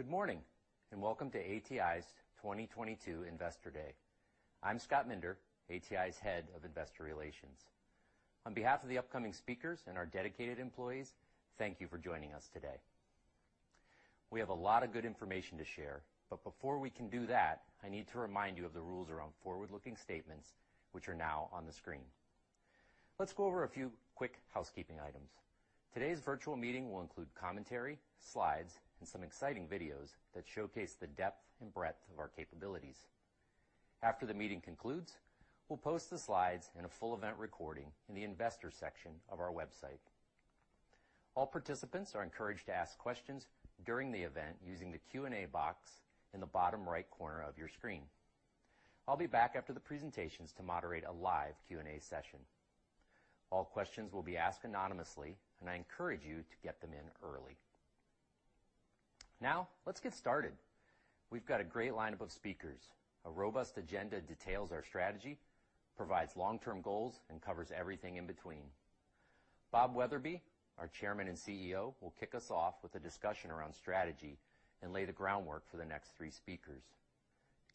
Good morning, and welcome to ATI's 2022 Investor Day. I'm Scott Minder, ATI's Head of Investor Relations. On behalf of the upcoming speakers and our dedicated employees, thank you for joining us today. We have a lot of good information to share, but before we can do that, I need to remind you of the rules around forward-looking statements which are now on the screen. Let's go over a few quick housekeeping items. Today's virtual meeting will include commentary, slides, and some exciting videos that showcase the depth and breadth of our capabilities. After the meeting concludes, we'll post the slides and a full event recording in the investor section of our website. All participants are encouraged to ask questions during the event using the Q&A box in the bottom right corner of your screen. I'll be back after the presentations to moderate a live Q&A session. All questions will be asked anonymously, and I encourage you to get them in early. Now, let's get started. We've got a great lineup of speakers. A robust agenda details our strategy, provides long-term goals, and covers everything in between. Bob Wetherbee, our Chairman and CEO, will kick us off with a discussion around strategy and lay the groundwork for the next three speakers.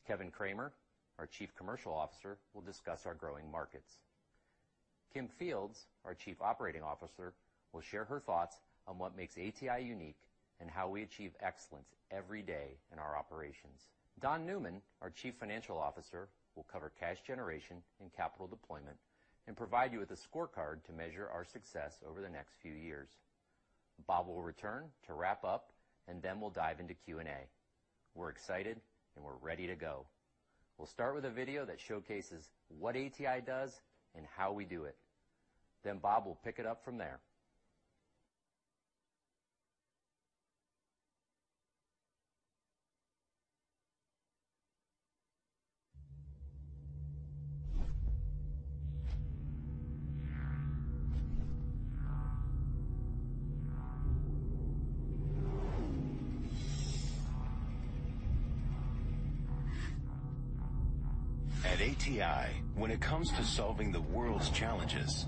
Kevin Kramer, our Chief Commercial Officer, will discuss our growing markets. Kim Fields, our Chief Operating Officer, will share her thoughts on what makes ATI unique and how we achieve excellence every day in our operations. Don Newman, our Chief Financial Officer, will cover cash generation and capital deployment and provide you with a scorecard to measure our success over the next few years. Bob will return to wrap up, and then we'll dive into Q&A. We're excited, and we're ready to go. We'll start with a video that showcases what ATI does and how we do it. Bob will pick it up from there. At ATI, when it comes to solving the world's challenges,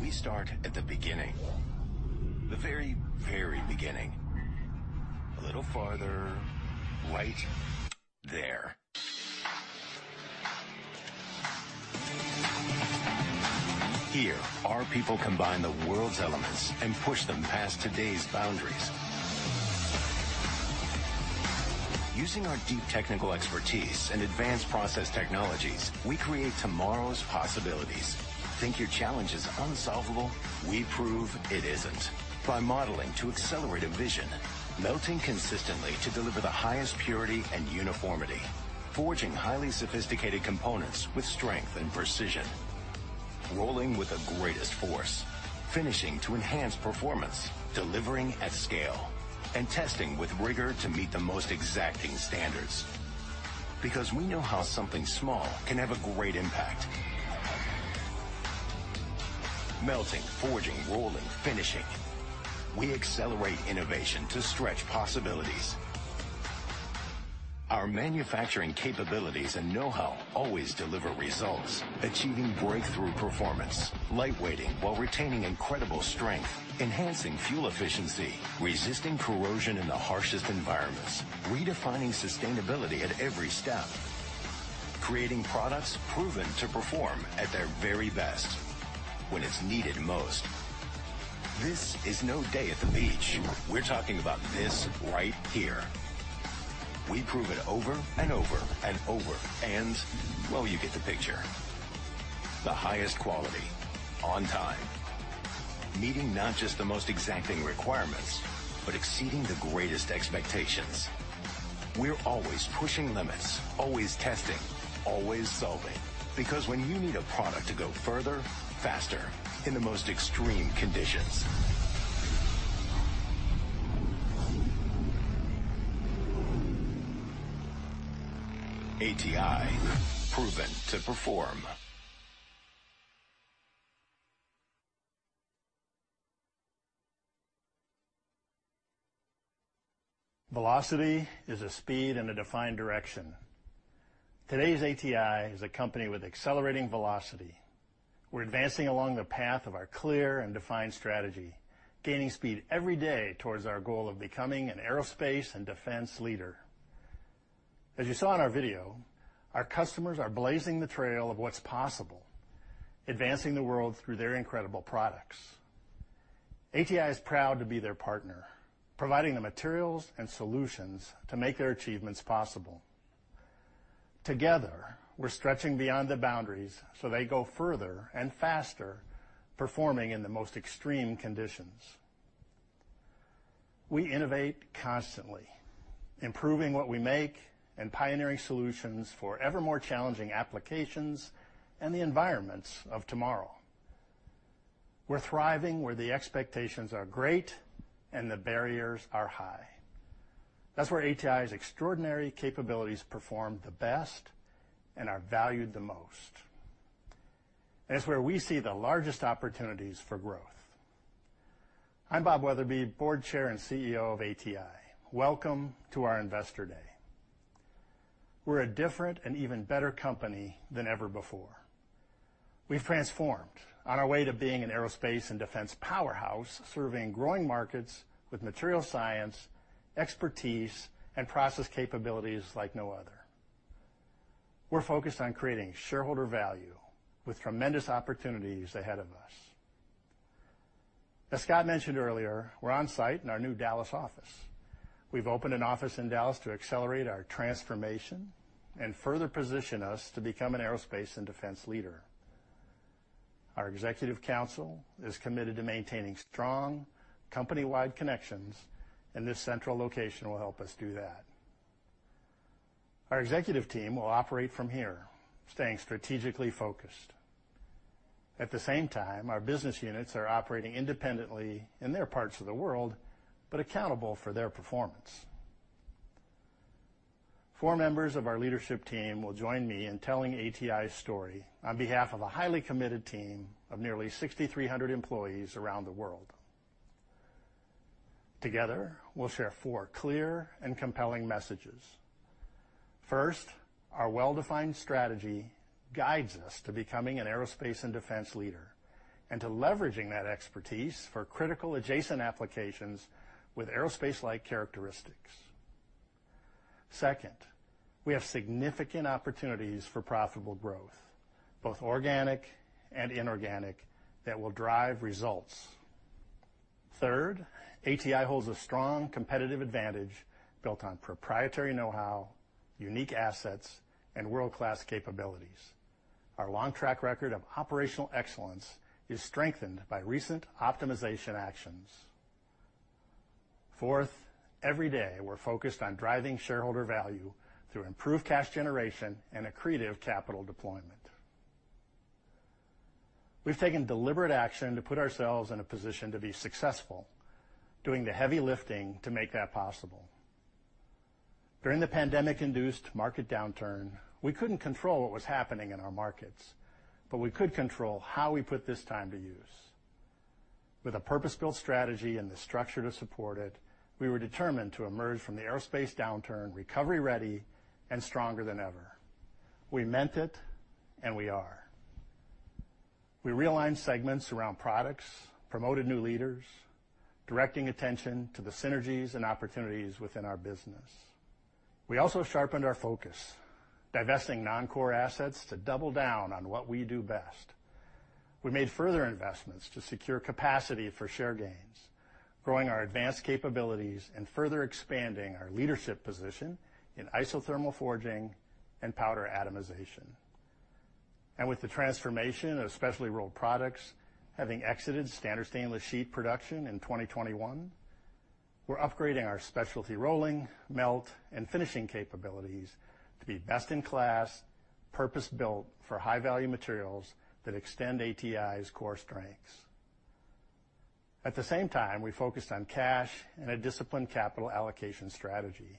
we start at the beginning, the very, very beginning. A little farther. Right there. Here, our people combine the world's elements and push them past today's boundaries. Using our deep technical expertise and advanced process technologies, we create tomorrow's possibilities. Think your challenge is unsolvable? We prove it isn't by modeling to accelerate a vision, melting consistently to deliver the highest purity and uniformity, forging highly sophisticated components with strength and precision, rolling with the greatest force, finishing to enhance performance, delivering at scale, and testing with rigor to meet the most exacting standards. Because we know how something small can have a great impact. Melting, forging, rolling, finishing, we accelerate innovation to stretch possibilities. Our manufacturing capabilities and know-how always deliver results, achieving breakthrough performance, lightweighting while retaining incredible strength, enhancing fuel efficiency, resisting corrosion in the harshest environments, redefining sustainability at every step, creating products proven to perform at their very best when it's needed most. This is no day at the beach. We're talking about this right here. We prove it over and over. Well, you get the picture. The highest quality on time, meeting not just the most exacting requirements, but exceeding the greatest expectations. We're always pushing limits, always testing, always solving, because when you need a product to go further, faster in the most extreme conditions. ATI, proven to perform. Velocity is a speed in a defined direction. Today's ATI is a company with accelerating velocity. We're advancing along the path of our clear and defined strategy, gaining speed every day towards our goal of becoming an aerospace and defense leader. As you saw in our video, our customers are blazing the trail of what's possible, advancing the world through their incredible products. ATI is proud to be their partner, providing the materials and solutions to make their achievements possible. Together, we're stretching beyond the boundaries so they go further and faster, performing in the most extreme conditions. We innovate constantly, improving what we make and pioneering solutions for ever more challenging applications and the environments of tomorrow. We're thriving where the expectations are great and the barriers are high. That's where ATI's extraordinary capabilities perform the best and are valued the most. It's where we see the largest opportunities for growth. I'm Bob Wetherbee, Board Chair and CEO of ATI. Welcome to our Investor Day. We're a different and even better company than ever before. We've transformed on our way to being an aerospace and defense powerhouse, serving growing markets with material science, expertise, and process capabilities like no other. We're focused on creating shareholder value with tremendous opportunities ahead of us. As Scott mentioned earlier, we're on site in our new Dallas office. We've opened an office in Dallas to accelerate our transformation and further position us to become an aerospace and defense leader. Our executive council is committed to maintaining strong company-wide connections, and this central location will help us do that. Our executive team will operate from here, staying strategically focused. At the same time, our business units are operating independently in their parts of the world, but accountable for their performance. Four members of our leadership team will join me in telling ATI's story on behalf of a highly committed team of nearly 6,300 employees around the world. Together, we'll share four clear and compelling messages. First, our well-defined strategy guides us to becoming an aerospace and defense leader and to leveraging that expertise for critical adjacent applications with aerospace-like characteristics. Second, we have significant opportunities for profitable growth, both organic and inorganic, that will drive results. Third, ATI holds a strong competitive advantage built on proprietary know-how, unique assets, and world-class capabilities. Our long track record of operational excellence is strengthened by recent optimization actions. Fourth, every day, we're focused on driving shareholder value through improved cash generation and accretive capital deployment. We've taken deliberate action to put ourselves in a position to be successful, doing the heavy lifting to make that possible. During the pandemic-induced market downturn, we couldn't control what was happening in our markets, but we could control how we put this time to use. With a purpose-built strategy and the structure to support it, we were determined to emerge from the aerospace downturn recovery ready and stronger than ever. We meant it, and we are. We realigned segments around products, promoted new leaders, directing attention to the synergies and opportunities within our business. We also sharpened our focus, divesting non-core assets to double down on what we do best. We made further investments to secure capacity for share gains, growing our advanced capabilities and further expanding our leadership position in isothermal forging and powder atomization. With the transformation of specialty rolled products, having exited standard stainless sheet production in 2021, we're upgrading our specialty rolling, melt, and finishing capabilities to be best in class, purpose-built for high-value materials that extend ATI's core strengths. At the same time, we focused on cash and a disciplined capital allocation strategy.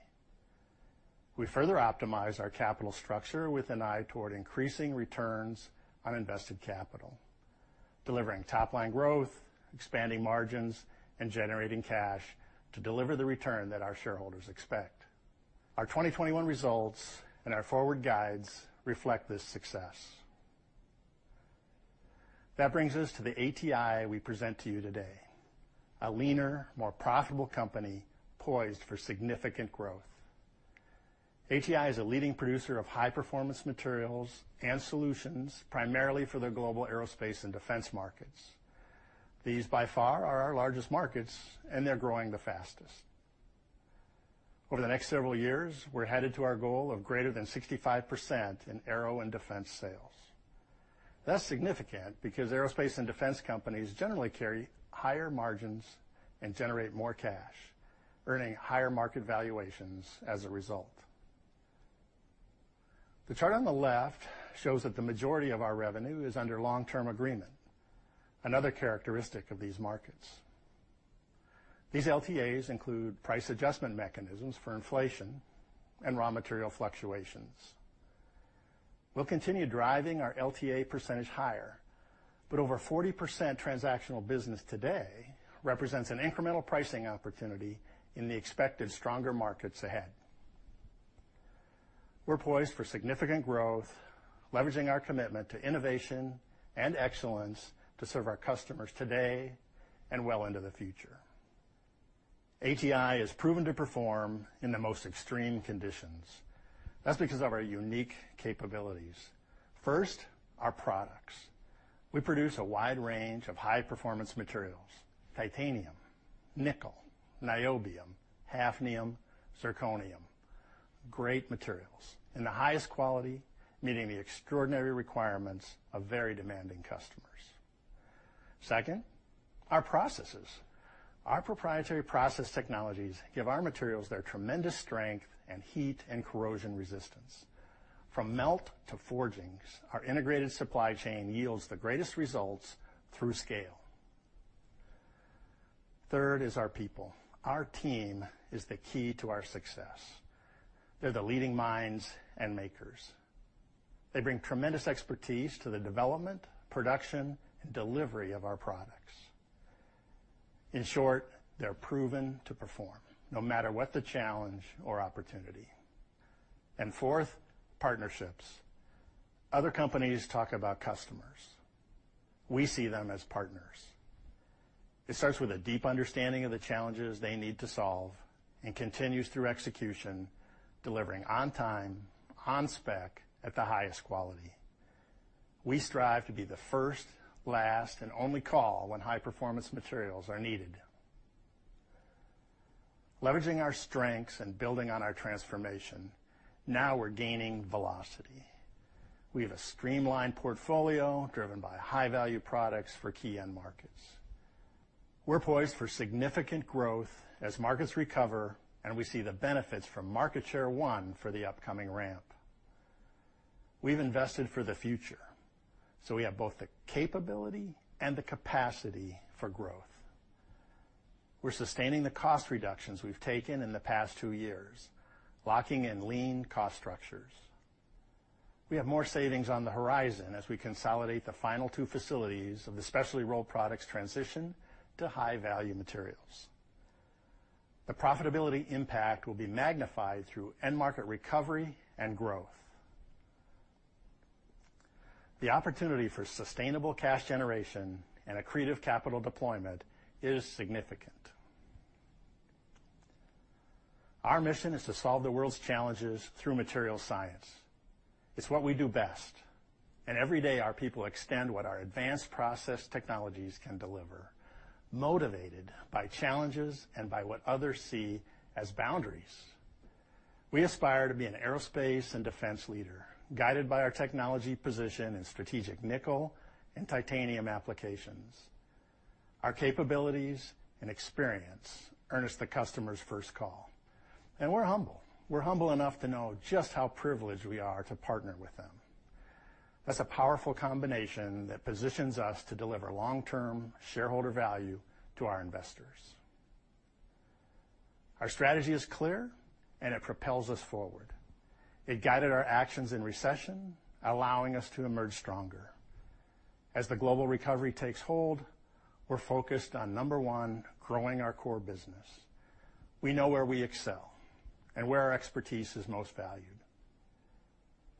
We further optimize our capital structure with an eye toward increasing returns on invested capital, delivering top line growth, expanding margins, and generating cash to deliver the return that our shareholders expect. Our 2021 results and our forward guides reflect this success. That brings us to the ATI we present to you today, a leaner, more profitable company poised for significant growth. ATI is a leading producer of high-performance materials and solutions, primarily for the global aerospace and defense markets. These, by far, are our largest markets, and they're growing the fastest. Over the next several years, we're headed to our goal of greater than 65% in aero and defense sales. That's significant because aerospace and defense companies generally carry higher margins and generate more cash, earning higher market valuations as a result. The chart on the left shows that the majority of our revenue is under long-term agreement, another characteristic of these markets. These LTAs include price adjustment mechanisms for inflation and raw material fluctuations. We'll continue driving our LTA percentage higher, but over 40% transactional business today represents an incremental pricing opportunity in the expected stronger markets ahead. We're poised for significant growth, leveraging our commitment to innovation and excellence to serve our customers today and well into the future. ATI has proven to perform in the most extreme conditions. That's because of our unique capabilities. First, our products. We produce a wide range of high-performance materials: titanium, nickel, niobium, hafnium, zirconium, great materials, and the highest quality, meeting the extraordinary requirements of very demanding customers. Second, our processes. Our proprietary process technologies give our materials their tremendous strength and heat and corrosion resistance. From melt to forgings, our integrated supply chain yields the greatest results through scale. Third is our people. Our team is the key to our success. They're the leading minds and makers. They bring tremendous expertise to the development, production, and delivery of our products. In short, they're proven to perform no matter what the challenge or opportunity. Fourth, partnerships. Other companies talk about customers. We see them as partners. It starts with a deep understanding of the challenges they need to solve and continues through execution, delivering on time, on spec at the highest quality. We strive to be the first, last, and only call when high-performance materials are needed. Leveraging our strengths and building on our transformation, now we're gaining velocity. We have a streamlined portfolio driven by high-value products for key end markets. We're poised for significant growth as markets recover, and we see the benefits from market share won for the upcoming ramp. We've invested for the future, so we have both the capability and the capacity for growth. We're sustaining the cost reductions we've taken in the past two years, locking in lean cost structures. We have more savings on the horizon as we consolidate the final two facilities of the specialty rolled products transition to high-value materials. The profitability impact will be magnified through end market recovery and growth. The opportunity for sustainable cash generation and accretive capital deployment is significant. Our mission is to solve the world's challenges through materials science. It's what we do best, and every day our people extend what our advanced process technologies can deliver, motivated by challenges and by what others see as boundaries. We aspire to be an aerospace and defense leader, guided by our technology position in strategic nickel and titanium applications. Our capabilities and experience earn us the customer's first call, and we're humble. We're humble enough to know just how privileged we are to partner with them. That's a powerful combination that positions us to deliver long-term shareholder value to our investors. Our strategy is clear, and it propels us forward. It guided our actions in recession, allowing us to emerge stronger. As the global recovery takes hold, we're focused on, number one, growing our core business. We know where we excel and where our expertise is most valued.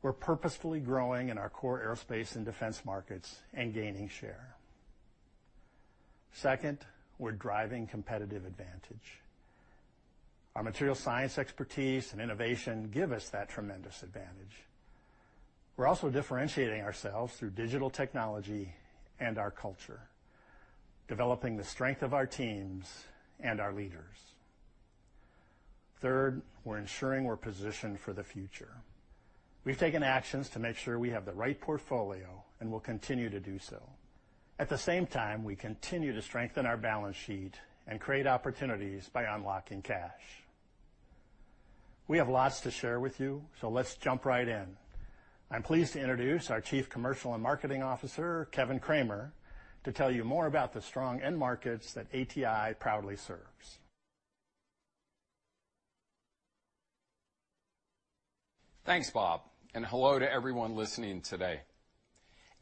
We're purposefully growing in our core aerospace and defense markets and gaining share. Second, we're driving competitive advantage. Our material science expertise and innovation give us that tremendous advantage. We're also differentiating ourselves through digital technology and our culture, developing the strength of our teams and our leaders. Third, we're ensuring we're positioned for the future. We've taken actions to make sure we have the right portfolio, and we'll continue to do so. At the same time, we continue to strengthen our balance sheet and create opportunities by unlocking cash. We have lots to share with you, so let's jump right in. I'm pleased to introduce our Chief Commercial and Marketing Officer, Kevin Kramer, to tell you more about the strong end markets that ATI proudly serves. Thanks, Bob, and hello to everyone listening today.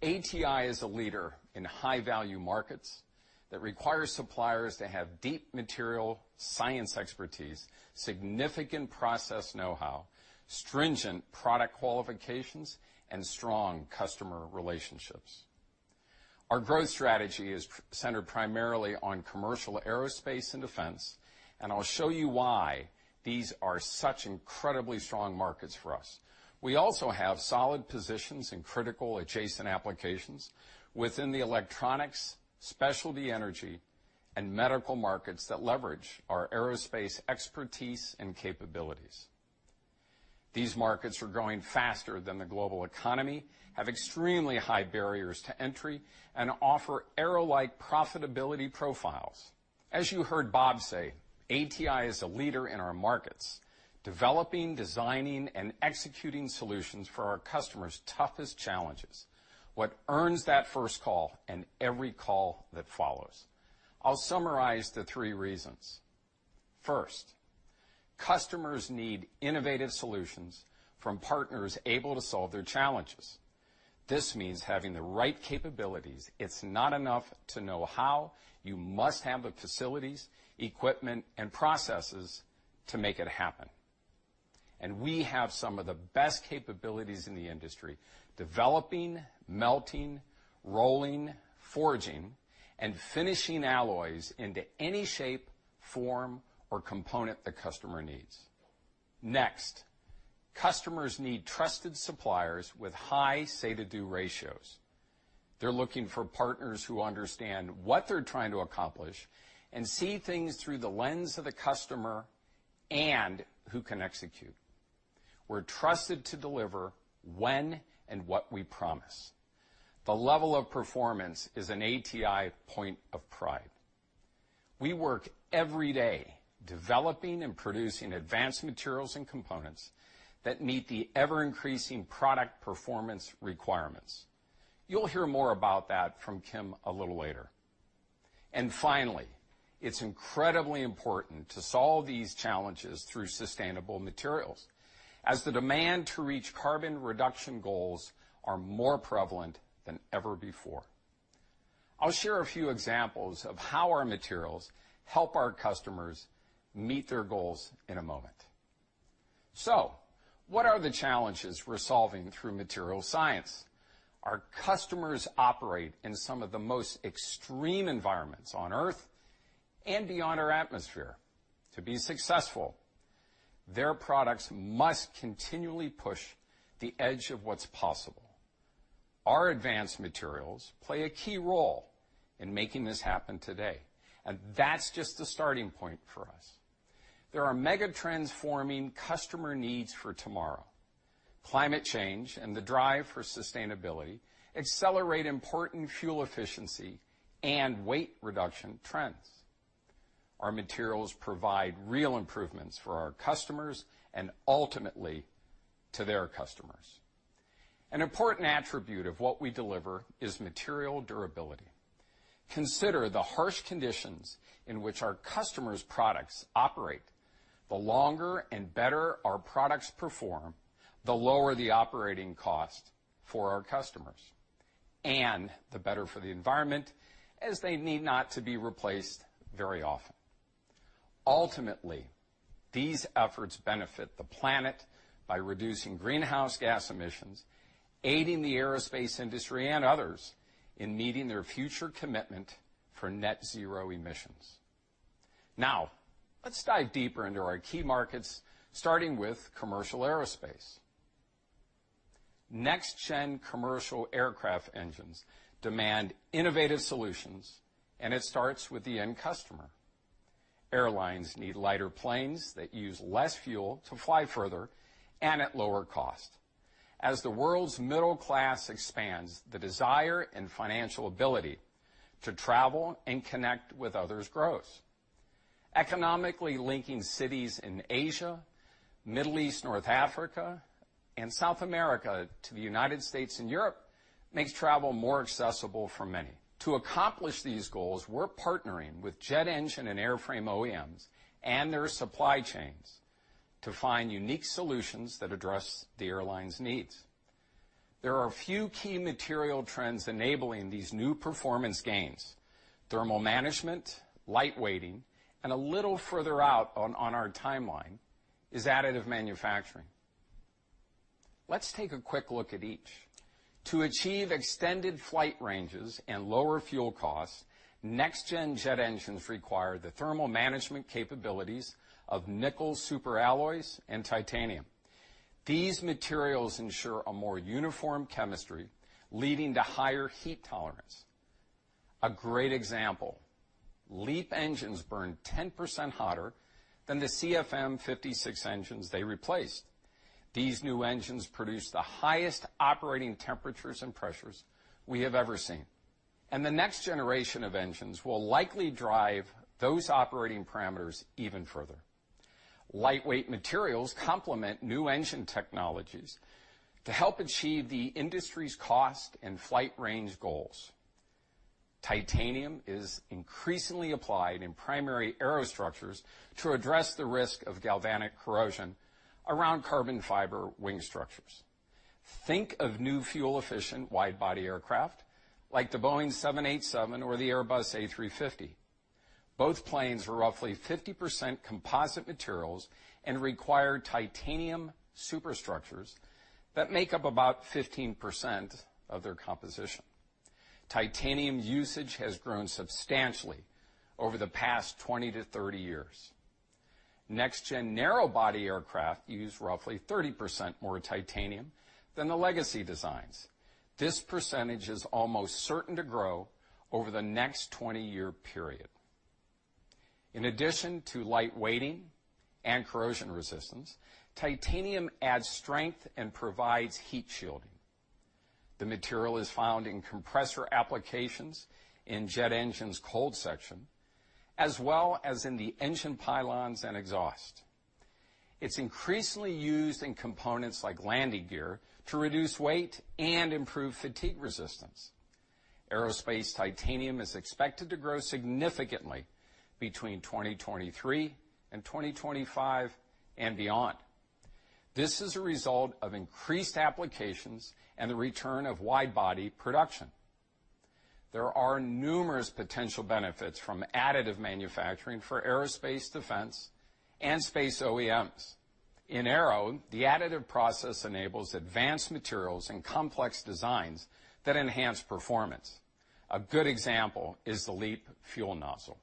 ATI is a leader in high-value markets that require suppliers to have deep material science expertise, significant process know-how, stringent product qualifications, and strong customer relationships. Our growth strategy is centered primarily on commercial aerospace and defense, and I'll show you why these are such incredibly strong markets for us. We also have solid positions in critical adjacent applications within the electronics, specialty energy, and medical markets that leverage our aerospace expertise and capabilities. These markets are growing faster than the global economy, have extremely high barriers to entry, and offer aero-like profitability profiles. As you heard Bob say, ATI is a leader in our markets, developing, designing, and executing solutions for our customers' toughest challenges that earn that first call and every call that follows. I'll summarize the three reasons. First, customers need innovative solutions from partners able to solve their challenges. This means having the right capabilities. It's not enough to know how. You must have the facilities, equipment, and processes to make it happen. We have some of the best capabilities in the industry, developing, melting, rolling, forging, and finishing alloys into any shape, form, or component the customer needs. Next, customers need trusted suppliers with high say-do ratios. They're looking for partners who understand what they're trying to accomplish and see things through the lens of the customer and who can execute. We're trusted to deliver when and what we promise. The level of performance is an ATI point of pride. We work every day developing and producing advanced materials and components that meet the ever-increasing product performance requirements. You'll hear more about that from Kim a little later. Finally, it's incredibly important to solve these challenges through sustainable materials as the demand to reach carbon reduction goals are more prevalent than ever before. I'll share a few examples of how our materials help our customers meet their goals in a moment. What are the challenges we're solving through material science? Our customers operate in some of the most extreme environments on Earth and beyond our atmosphere. To be successful, their products must continually push the edge of what's possible. Our advanced materials play a key role in making this happen today, and that's just the starting point for us. There are mega trends forming customer needs for tomorrow. Climate change and the drive for sustainability accelerate important fuel efficiency and weight reduction trends. Our materials provide real improvements for our customers and ultimately to their customers. An important attribute of what we deliver is material durability. Consider the harsh conditions in which our customers' products operate. The longer and better our products perform, the lower the operating cost for our customers and the better for the environment, as they need not to be replaced very often. Ultimately, these efforts benefit the planet by reducing greenhouse gas emissions, aiding the aerospace industry and others in meeting their future commitment for net zero emissions. Now, let's dive deeper into our key markets, starting with commercial aerospace. Next-gen commercial aircraft engines demand innovative solutions, and it starts with the end customer. Airlines need lighter planes that use less fuel to fly further and at lower cost. As the world's middle class expands, the desire and financial ability to travel and connect with others grows. Economically linking cities in Asia, Middle East, North Africa, and South America to the United States and Europe makes travel more accessible for many. To accomplish these goals, we're partnering with jet engine and airframe OEMs and their supply chains to find unique solutions that address the airlines' needs. There are a few key material trends enabling these new performance gains, thermal management, light-weighting, and a little further out on our timeline is additive manufacturing. Let's take a quick look at each. To achieve extended flight ranges and lower fuel costs, next-gen jet engines require the thermal management capabilities of nickel superalloys and titanium. These materials ensure a more uniform chemistry, leading to higher heat tolerance. A great example, LEAP engines burn 10% hotter than the CFM56 engines they replaced. These new engines produce the highest operating temperatures and pressures we have ever seen, and the next generation of engines will likely drive those operating parameters even further. Lightweight materials complement new engine technologies to help achieve the industry's cost and flight range goals. Titanium is increasingly applied in primary aerostructures to address the risk of galvanic corrosion around carbon fiber wing structures. Think of new fuel-efficient wide-body aircraft like the Boeing 787 or the Airbus A350. Both planes are roughly 50% composite materials and require titanium superstructures that make up about 15% of their composition. Titanium usage has grown substantially over the past 20-30 years. Next-gen narrow-body aircraft use roughly 30% more titanium than the legacy designs. This percentage is almost certain to grow over the next 20-year period. In addition to light-weighting and corrosion resistance, titanium adds strength and provides heat shielding. The material is found in compressor applications in jet engines' cold section, as well as in the engine pylons and exhaust. It's increasingly used in components like landing gear to reduce weight and improve fatigue resistance. Aerospace titanium is expected to grow significantly between 2023 and 2025 and beyond. This is a result of increased applications and the return of wide-body production. There are numerous potential benefits from additive manufacturing for aerospace, defense, and space OEMs. In aero, the additive process enables advanced materials and complex designs that enhance performance. A good example is the LEAP fuel nozzle.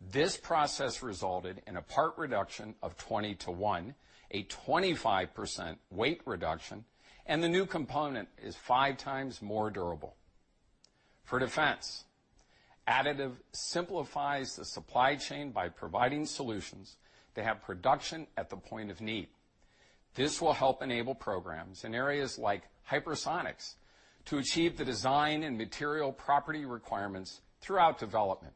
This process resulted in a part reduction of 20-to-1, a 25% weight reduction, and the new component is 5x more durable. For defense, additive simplifies the supply chain by providing solutions to have production at the point of need. This will help enable programs in areas like hypersonics to achieve the design and material property requirements throughout development.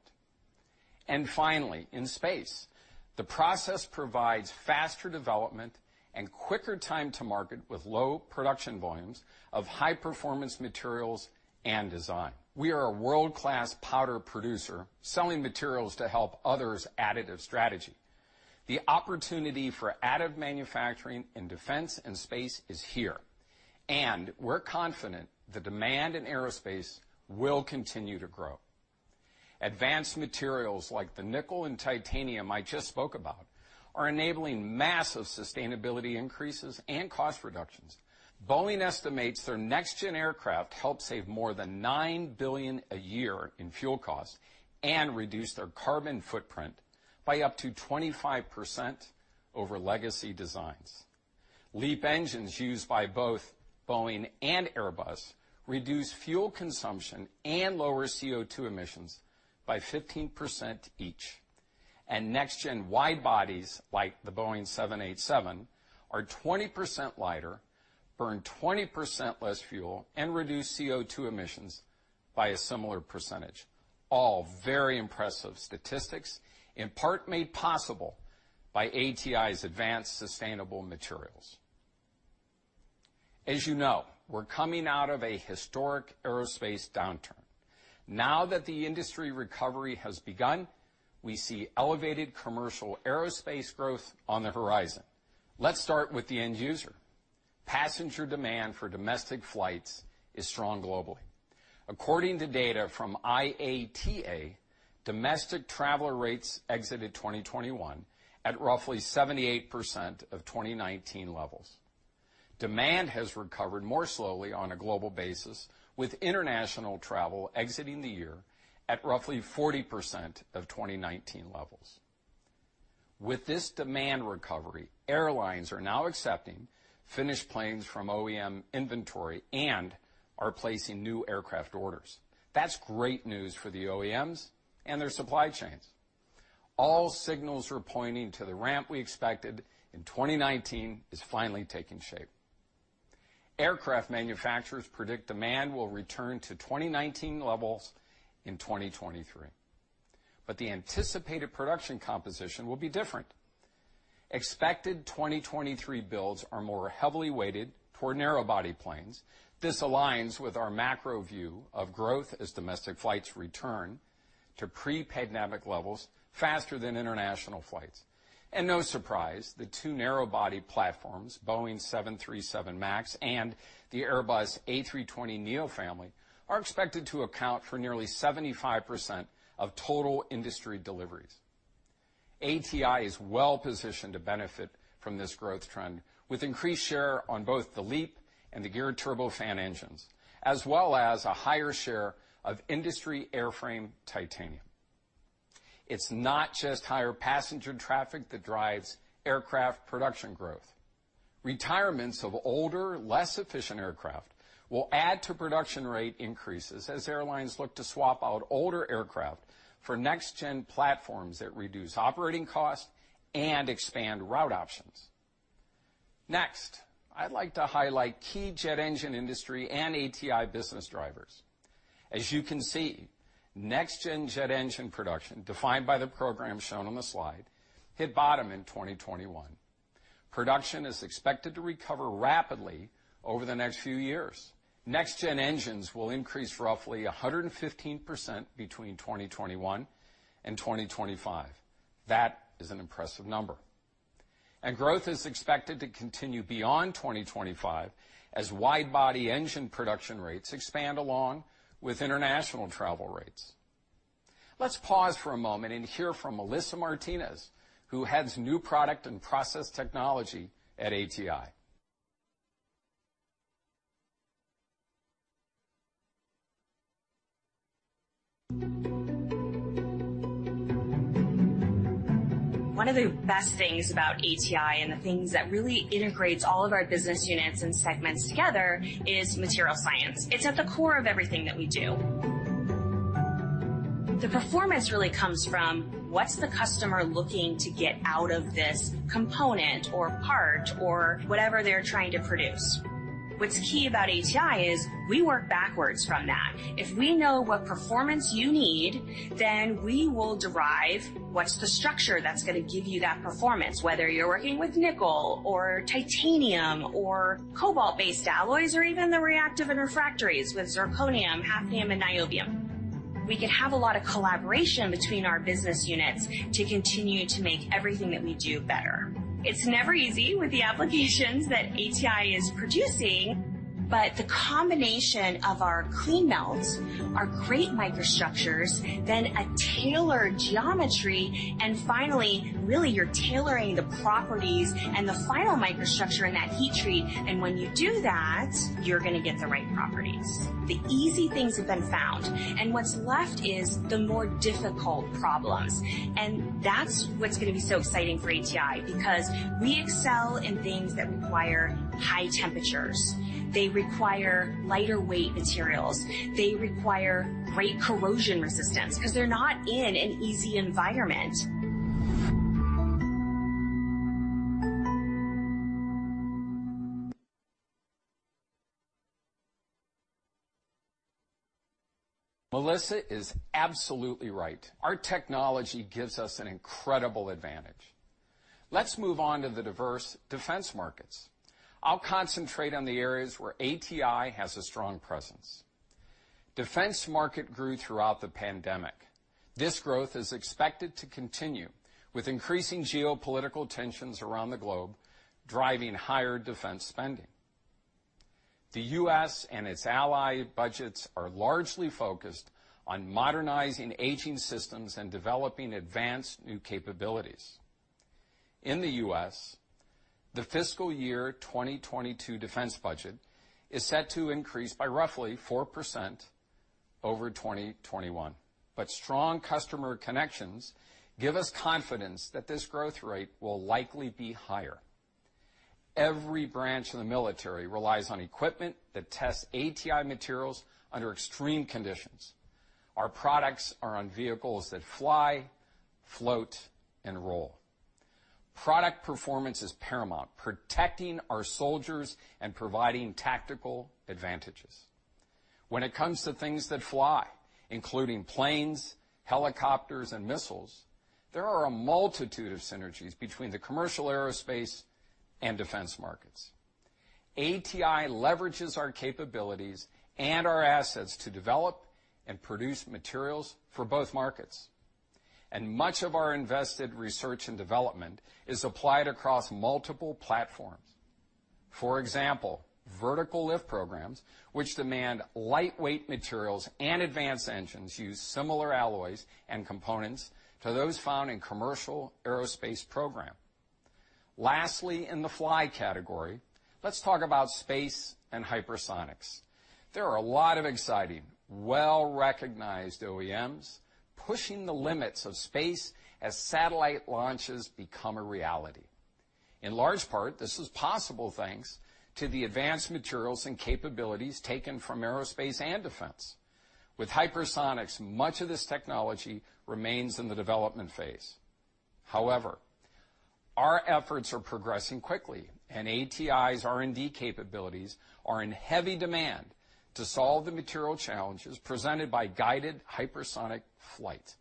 Finally, in space, the process provides faster development and quicker time to market with low production volumes of high-performance materials and design. We are a world-class powder producer selling materials to help others' additive strategy. The opportunity for additive manufacturing in defense and space is here, and we're confident the demand in aerospace will continue to grow. Advanced materials like the nickel and titanium I just spoke about are enabling massive sustainability increases and cost reductions. Boeing estimates their next-gen aircraft help save more than $9 billion a year in fuel costs and reduce their carbon footprint by up to 25% over legacy designs. LEAP engines used by both Boeing and Airbus reduce fuel consumption and lower CO₂ emissions by 15% each. Next-gen wide bodies, like the Boeing 787, are 20% lighter, burn 20% less fuel, and reduce CO₂ emissions by a similar percentage. All very impressive statistics, in part made possible by ATI's advanced sustainable materials. As you know, we're coming out of a historic aerospace downturn. Now that the industry recovery has begun, we see elevated commercial aerospace growth on the horizon. Let's start with the end user. Passenger demand for domestic flights is strong globally. According to data from IATA, domestic traveler rates exited 2021 at roughly 78% of 2019 levels. Demand has recovered more slowly on a global basis, with international travel exiting the year at roughly 40% of 2019 levels. With this demand recovery, airlines are now accepting finished planes from OEM inventory and are placing new aircraft orders. That's great news for the OEMs and their supply chains. All signals are pointing to the ramp we expected in 2019 is finally taking shape. Aircraft manufacturers predict demand will return to 2019 levels in 2023, but the anticipated production composition will be different. Expected 2023 builds are more heavily weighted toward narrow-body planes. This aligns with our macro view of growth as domestic flights return to pre-pandemic levels faster than international flights. No surprise, the two narrow-body platforms, Boeing 737 MAX and the Airbus A320neo family, are expected to account for nearly 75% of total industry deliveries. ATI is well-positioned to benefit from this growth trend with increased share on both the LEAP and the geared turbofan engines, as well as a higher share of industry airframe titanium. It's not just higher passenger traffic that drives aircraft production growth. Retirements of older, less efficient aircraft will add to production rate increases as airlines look to swap out older aircraft for next-gen platforms that reduce operating costs and expand route options. Next, I'd like to highlight key jet engine industry and ATI business drivers. As you can see, next-gen jet engine production, defined by the program shown on the slide, hit bottom in 2021. Production is expected to recover rapidly over the next few years. Next-gen engines will increase roughly 115% between 2021 and 2025. That is an impressive number. Growth is expected to continue beyond 2025 as wide-body engine production rates expand along with international travel rates. Let's pause for a moment and hear from Melissa Martinez, who heads new product and process technology at ATI. One of the best things about ATI, and the things that really integrates all of our business units and segments together, is material science. It's at the core of everything that we do. The performance really comes from what's the customer looking to get out of this component or part or whatever they're trying to produce. What's key about ATI is we work backwards from that. If we know what performance you need, then we will derive what's the structure that's gonna give you that performance, whether you're working with nickel, or titanium, or cobalt-based alloys, or even the reactive and refractories with zirconium, hafnium, and niobium. We could have a lot of collaboration between our business units to continue to make everything that we do better. It's never easy with the applications that ATI is producing, but the combination of our clean melts, our great microstructures, then a tailored geometry, and finally, really, you're tailoring the properties and the final microstructure in that heat treat, and when you do that, you're gonna get the right properties. The easy things have been found, and what's left is the more difficult problems, and that's what's gonna be so exciting for ATI, because we excel in things that require high temperatures. They require lighter weight materials. They require great corrosion resistance, because they're not in an easy environment. Melissa is absolutely right. Our technology gives us an incredible advantage. Let's move on to the diverse defense markets. I'll concentrate on the areas where ATI has a strong presence. The defense market grew throughout the pandemic. This growth is expected to continue, with increasing geopolitical tensions around the globe driving higher defense spending. The U.S. and its allies' budgets are largely focused on modernizing aging systems and developing advanced new capabilities. In the U.S., the fiscal year 2022 defense budget is set to increase by roughly 4% over 2021. Strong customer connections give us confidence that this growth rate will likely be higher. Every branch of the military relies on equipment that tests ATI materials under extreme conditions. Our products are on vehicles that fly, float, and roll. Product performance is paramount, protecting our soldiers and providing tactical advantages. When it comes to things that fly, including planes, helicopters, and missiles, there are a multitude of synergies between the commercial aerospace and defense markets. ATI leverages our capabilities and our assets to develop and produce materials for both markets. Much of our invested research and development is applied across multiple platforms. For example, vertical lift programs, which demand lightweight materials and advanced engines, use similar alloys and components to those found in commercial aerospace program. Lastly, in the fly category, let's talk about space and hypersonics. There are a lot of exciting, well-recognized OEMs pushing the limits of space as satellite launches become a reality. In large part, this is possible thanks to the advanced materials and capabilities taken from aerospace and defense. With hypersonics, much of this technology remains in the development phase. However, our efforts are progressing quickly, and ATI's R&D capabilities are in heavy demand to solve the material challenges presented by guided hypersonic flight.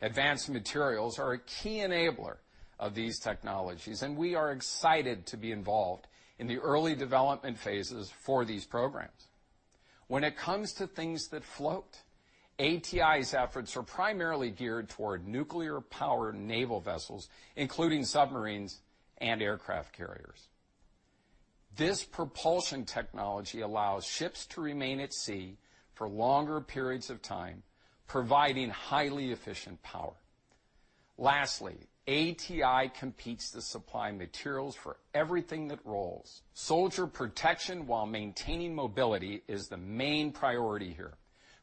Advanced materials are a key enabler of these technologies, and we are excited to be involved in the early development phases for these programs. When it comes to things that float, ATI's efforts are primarily geared toward nuclear-powered naval vessels, including submarines and aircraft carriers. This propulsion technology allows ships to remain at sea for longer periods of time, providing highly efficient power. Lastly, ATI competes to supply materials for everything that rolls. Soldier protection while maintaining mobility is the main priority here.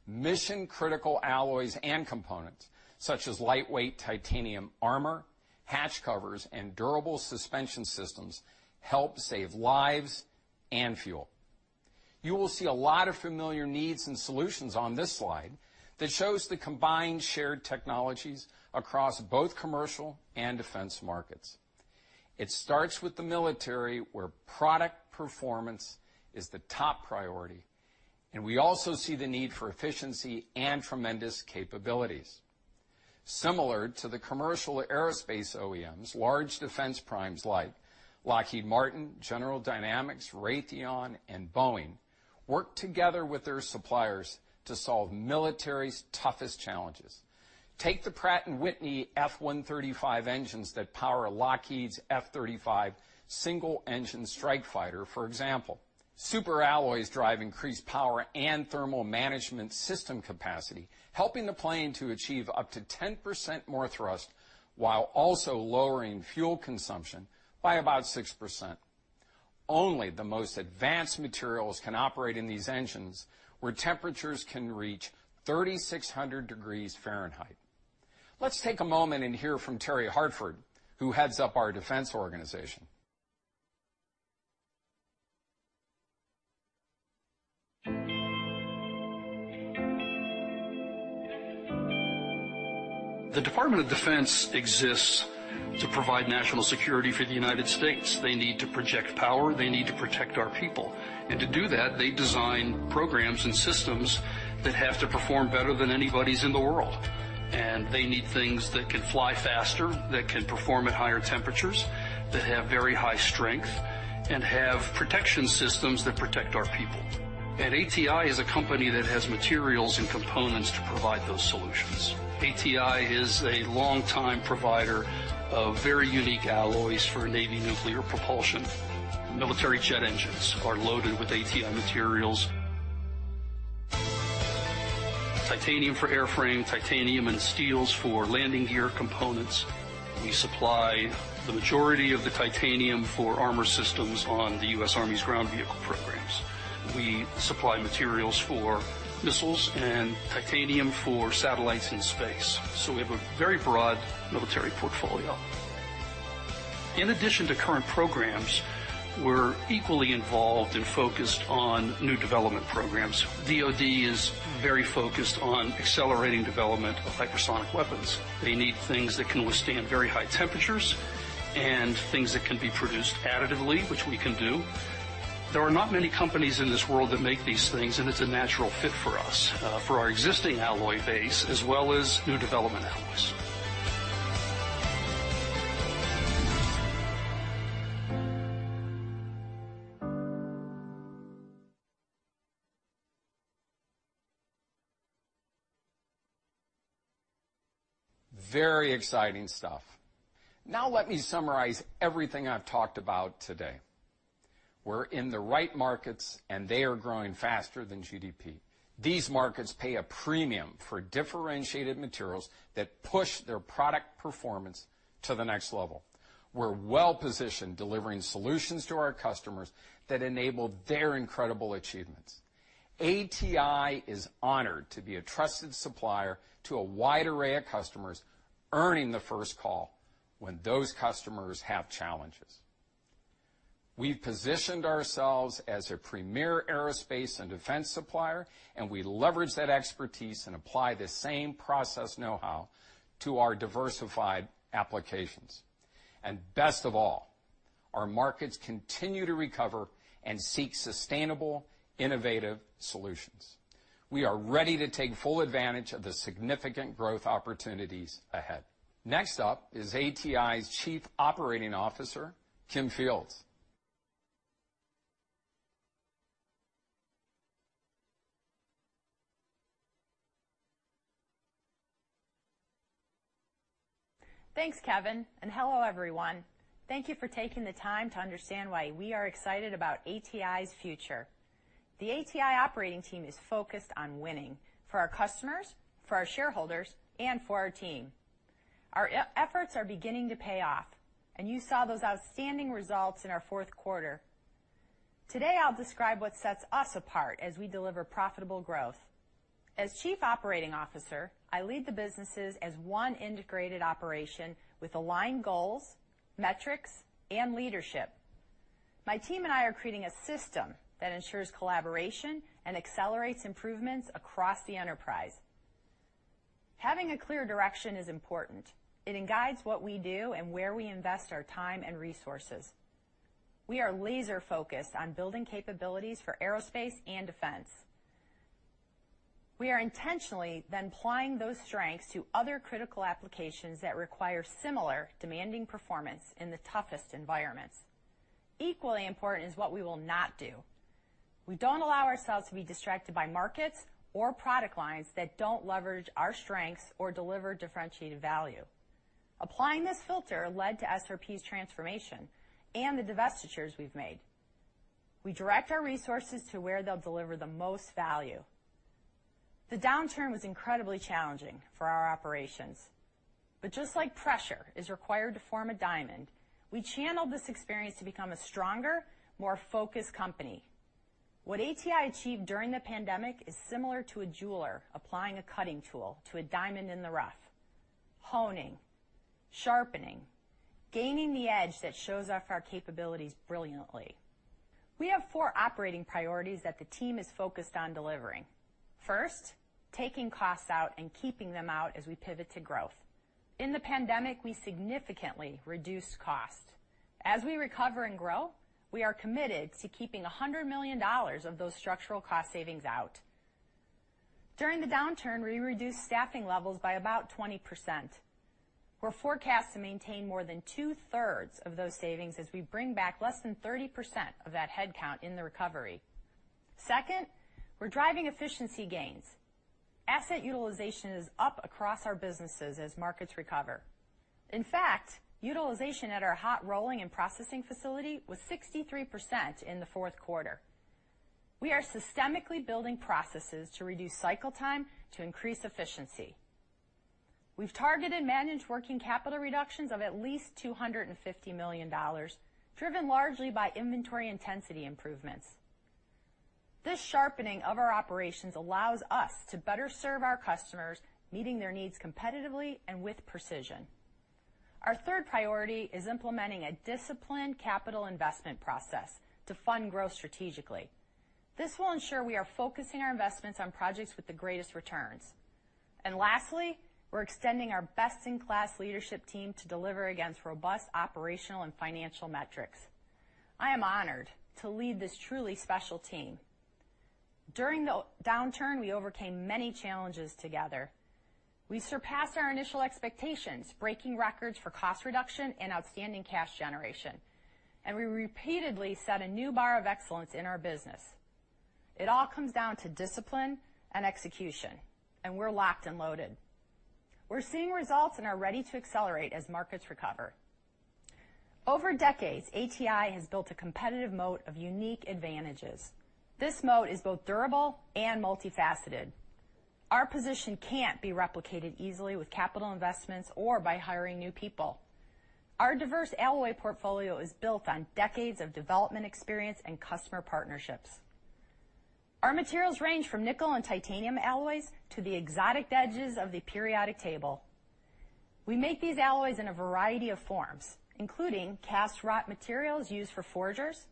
Mission-critical alloys and components, such as lightweight titanium armor, hatch covers, and durable suspension systems, help save lives and fuel. You will see a lot of familiar needs and solutions on this slide that shows the combined shared technologies across both commercial and defense markets. It starts with the military, where product performance is the top priority, and we also see the need for efficiency and tremendous capabilities. Similar to the commercial aerospace OEMs, large defense primes like Lockheed Martin, General Dynamics, Raytheon, and Boeing work together with their suppliers to solve military's toughest challenges. Take the Pratt & Whitney F135 engines that power Lockheed's F-35 single-engine strike fighter, for example. Superalloys drive increased power and thermal management system capacity, helping the plane to achieve up to 10% more thrust while also lowering fuel consumption by about 6%. Only the most advanced materials can operate in these engines, where temperatures can reach 3,600 degrees Fahrenheit. Let's take a moment and hear from Terry Hartford, who heads up our defense organization. The Department of Defense exists to provide national security for the United States. They need to project power. They need to protect our people. To do that, they design programs and systems that have to perform better than anybody's in the world. They need things that can fly faster, that can perform at higher temperatures, that have very high strength, and have protection systems that protect our people. ATI is a company that has materials and components to provide those solutions. ATI is a longtime provider of very unique alloys for Navy nuclear propulsion. Military jet engines are loaded with ATI materials, titanium for airframe, titanium and steels for landing gear components. We supply the majority of the titanium for armor systems on the U.S. Army's ground vehicle programs. We supply materials for missiles and titanium for satellites in space, so we have a very broad military portfolio. In addition to current programs, we're equally involved and focused on new development programs. DoD is very focused on accelerating development of hypersonic weapons. They need things that can withstand very high temperatures and things that can be produced additively, which we can do. There are not many companies in this world that make these things, and it's a natural fit for us, for our existing alloy base, as well as new development alloys. Very exciting stuff. Now let me summarize everything I've talked about today. We're in the right markets, and they are growing faster than GDP. These markets pay a premium for differentiated materials that push their product performance to the next level. We're well-positioned, delivering solutions to our customers that enable their incredible achievements. ATI is honored to be a trusted supplier to a wide array of customers, earning the first call when those customers have challenges. We've positioned ourselves as a premier aerospace and defense supplier, and we leverage that expertise and apply the same process know-how to our diversified applications. Best of all, our markets continue to recover and seek sustainable, innovative solutions. We are ready to take full advantage of the significant growth opportunities ahead. Next up is ATI's Chief Operating Officer, Kim Fields. Thanks, Kevin, and hello, everyone. Thank you for taking the time to understand why we are excited about ATI's future. The ATI operating team is focused on winning for our customers, for our shareholders, and for our team. Our efforts are beginning to pay off, and you saw those outstanding results in our fourth quarter. Today, I'll describe what sets us apart as we deliver profitable growth. As Chief Operating Officer, I lead the businesses as one integrated operation with aligned goals, metrics, and leadership. My team and I are creating a system that ensures collaboration and accelerates improvements across the enterprise. Having a clear direction is important. It guides what we do and where we invest our time and resources. We are laser-focused on building capabilities for aerospace and defense. We are intentionally then applying those strengths to other critical applications that require similar demanding performance in the toughest environments. Equally important is what we will not do. We don't allow ourselves to be distracted by markets or product lines that don't leverage our strengths or deliver differentiated value. Applying this filter led to SRP's transformation and the divestitures we've made. We direct our resources to where they'll deliver the most value. The downturn was incredibly challenging for our operations. Just like pressure is required to form a diamond, we channeled this experience to become a stronger, more focused company. What ATI achieved during the pandemic is similar to a jeweler applying a cutting tool to a diamond in the rough, honing, sharpening, gaining the edge that shows off our capabilities brilliantly. We have four operating priorities that the team is focused on delivering. First, taking costs out and keeping them out as we pivot to growth. In the pandemic, we significantly reduced costs. As we recover and grow, we are committed to keeping $100 million of those structural cost savings out. During the downturn, we reduced staffing levels by about 20%. We're forecast to maintain more than two-thirds of those savings as we bring back less than 30% of that headcount in the recovery. Second, we're driving efficiency gains. Asset utilization is up across our businesses as markets recover. In fact, utilization at our hot rolling and processing facility was 63% in the fourth quarter. We are systematically building processes to reduce cycle time to increase efficiency. We've targeted managed working capital reductions of at least $250 million, driven largely by inventory intensity improvements. This sharpening of our operations allows us to better serve our customers, meeting their needs competitively and with precision. Our third priority is implementing a disciplined capital investment process to fund growth strategically. This will ensure we are focusing our investments on projects with the greatest returns. Lastly, we're extending our best-in-class leadership team to deliver against robust operational and financial metrics. I am honored to lead this truly special team. During the downturn, we overcame many challenges together. We surpassed our initial expectations, breaking records for cost reduction and outstanding cash generation, and we repeatedly set a new bar of excellence in our business. It all comes down to discipline and execution, and we're locked and loaded. We're seeing results and are ready to accelerate as markets recover. Over decades, ATI has built a competitive mode of unique advantages. This mode is both durable and multifaceted. Our position can't be replicated easily with capital investments or by hiring new people. Our diverse alloy portfolio is built on decades of development experience and customer partnerships. Our materials range from nickel and titanium alloys to the exotic edges of the periodic table. We make these alloys in a variety of forms, including cast and wrought materials used for forgers,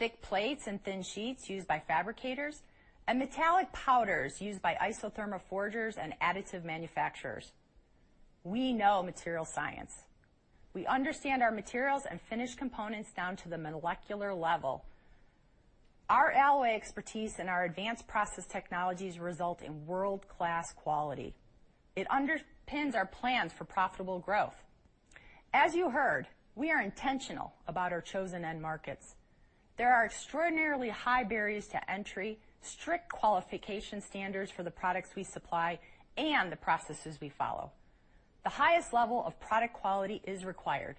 thick plates and thin sheets used by fabricators, and metallic powders used by isothermal forgers and additive manufacturers. We know materials science. We understand our materials and finished components down to the molecular level. Our alloy expertise and our advanced process technologies result in world-class quality. It underpins our plans for profitable growth. As you heard, we are intentional about our chosen end markets. There are extraordinarily high barriers to entry, strict qualification standards for the products we supply and the processes we follow. The highest level of product quality is required.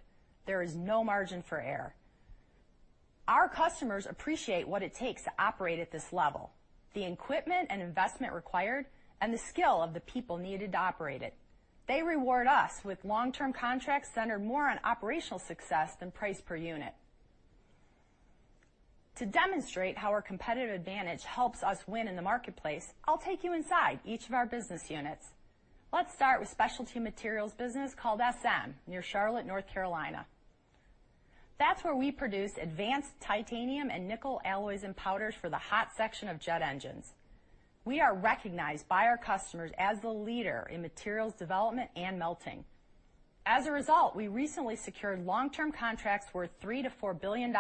There is no margin for error. Our customers appreciate what it takes to operate at this level, the equipment and investment required, and the skill of the people needed to operate it. They reward us with long-term contracts centered more on operational success than price per unit. To demonstrate how our competitive advantage helps us win in the marketplace, I'll take you inside each of our business units. Let's start with specialty materials business called SM, near Charlotte, North Carolina. That's where we produce advanced titanium and nickel alloys and powders for the hot section of jet engines. We are recognized by our customers as the leader in materials development and melting. As a result, we recently secured long-term contracts worth $3 billion-$4 billion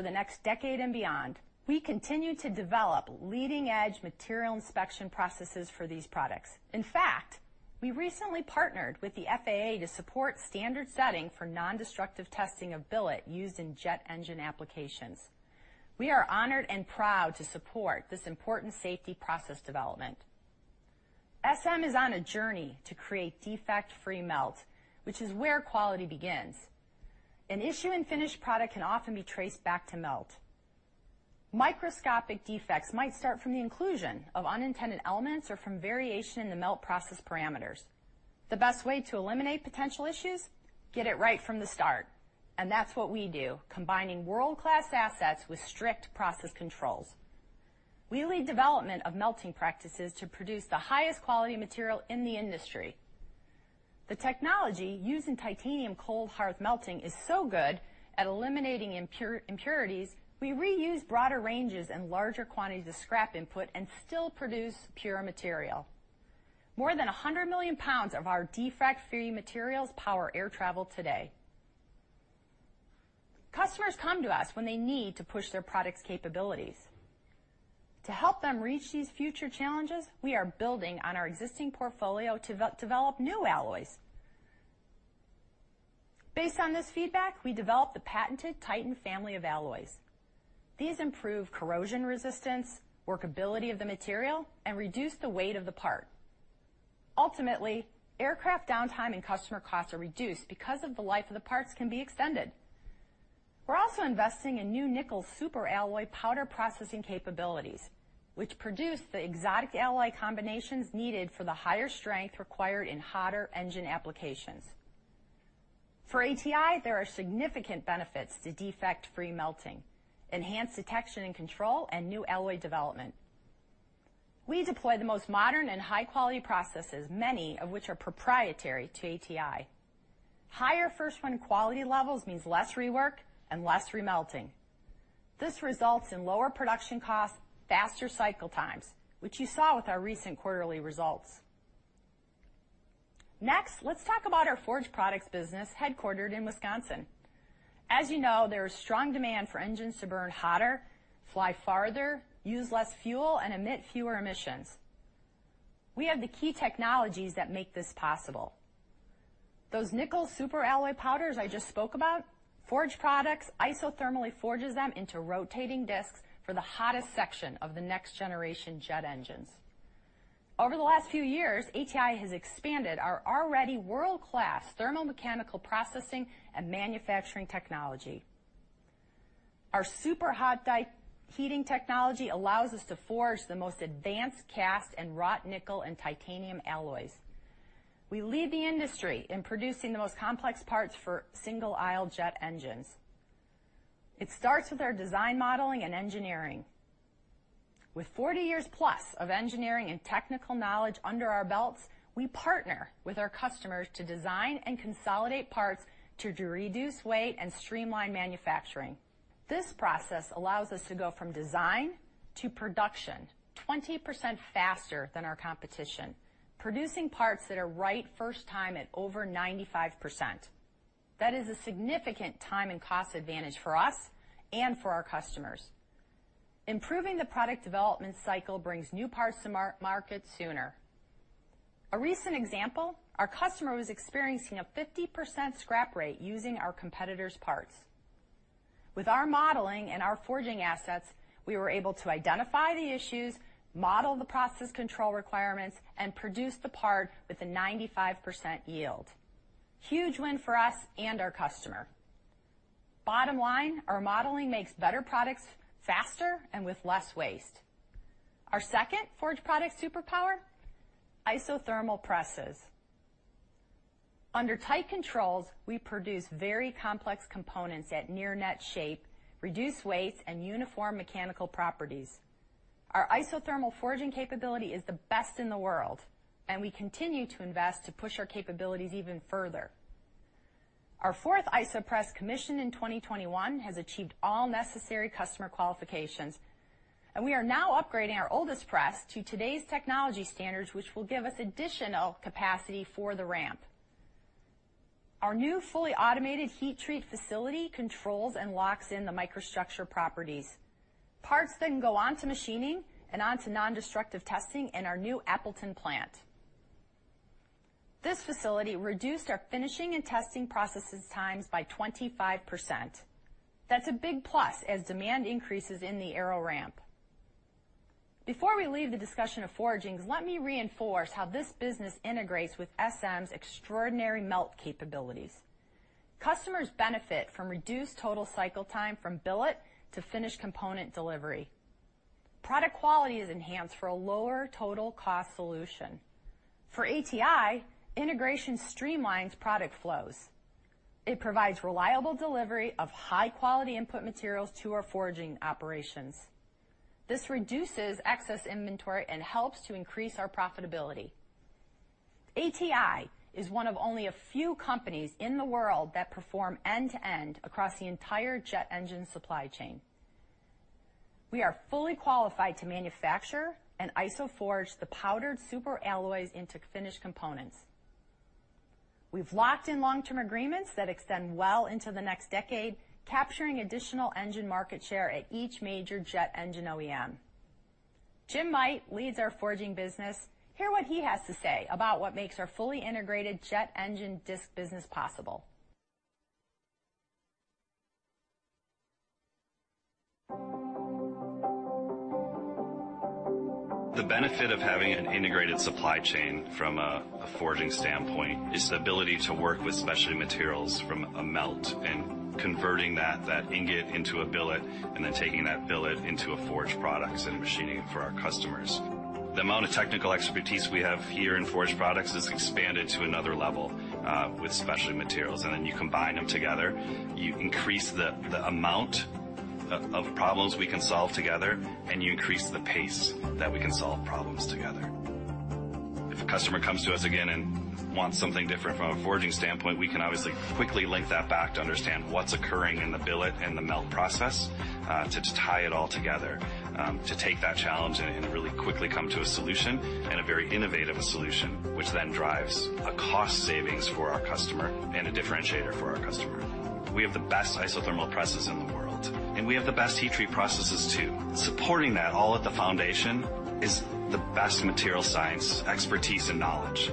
for the next decade and beyond. We continue to develop leading-edge material inspection processes for these products. In fact, we recently partnered with the FAA to support standard setting for nondestructive testing of billet used in jet engine applications. We are honored and proud to support this important safety process development. SM is on a journey to create defect-free melt, which is where quality begins. An issue in finished product can often be traced back to melt. Microscopic defects might start from the inclusion of unintended elements or from variation in the melt process parameters. The best way to eliminate potential issues, get it right from the start, and that's what we do, combining world-class assets with strict process controls. We lead development of melting practices to produce the highest quality material in the industry. The technology used in titanium cold hearth melting is so good at eliminating impurities, we reuse broader ranges and larger quantities of scrap input and still produce pure material. More than 100 million pounds of our defect-free materials power air travel today. Customers come to us when they need to push their products' capabilities. To help them reach these future challenges, we are building on our existing portfolio to develop new alloys. Based on this feedback, we developed the patented Titan family of alloys. These improve corrosion resistance, workability of the material, and reduce the weight of the part. Ultimately, aircraft downtime and customer costs are reduced because the life of the parts can be extended. We're also investing in new nickel superalloy powder processing capabilities, which produce the exotic alloy combinations needed for the higher strength required in hotter engine applications. For ATI, there are significant benefits to defect-free melting, enhanced detection and control, and new alloy development. We deploy the most modern and high-quality processes, many of which are proprietary to ATI. Higher first-run quality levels means less rework and less remelting. This results in lower production costs, faster cycle times, which you saw with our recent quarterly results. Next, let's talk about our Forged Products business headquartered in Wisconsin. As you know, there is strong demand for engines to burn hotter, fly farther, use less fuel, and emit fewer emissions. We have the key technologies that make this possible. Those nickel superalloy powders I just spoke about, Forged Products isothermally forges them into rotating discs for the hottest section of the next-generation jet engines. Over the last few years, ATI has expanded our already world-class thermomechanical processing and manufacturing technology. Our super hot die heating technology allows us to forge the most advanced cast and wrought nickel and titanium alloys. We lead the industry in producing the most complex parts for single-aisle jet engines. It starts with our design modeling and engineering. With 40 years-plus of engineering and technical knowledge under our belts, we partner with our customers to design and consolidate parts to reduce weight and streamline manufacturing. This process allows us to go from design to production 20% faster than our competition, producing parts that are right first time at over 95%. That is a significant time and cost advantage for us and for our customers. Improving the product development cycle brings new parts to market sooner. A recent example, our customer was experiencing a 50% scrap rate using our competitor's parts. With our modeling and our forging assets, we were able to identify the issues, model the process control requirements, and produce the part with a 95% yield. Huge win for us and our customer. Bottom line, our modeling makes better products faster and with less waste. Our second Forged Products superpower, isothermal presses. Under tight controls, we produce very complex components at near net shape, reduced weight, and uniform mechanical properties. Our isothermal forging capability is the best in the world, and we continue to invest to push our capabilities even further. Our fourth iso press commission in 2021 has achieved all necessary customer qualifications, and we are now upgrading our oldest press to today's technology standards, which will give us additional capacity for the ramp. Our new fully automated heat treat facility controls and locks in the microstructure properties. Parts then go on to machining and on to nondestructive testing in our new Appleton plant. This facility reduced our finishing and testing processes times by 25%. That's a big plus as demand increases in the aero ramp. Before we leave the discussion of forgings, let me reinforce how this business integrates with SM's extraordinary melt capabilities. Customers benefit from reduced total cycle time from billet to finished component delivery. Product quality is enhanced for a lower total cost solution. For ATI, integration streamlines product flows. It provides reliable delivery of high-quality input materials to our forging operations. This reduces excess inventory and helps to increase our profitability. ATI is one of only a few companies in the world that perform end-to-end across the entire jet engine supply chain. We are fully qualified to manufacture and isothermal forge the powdered superalloys into finished components. We've locked in long-term agreements that extend well into the next decade, capturing additional engine market share at each major jet engine OEM. Jim Meudt leads our forging business. Hear what he has to say about what makes our fully integrated jet engine disc business possible. The benefit of having an integrated supply chain from a forging standpoint is the ability to work with specialty materials from a melt and converting that ingot into a billet, and then taking that billet into Forged Products and machining for our customers. The amount of technical expertise we have here in Forged Products has expanded to another level with specialty materials. You combine them together, you increase the amount of problems we can solve together, and you increase the pace that we can solve problems together. If a customer comes to us again and wants something different from a forging standpoint, we can obviously quickly link that back to understand what's occurring in the billet and the melt process, to tie it all together, to take that challenge and really quickly come to a solution and a very innovative solution, which then drives a cost savings for our customer and a differentiator for our customer. We have the best isothermal presses in the world, and we have the best heat treat processes too. Supporting that all at the foundation is the best materials science expertise and knowledge.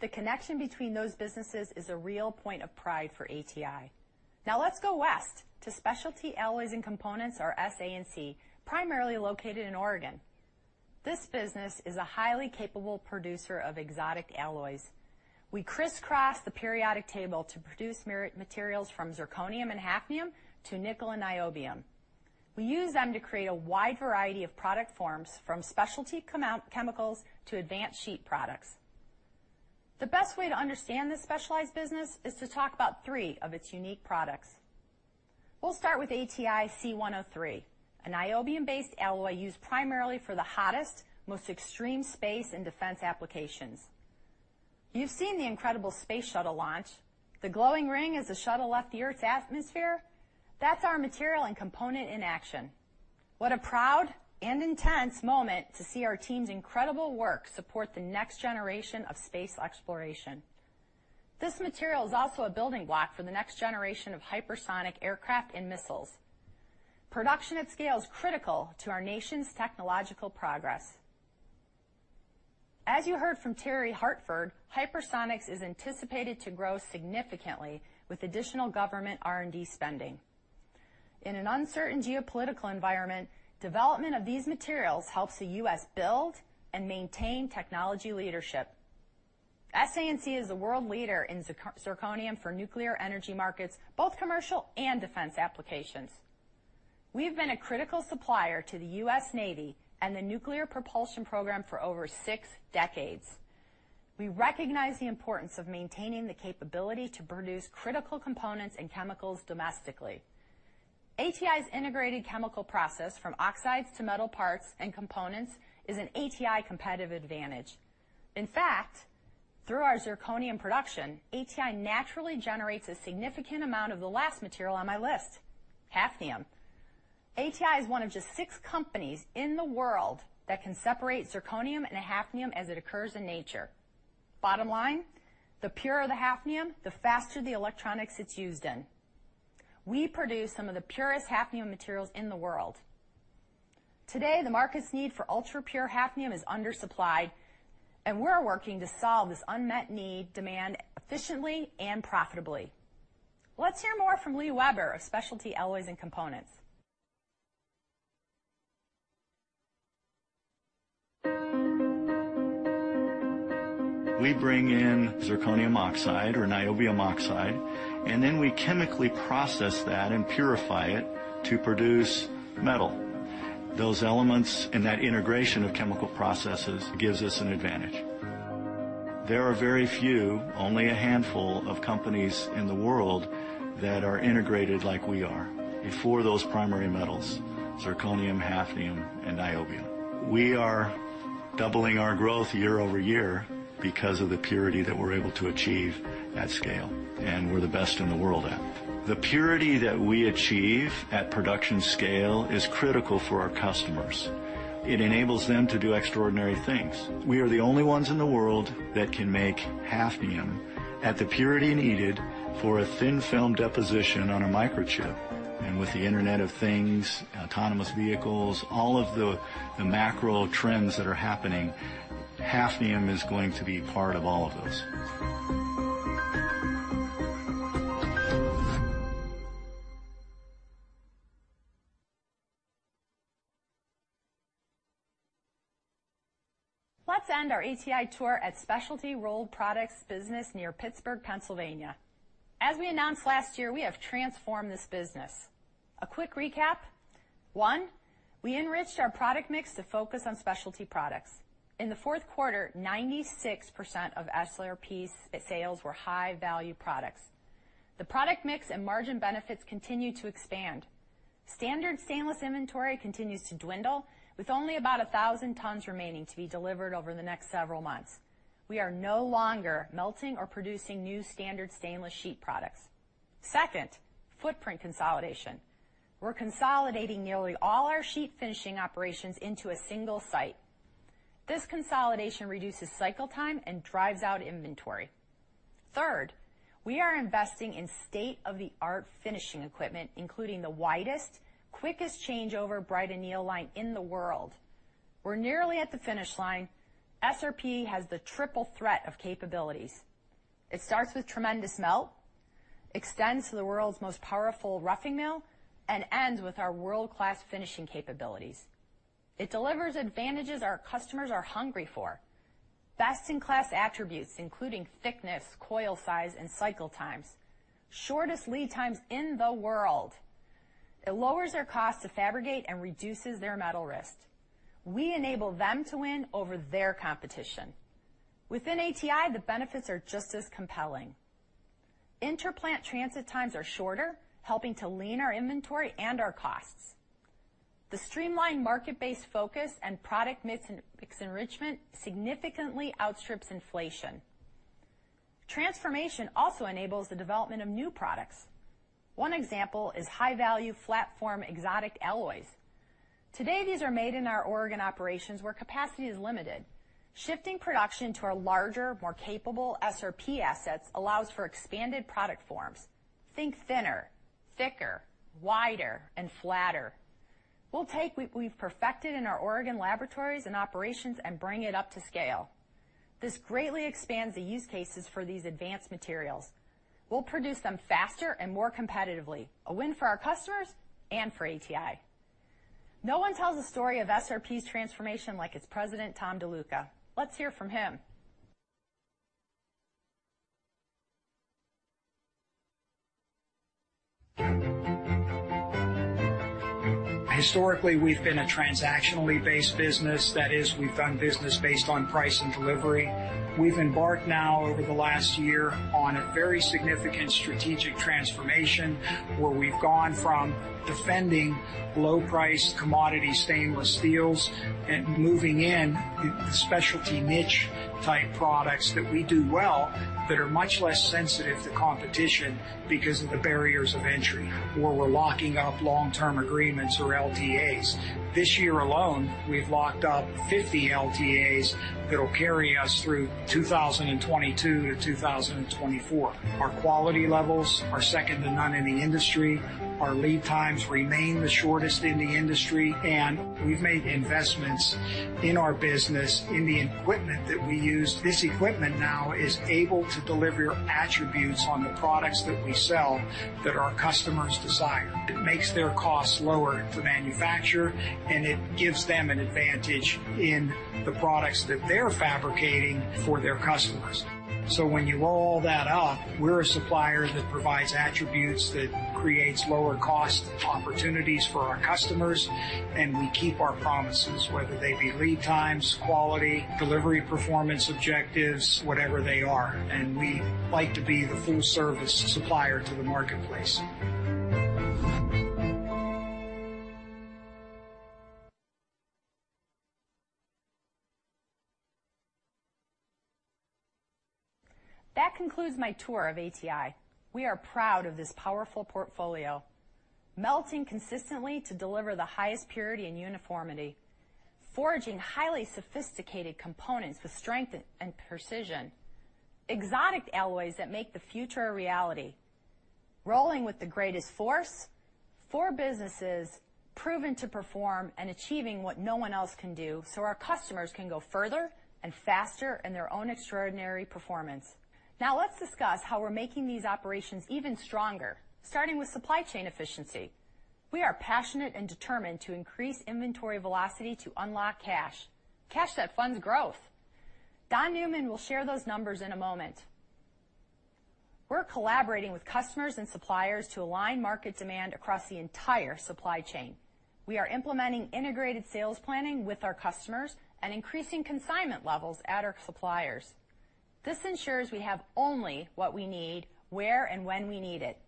The connection between those businesses is a real point of pride for ATI. Now let's go west to Specialty Alloys & Components or SANC, primarily located in Oregon. This business is a highly capable producer of exotic alloys. We crisscross the periodic table to produce metal materials from zirconium and hafnium to nickel and niobium. We use them to create a wide variety of product forms from specialty chemicals to advanced sheet products. The best way to understand this specialized business is to talk about three of its unique products. We'll start with ATI C103, a niobium-based alloy used primarily for the hottest, most extreme space and defense applications. You've seen the incredible space shuttle launch. The glowing ring as the shuttle left the Earth's atmosphere, that's our material and component in action. What a proud and intense moment to see our team's incredible work support the next generation of space exploration. This material is also a building block for the next generation of hypersonic aircraft and missiles. Production at scale is critical to our nation's technological progress. As you heard from Terry Hartford, hypersonics is anticipated to grow significantly with additional government R&D spending. In an uncertain geopolitical environment, development of these materials helps the U.S. build and maintain technology leadership. SANC is a world leader in zirconium for nuclear energy markets, both commercial and defense applications. We've been a critical supplier to the U.S. Navy and the nuclear propulsion program for over six decades. We recognize the importance of maintaining the capability to produce critical components and chemicals domestically. ATI's integrated chemical process from oxides to metal parts and components is an ATI competitive advantage. In fact, through our zirconium production, ATI naturally generates a significant amount of the last material on my list, hafnium. ATI is one of just six companies in the world that can separate zirconium and hafnium as it occurs in nature. Bottom line, the purer the hafnium, the faster the electronics it's used in. We produce some of the purest hafnium materials in the world. Today, the market's need for ultrapure hafnium is undersupplied, and we're working to solve this unmet need demand efficiently and profitably. Let's hear more from Lee Weber of Specialty Alloys & Components. We bring in zirconium oxide or niobium oxide, and then we chemically process that and purify it to produce metal. Those elements and that integration of chemical processes gives us an advantage. There are very few, only a handful of companies in the world that are integrated like we are for those primary metals, zirconium, hafnium, and niobium. We are doubling our growth year-over-year because of the purity that we're able to achieve at scale, and we're the best in the world at it. The purity that we achieve at production scale is critical for our customers. It enables them to do extraordinary things. We are the only ones in the world that can make hafnium at the purity needed for a thin film deposition on a microchip. With the Internet of Things, autonomous vehicles, all of the macro trends that are happening, hafnium is going to be part of all of those. Let's end our ATI tour at specialty rolled products business near Pittsburgh, Pennsylvania. As we announced last year, we have transformed this business. A quick recap. One, we enriched our product mix to focus on specialty products. In the fourth quarter, 96% of SRP sales were high-value products. The product mix and margin benefits continue to expand. Standard stainless inventory continues to dwindle, with only about 1,000 tons remaining to be delivered over the next several months. We are no longer melting or producing new standard stainless sheet products. Second, footprint consolidation. We're consolidating nearly all our sheet finishing operations into a single site. This consolidation reduces cycle time and drives out inventory. Third, we are investing in state-of-the-art finishing equipment, including the widest, quickest changeover bright anneal line in the world. We're nearly at the finish line. SRP has the triple threat of capabilities. It starts with tremendous melt, extends to the world's most powerful roughing mill, and ends with our world-class finishing capabilities. It delivers advantages our customers are hungry for. Best-in-class attributes, including thickness, coil size, and cycle times. Shortest lead times in the world. It lowers their cost to fabricate and reduces their metal risk. We enable them to win over their competition. Within ATI, the benefits are just as compelling. Inter-plant transit times are shorter, helping to lean our inventory and our costs. The streamlined market-based focus and product mix enrichment significantly outstrips inflation. Transformation also enables the development of new products. One example is high-value flat-form exotic alloys. Today, these are made in our Oregon operations, where capacity is limited. Shifting production to our larger, more capable SRP assets allows for expanded product forms. Think thinner, thicker, wider, and flatter. We'll take what we've perfected in our Oregon laboratories and operations and bring it up to scale. This greatly expands the use cases for these advanced materials. We'll produce them faster and more competitively, a win for our customers and for ATI. No one tells the story of SRP's transformation like its president, Tom DeLuca. Let's hear from him. Historically, we've been a transactionally based business. That is, we've done business based on price and delivery. We've embarked now, over the last year, on a very significant strategic transformation, where we've gone from defending low-priced commodity stainless steels and moving into specialty niche-type products that we do well, that are much less sensitive to competition because of the barriers of entry, where we're locking up long-term agreements or LTAs. This year alone, we've locked up 50 LTAs that'll carry us through 2022 to 2024. Our quality levels are second to none in the industry. Our lead times remain the shortest in the industry, and we've made investments in our business in the equipment that we use. This equipment now is able to deliver attributes on the products that we sell that our customers desire. It makes their costs lower to manufacture, and it gives them an advantage in the products that they're fabricating for their customers. When you roll all that up, we're a supplier that provides attributes that creates lower cost opportunities for our customers, and we keep our promises, whether they be lead times, quality, delivery performance objectives, whatever they are. We like to be the full-service supplier to the marketplace. That concludes my tour of ATI. We are proud of this powerful portfolio. Melting consistently to deliver the highest purity and uniformity. Forging highly sophisticated components with strength and precision. Exotic alloys that make the future a reality. Rolling with the greatest force. Four businesses proven to perform and achieving what no one else can do, so our customers can go further and faster in their own extraordinary performance. Now, let's discuss how we're making these operations even stronger, starting with supply chain efficiency. We are passionate and determined to increase inventory velocity to unlock cash that funds growth. Don Newman will share those numbers in a moment. We're collaborating with customers and suppliers to align market demand across the entire supply chain. We are implementing integrated sales planning with our customers and increasing consignment levels at our suppliers. This ensures we have only what we need, where and when we need it.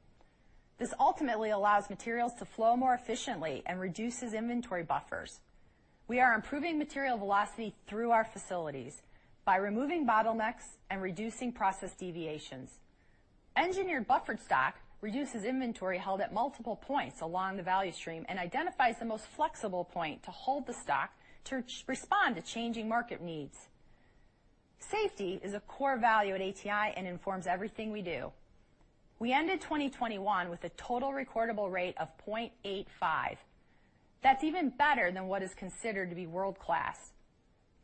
This ultimately allows materials to flow more efficiently and reduces inventory buffers. We are improving material velocity through our facilities by removing bottlenecks and reducing process deviations. Engineered buffered stock reduces inventory held at multiple points along the value stream and identifies the most flexible point to hold the stock to respond to changing market needs. Safety is a core value at ATI and informs everything we do. We ended 2021 with a total recordable rate of 0.85. That's even better than what is considered to be world-class.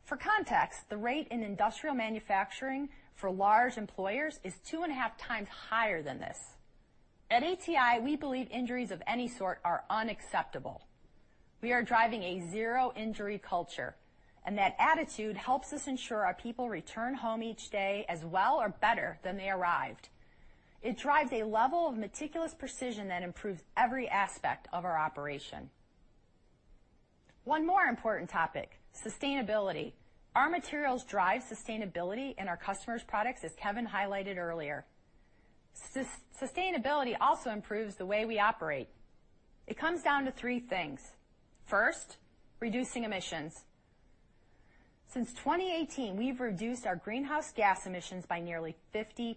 For context, the rate in industrial manufacturing for large employers is 2.5x higher than this. At ATI, we believe injuries of any sort are unacceptable. We are driving a zero injury culture, and that attitude helps us ensure our people return home each day as well or better than they arrived. It drives a level of meticulous precision that improves every aspect of our operation. One more important topic, sustainability. Our materials drive sustainability in our customers' products, as Kevin highlighted earlier. Sustainability also improves the way we operate. It comes down to three things. First, reducing emissions. Since 2018, we've reduced our greenhouse gas emissions by nearly 50%.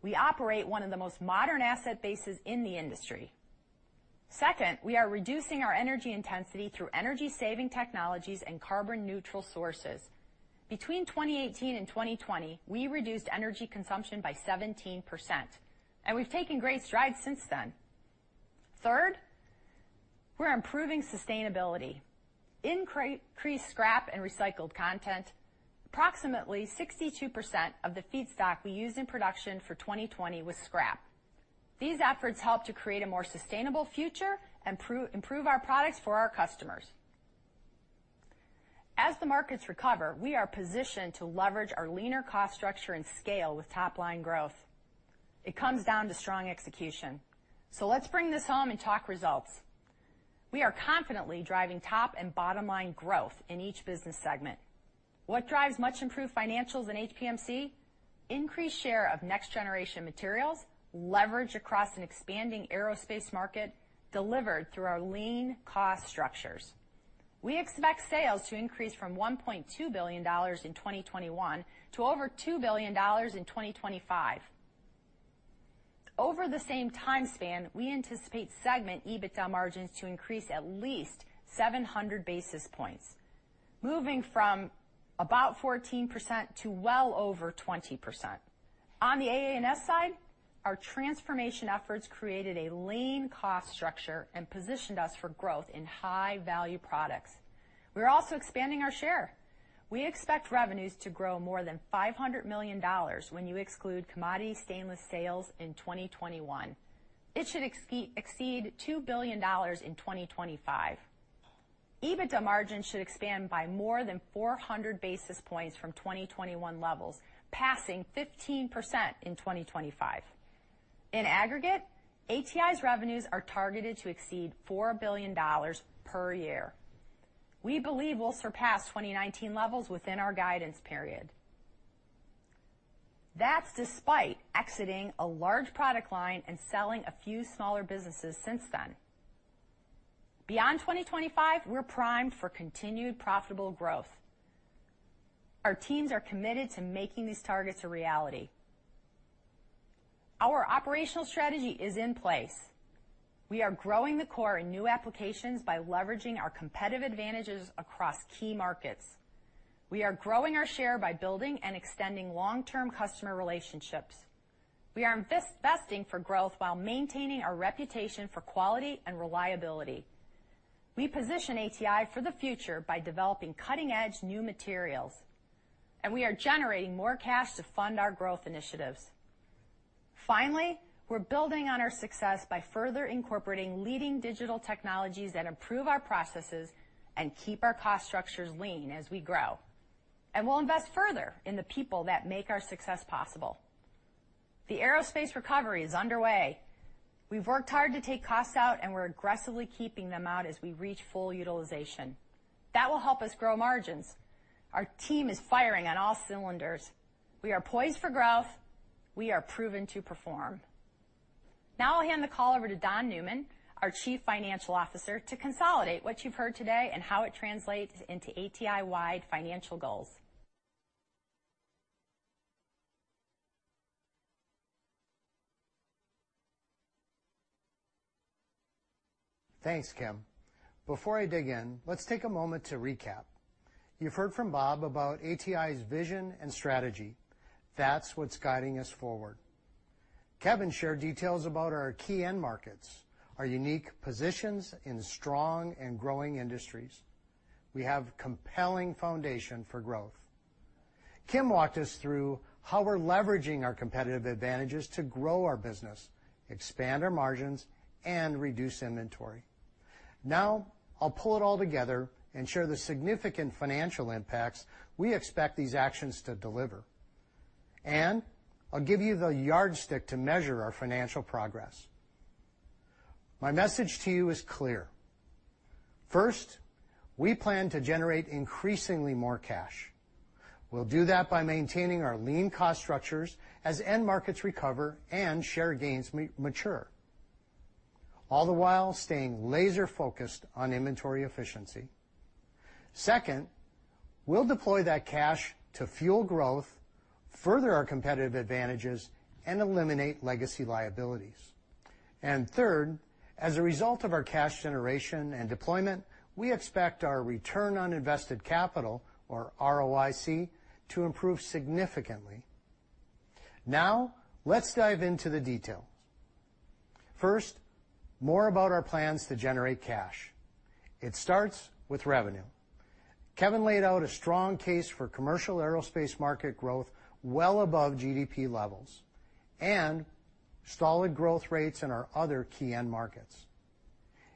We operate one of the most modern asset bases in the industry. Second, we are reducing our energy intensity through energy-saving technologies and carbon-neutral sources. Between 2018 and 2020, we reduced energy consumption by 17%, and we've taken great strides since then. Third, we're improving sustainability. Increased scrap and recycled content, approximately 62% of the feedstock we used in production for 2020 was scrap. These efforts help to create a more sustainable future, improve our products for our customers. As the markets recover, we are positioned to leverage our leaner cost structure and scale with top-line growth. It comes down to strong execution. Let's bring this home and talk results. We are confidently driving top and bottom line growth in each business segment. What drives much improved financials in HPMC? Increased share of next generation materials, leverage across an expanding aerospace market delivered through our lean cost structures. We expect sales to increase from $1.2 billion in 2021 to over $2 billion in 2025. Over the same time span, we anticipate segment EBITDA margins to increase at least 700 basis points, moving from about 14% to well over 20%. On the AA&S side, our transformation efforts created a lean cost structure and positioned us for growth in high-value products. We're also expanding our share. We expect revenues to grow more than $500 million when you exclude commodity stainless sales in 2021. It should exceed $2 billion in 2025. EBITDA margins should expand by more than 400 basis points from 2021 levels, passing 15% in 2025. In aggregate, ATI's revenues are targeted to exceed $4 billion per year. We believe we'll surpass 2019 levels within our guidance period. That's despite exiting a large product line and selling a few smaller businesses since then. Beyond 2025, we're primed for continued profitable growth. Our teams are committed to making these targets a reality. Our operational strategy is in place. We are growing the core in new applications by leveraging our competitive advantages across key markets. We are growing our share by building and extending long-term customer relationships. We are investing for growth while maintaining our reputation for quality and reliability. We position ATI for the future by developing cutting-edge new materials, and we are generating more cash to fund our growth initiatives. Finally, we're building on our success by further incorporating leading digital technologies that improve our processes and keep our cost structures lean as we grow. We'll invest further in the people that make our success possible. The aerospace recovery is underway. We've worked hard to take costs out and we're aggressively keeping them out as we reach full utilization. That will help us grow margins. Our team is firing on all cylinders. We are poised for growth. We are proven to perform. Now I'll hand the call over to Don Newman, our Chief Financial Officer, to consolidate what you've heard today and how it translates into ATI-wide financial goals. Thanks, Kim. Before I dig in, let's take a moment to recap. You've heard from Bob about ATI's vision and strategy. That's what's guiding us forward. Kevin shared details about our key end markets, our unique positions in strong and growing industries. We have compelling foundation for growth. Kim walked us through how we're leveraging our competitive advantages to grow our business, expand our margins, and reduce inventory. Now, I'll pull it all together and share the significant financial impacts we expect these actions to deliver. I'll give you the yardstick to measure our financial progress. My message to you is clear. First, we plan to generate increasingly more cash. We'll do that by maintaining our lean cost structures as end markets recover and share gains mature. All the while staying laser-focused on inventory efficiency. Second, we'll deploy that cash to fuel growth, further our competitive advantages, and eliminate legacy liabilities. Third, as a result of our cash generation and deployment, we expect our return on invested capital, or ROIC, to improve significantly. Now, let's dive into the detail. First, more about our plans to generate cash. It starts with revenue. Kevin laid out a strong case for commercial aerospace market growth well above GDP levels and solid growth rates in our other key end markets.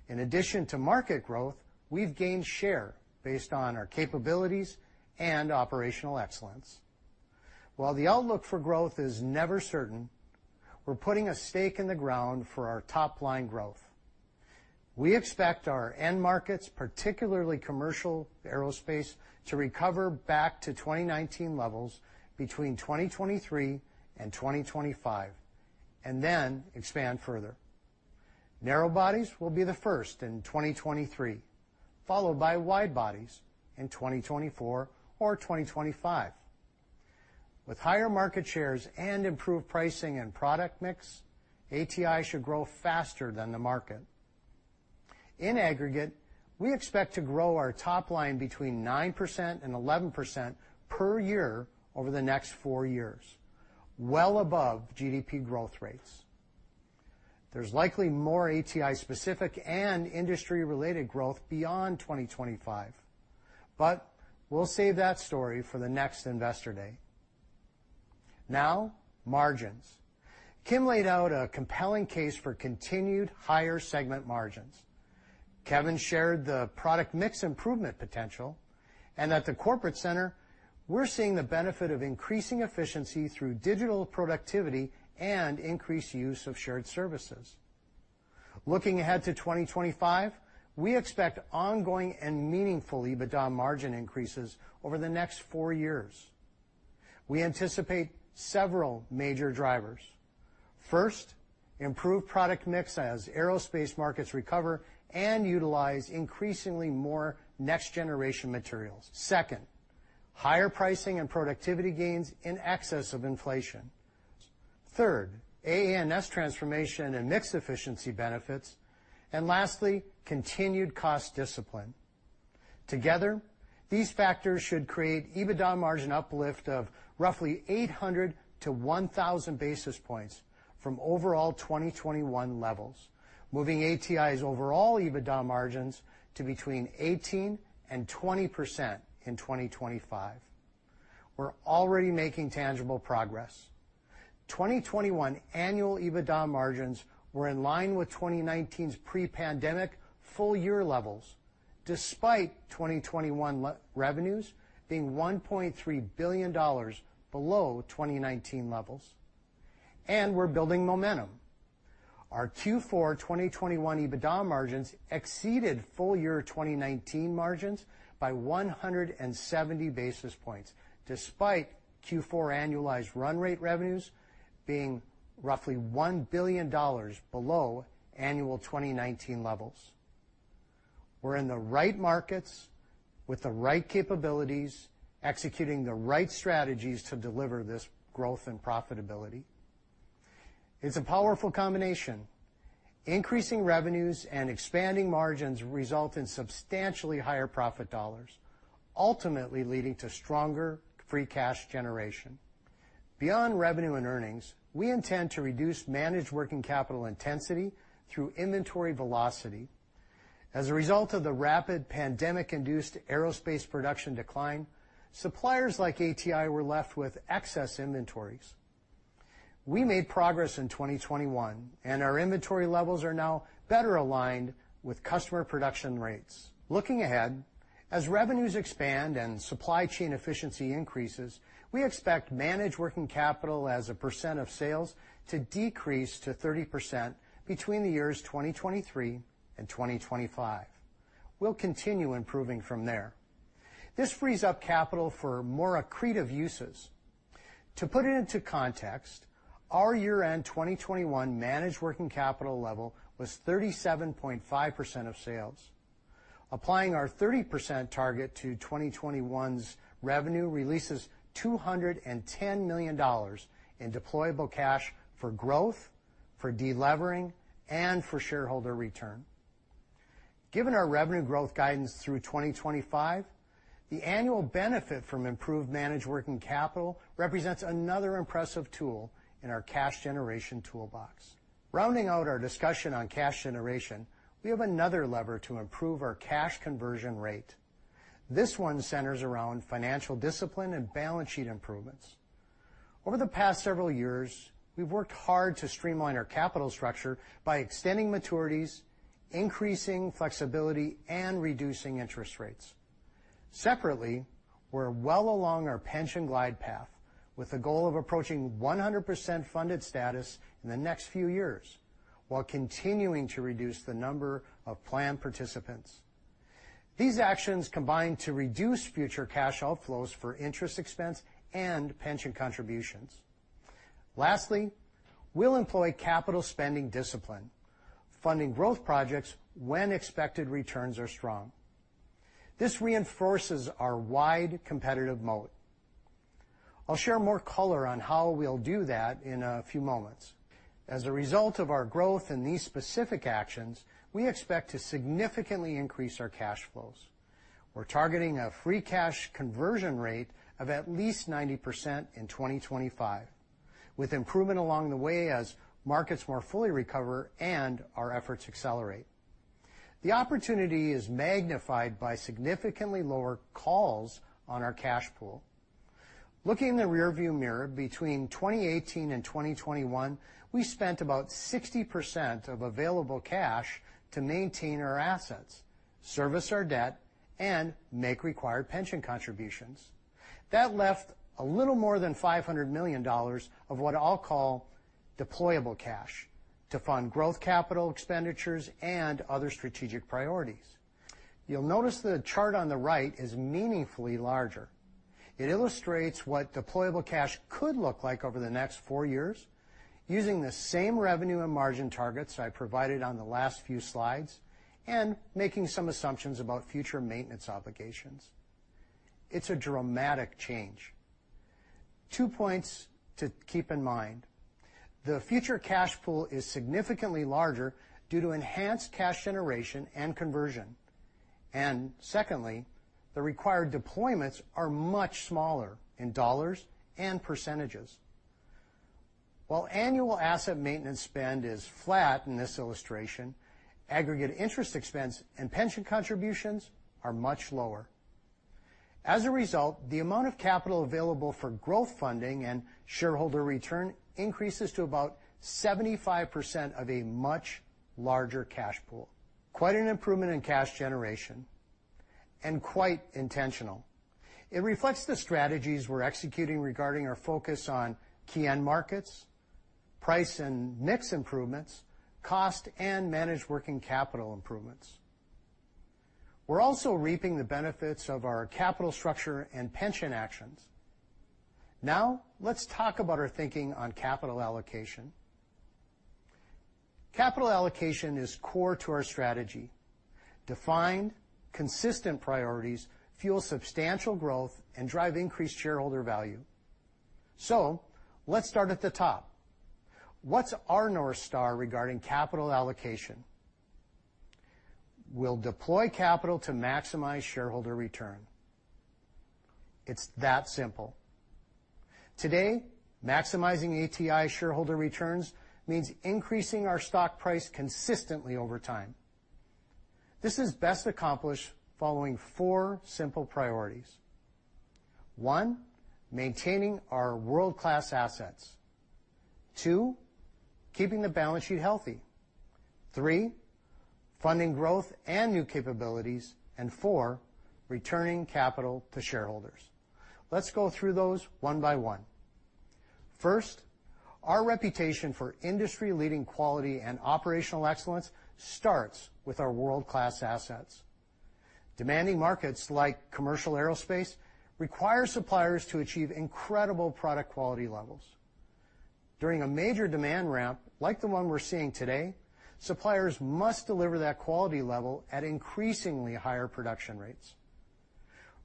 In addition to market growth, we've gained share based on our capabilities and operational excellence. While the outlook for growth is never certain, we're putting a stake in the ground for our top-line growth. We expect our end markets, particularly commercial aerospace, to recover back to 2019 levels between 2023 and 2025, and then expand further. Narrow bodies will be the first in 2023, followed by wide bodies in 2024 or 2025. With higher market shares and improved pricing and product mix, ATI should grow faster than the market. In aggregate, we expect to grow our top line between 9% and 11% per year over the next four years, well above GDP growth rates. There's likely more ATI-specific and industry-related growth beyond 2025, but we'll save that story for the next Investor Day. Now, margins. Kim laid out a compelling case for continued higher segment margins. Kevin shared the product mix improvement potential, and at the corporate center, we're seeing the benefit of increasing efficiency through digital productivity and increased use of shared services. Looking ahead to 2025, we expect ongoing and meaningful EBITDA margin increases over the next four years. We anticipate several major drivers. First, improved product mix as aerospace markets recover and utilize increasingly more next-generation materials. Second, higher pricing and productivity gains in excess of inflation. Third, AA&S transformation and mix efficiency benefits, and lastly, continued cost discipline. Together, these factors should create EBITDA margin uplift of roughly 800-1,000 basis points from overall 2021 levels, moving ATI's overall EBITDA margins to between 18%-20% in 2025. We're already making tangible progress. 2021 annual EBITDA margins were in line with 2019's pre-pandemic full-year levels, despite 2021 revenues being $1.3 billion below 2019 levels. We're building momentum. Our Q4 2021 EBITDA margins exceeded full-year 2019 margins by 170 basis points, despite Q4 annualized run rate revenues being roughly $1 billion below annual 2019 levels. We're in the right markets with the right capabilities, executing the right strategies to deliver this growth and profitability. It's a powerful combination. Increasing revenues and expanding margins result in substantially higher profit dollars, ultimately leading to stronger free cash generation. Beyond revenue and earnings, we intend to reduce managed working capital intensity through inventory velocity. As a result of the rapid pandemic-induced aerospace production decline, suppliers like ATI were left with excess inventories. We made progress in 2021, and our inventory levels are now better aligned with customer production rates. Looking ahead, as revenues expand and supply chain efficiency increases, we expect managed working capital as a percent of sales to decrease to 30% between the years 2023 and 2025. We'll continue improving from there. This frees up capital for more accretive uses. To put it into context, our year-end 2021 managed working capital level was 37.5% of sales. Applying our 30% target to 2021's revenue releases $210 million in deployable cash for growth, for delevering, and for shareholder return. Given our revenue growth guidance through 2025, the annual benefit from improved managed working capital represents another impressive tool in our cash generation toolbox. Rounding out our discussion on cash generation, we have another lever to improve our cash conversion rate. This one centers around financial discipline and balance sheet improvements. Over the past several years, we've worked hard to streamline our capital structure by extending maturities, increasing flexibility, and reducing interest rates. Separately, we're well along our pension glide path with the goal of approaching 100% funded status in the next few years while continuing to reduce the number of plan participants. These actions combine to reduce future cash outflows for interest expense and pension contributions. Lastly, we'll employ capital spending discipline, funding growth projects when expected returns are strong. This reinforces our wide competitive moat. I'll share more color on how we'll do that in a few moments. As a result of our growth in these specific actions, we expect to significantly increase our cash flows. We're targeting a free cash conversion rate of at least 90% in 2025, with improvement along the way as markets more fully recover and our efforts accelerate. The opportunity is magnified by significantly lower calls on our cash pool. Looking in the rearview mirror, between 2018 and 2021, we spent about 60% of available cash to maintain our assets, service our debt, and make required pension contributions. That left a little more than $500 million of what I'll call deployable cash to fund growth capital expenditures and other strategic priorities. You'll notice the chart on the right is meaningfully larger. It illustrates what deployable cash could look like over the next four years using the same revenue and margin targets I provided on the last few slides and making some assumptions about future maintenance obligations. It's a dramatic change. Two points to keep in mind. The future cash pool is significantly larger due to enhanced cash generation and conversion. Secondly, the required deployments are much smaller in dollars and percentages. While annual asset maintenance spend is flat in this illustration, aggregate interest expense and pension contributions are much lower. As a result, the amount of capital available for growth funding and shareholder return increases to about 75% of a much larger cash pool. Quite an improvement in cash generation and quite intentional. It reflects the strategies we're executing regarding our focus on key end markets, price and mix improvements, cost, and managed working capital improvements. We're also reaping the benefits of our capital structure and pension actions. Now, let's talk about our thinking on capital allocation. Capital allocation is core to our strategy. Defined, consistent priorities fuel substantial growth and drive increased shareholder value. Let's start at the top. What's our North Star regarding capital allocation? We'll deploy capital to maximize shareholder return. It's that simple. Today, maximizing ATI shareholder returns means increasing our stock price consistently over time. This is best accomplished following four simple priorities. One, maintaining our world-class assets. Two, keeping the balance sheet healthy. Three, funding growth and new capabilities. Four, returning capital to shareholders. Let's go through those one by one. First, our reputation for industry-leading quality and operational excellence starts with our world-class assets. Demanding markets, like commercial aerospace, require suppliers to achieve incredible product quality levels. During a major demand ramp, like the one we're seeing today, suppliers must deliver that quality level at increasingly higher production rates.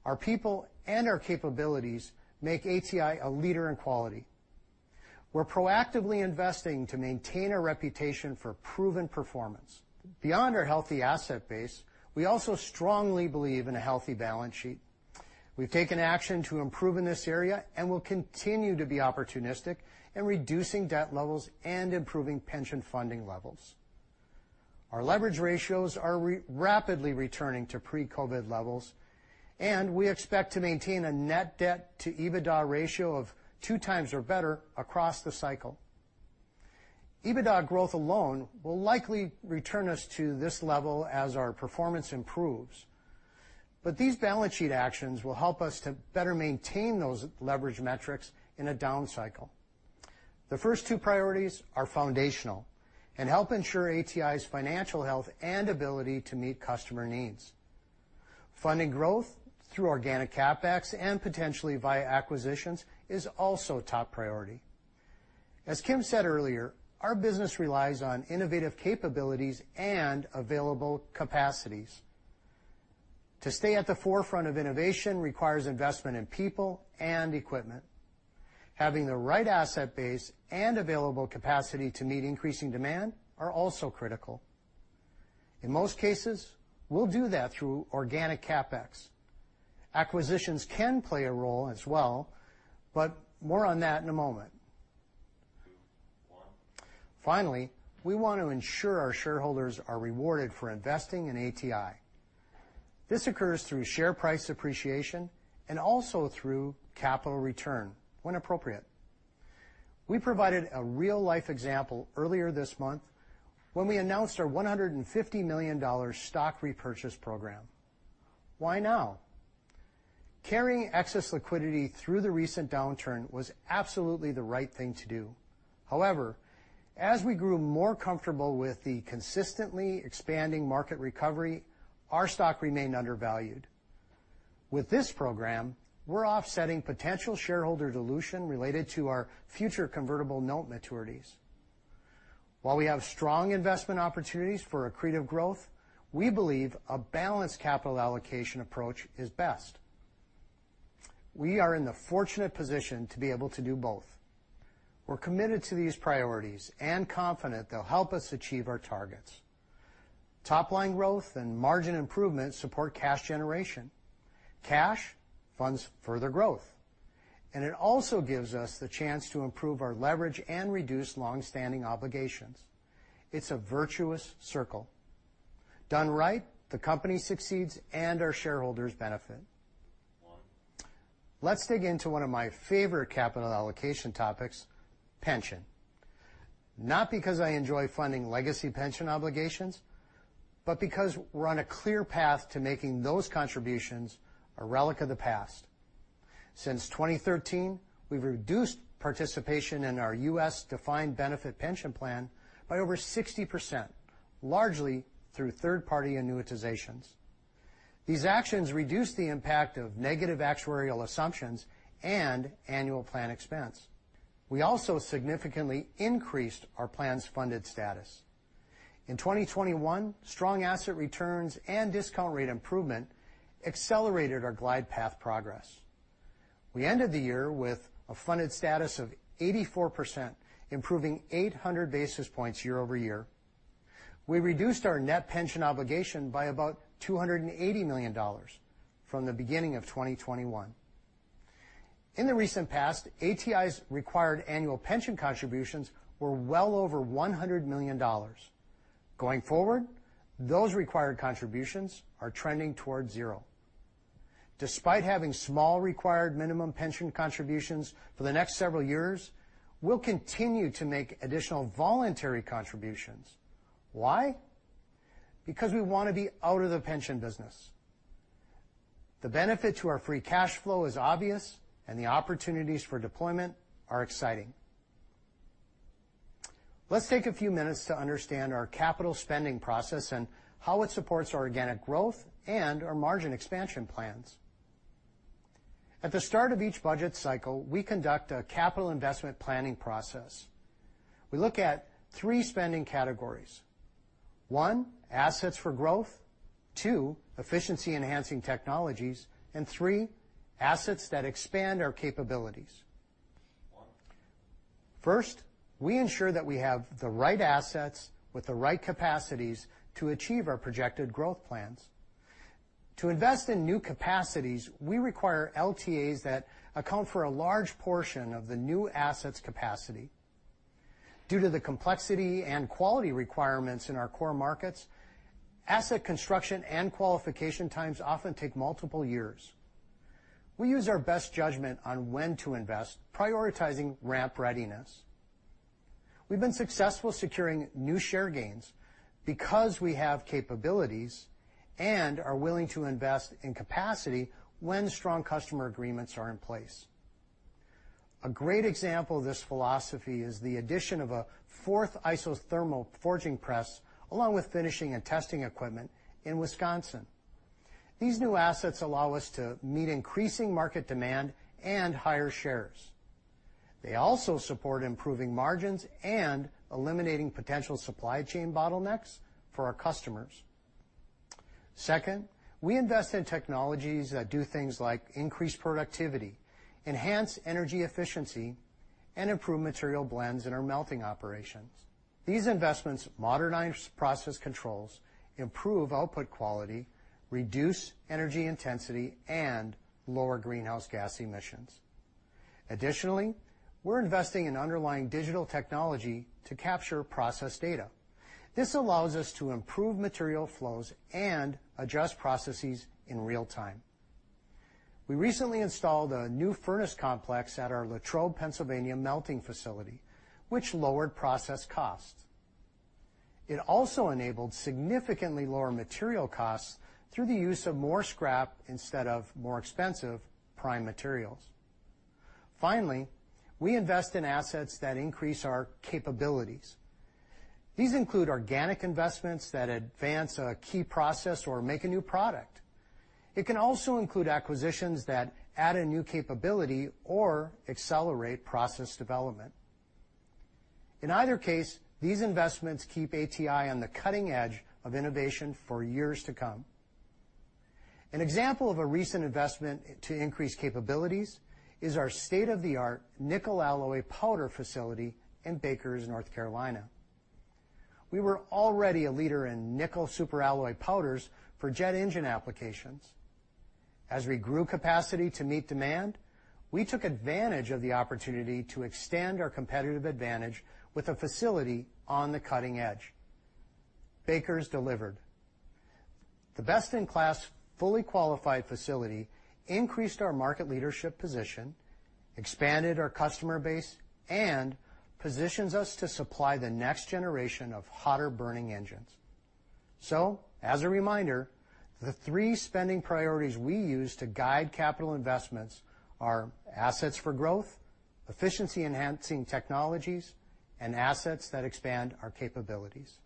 Our people and our capabilities make ATI a leader in quality. We're proactively investing to maintain a reputation for proven performance. Beyond our healthy asset base, we also strongly believe in a healthy balance sheet. We've taken action to improve in this area and will continue to be opportunistic in reducing debt levels and improving pension funding levels. Our leverage ratios are rapidly returning to pre-COVID levels, and we expect to maintain a net debt-to-EBITDA ratio of 2x or better across the cycle. EBITDA growth alone will likely return us to this level as our performance improves, but these balance sheet actions will help us to better maintain those leverage metrics in a down cycle. The first two priorities are foundational and help ensure ATI's financial health and ability to meet customer needs. Funding growth through organic CapEx and potentially via acquisitions is also a top priority. As Kim said earlier, our business relies on innovative capabilities and available capacities. To stay at the forefront of innovation requires investment in people and equipment. Having the right asset base and available capacity to meet increasing demand are also critical. In most cases, we'll do that through organic CapEx. Acquisitions can play a role as well, but more on that in a moment. Two, one. Finally, we want to ensure our shareholders are rewarded for investing in ATI. This occurs through share price appreciation and also through capital return when appropriate. We provided a real-life example earlier this month when we announced our $150 million stock repurchase program. Why now? Carrying excess liquidity through the recent downturn was absolutely the right thing to do. However, as we grew more comfortable with the consistently expanding market recovery, our stock remained undervalued. With this program, we're offsetting potential shareholder dilution related to our future convertible note maturities. While we have strong investment opportunities for accretive growth, we believe a balanced capital allocation approach is best. We are in the fortunate position to be able to do both. We're committed to these priorities and confident they'll help us achieve our targets. Top-line growth and margin improvement support cash generation. Cash funds further growth, and it also gives us the chance to improve our leverage and reduce long-standing obligations. It's a virtuous circle. Done right, the company succeeds and our shareholders benefit. Let's dig into one of my favorite capital allocation topics, pension. Not because I enjoy funding legacy pension obligations, but because we're on a clear path to making those contributions a relic of the past. Since 2013, we've reduced participation in our U.S. defined benefit pension plan by over 60%, largely through third-party annuitizations. These actions reduced the impact of negative actuarial assumptions and annual plan expense. We also significantly increased our plan's funded status. In 2021, strong asset returns and discount rate improvement accelerated our glide path progress. We ended the year with a funded status of 84%, improving 800 basis points year-over-year. We reduced our net pension obligation by about $280 million from the beginning of 2021. In the recent past, ATI's required annual pension contributions were well over $100 million. Going forward, those required contributions are trending towards zero. Despite having small required minimum pension contributions for the next several years, we'll continue to make additional voluntary contributions. Why? Because we wanna be out of the pension business. The benefit to our free cash flow is obvious and the opportunities for deployment are exciting. Let's take a few minutes to understand our capital spending process and how it supports our organic growth and our margin expansion plans. At the start of each budget cycle, we conduct a capital investment planning process. We look at three spending categories. One, assets for growth. Two, efficiency-enhancing technologies. And three, assets that expand our capabilities. First, we ensure that we have the right assets with the right capacities to achieve our projected growth plans. To invest in new capacities, we require LTAs that account for a large portion of the new asset's capacity. Due to the complexity and quality requirements in our core markets, asset construction and qualification times often take multiple years. We use our best judgment on when to invest, prioritizing ramp readiness. We've been successful securing new share gains because we have capabilities and are willing to invest in capacity when strong customer agreements are in place. A great example of this philosophy is the addition of a fourth isothermal forging press, along with finishing and testing equipment in Wisconsin. These new assets allow us to meet increasing market demand and higher shares. They also support improving margins and eliminating potential supply chain bottlenecks for our customers. Second, we invest in technologies that do things like increase productivity, enhance energy efficiency, and improve material blends in our melting operations. These investments modernize process controls, improve output quality, reduce energy intensity, and lower greenhouse gas emissions. Additionally, we're investing in underlying digital technology to capture process data. This allows us to improve material flows and adjust processes in real time. We recently installed a new furnace complex at our Latrobe, Pennsylvania melting facility, which lowered process costs. It also enabled significantly lower material costs through the use of more scrap instead of more expensive prime materials. Finally, we invest in assets that increase our capabilities. These include organic investments that advance a key process or make a new product. It can also include acquisitions that add a new capability or accelerate process development. In either case, these investments keep ATI on the cutting edge of innovation for years to come. An example of a recent investment to increase capabilities is our state-of-the-art nickel alloy powder facility in Monroe, North Carolina. We were already a leader in nickel superalloy powders for jet engine applications. As we grew capacity to meet demand, we took advantage of the opportunity to extend our competitive advantage with a facility on the cutting edge. Bakers delivered. The best-in-class, fully qualified facility increased our market leadership position, expanded our customer base, and positions us to supply the next generation of hotter-burning engines. As a reminder, the three spending priorities we use to guide capital investments are assets for growth, efficiency-enhancing technologies, and assets that expand our capabilities.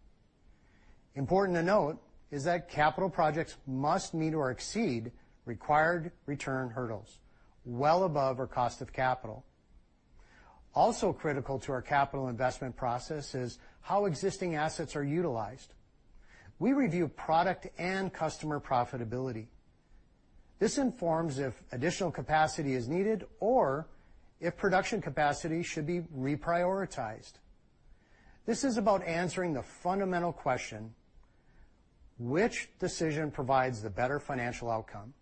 Important to note is that capital projects must meet or exceed required return hurdles well above our cost of capital. Also critical to our capital investment process is how existing assets are utilized. We review product and customer profitability. This informs if additional capacity is needed or if production capacity should be reprioritized. This is about answering the fundamental question, which decision provides the better financial outcome?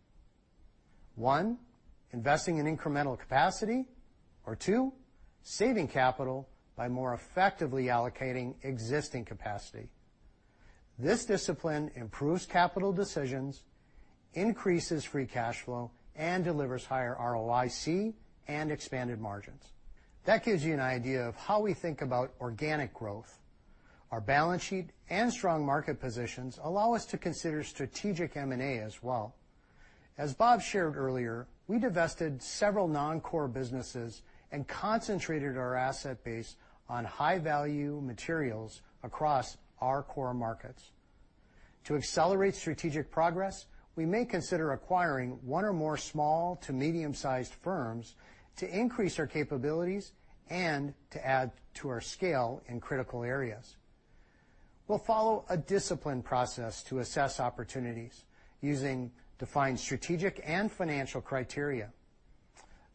One, investing in incremental capacity or two, saving capital by more effectively allocating existing capacity. This discipline improves capital decisions, increases free cash flow, and delivers higher ROIC and expanded margins. That gives you an idea of how we think about organic growth. Our balance sheet and strong market positions allow us to consider strategic M&A as well. As Bob shared earlier, we divested several non-core businesses and concentrated our asset base on high-value materials across our core markets. To accelerate strategic progress, we may consider acquiring one or more small to medium-sized firms to increase our capabilities and to add to our scale in critical areas. We'll follow a disciplined process to assess opportunities using defined strategic and financial criteria.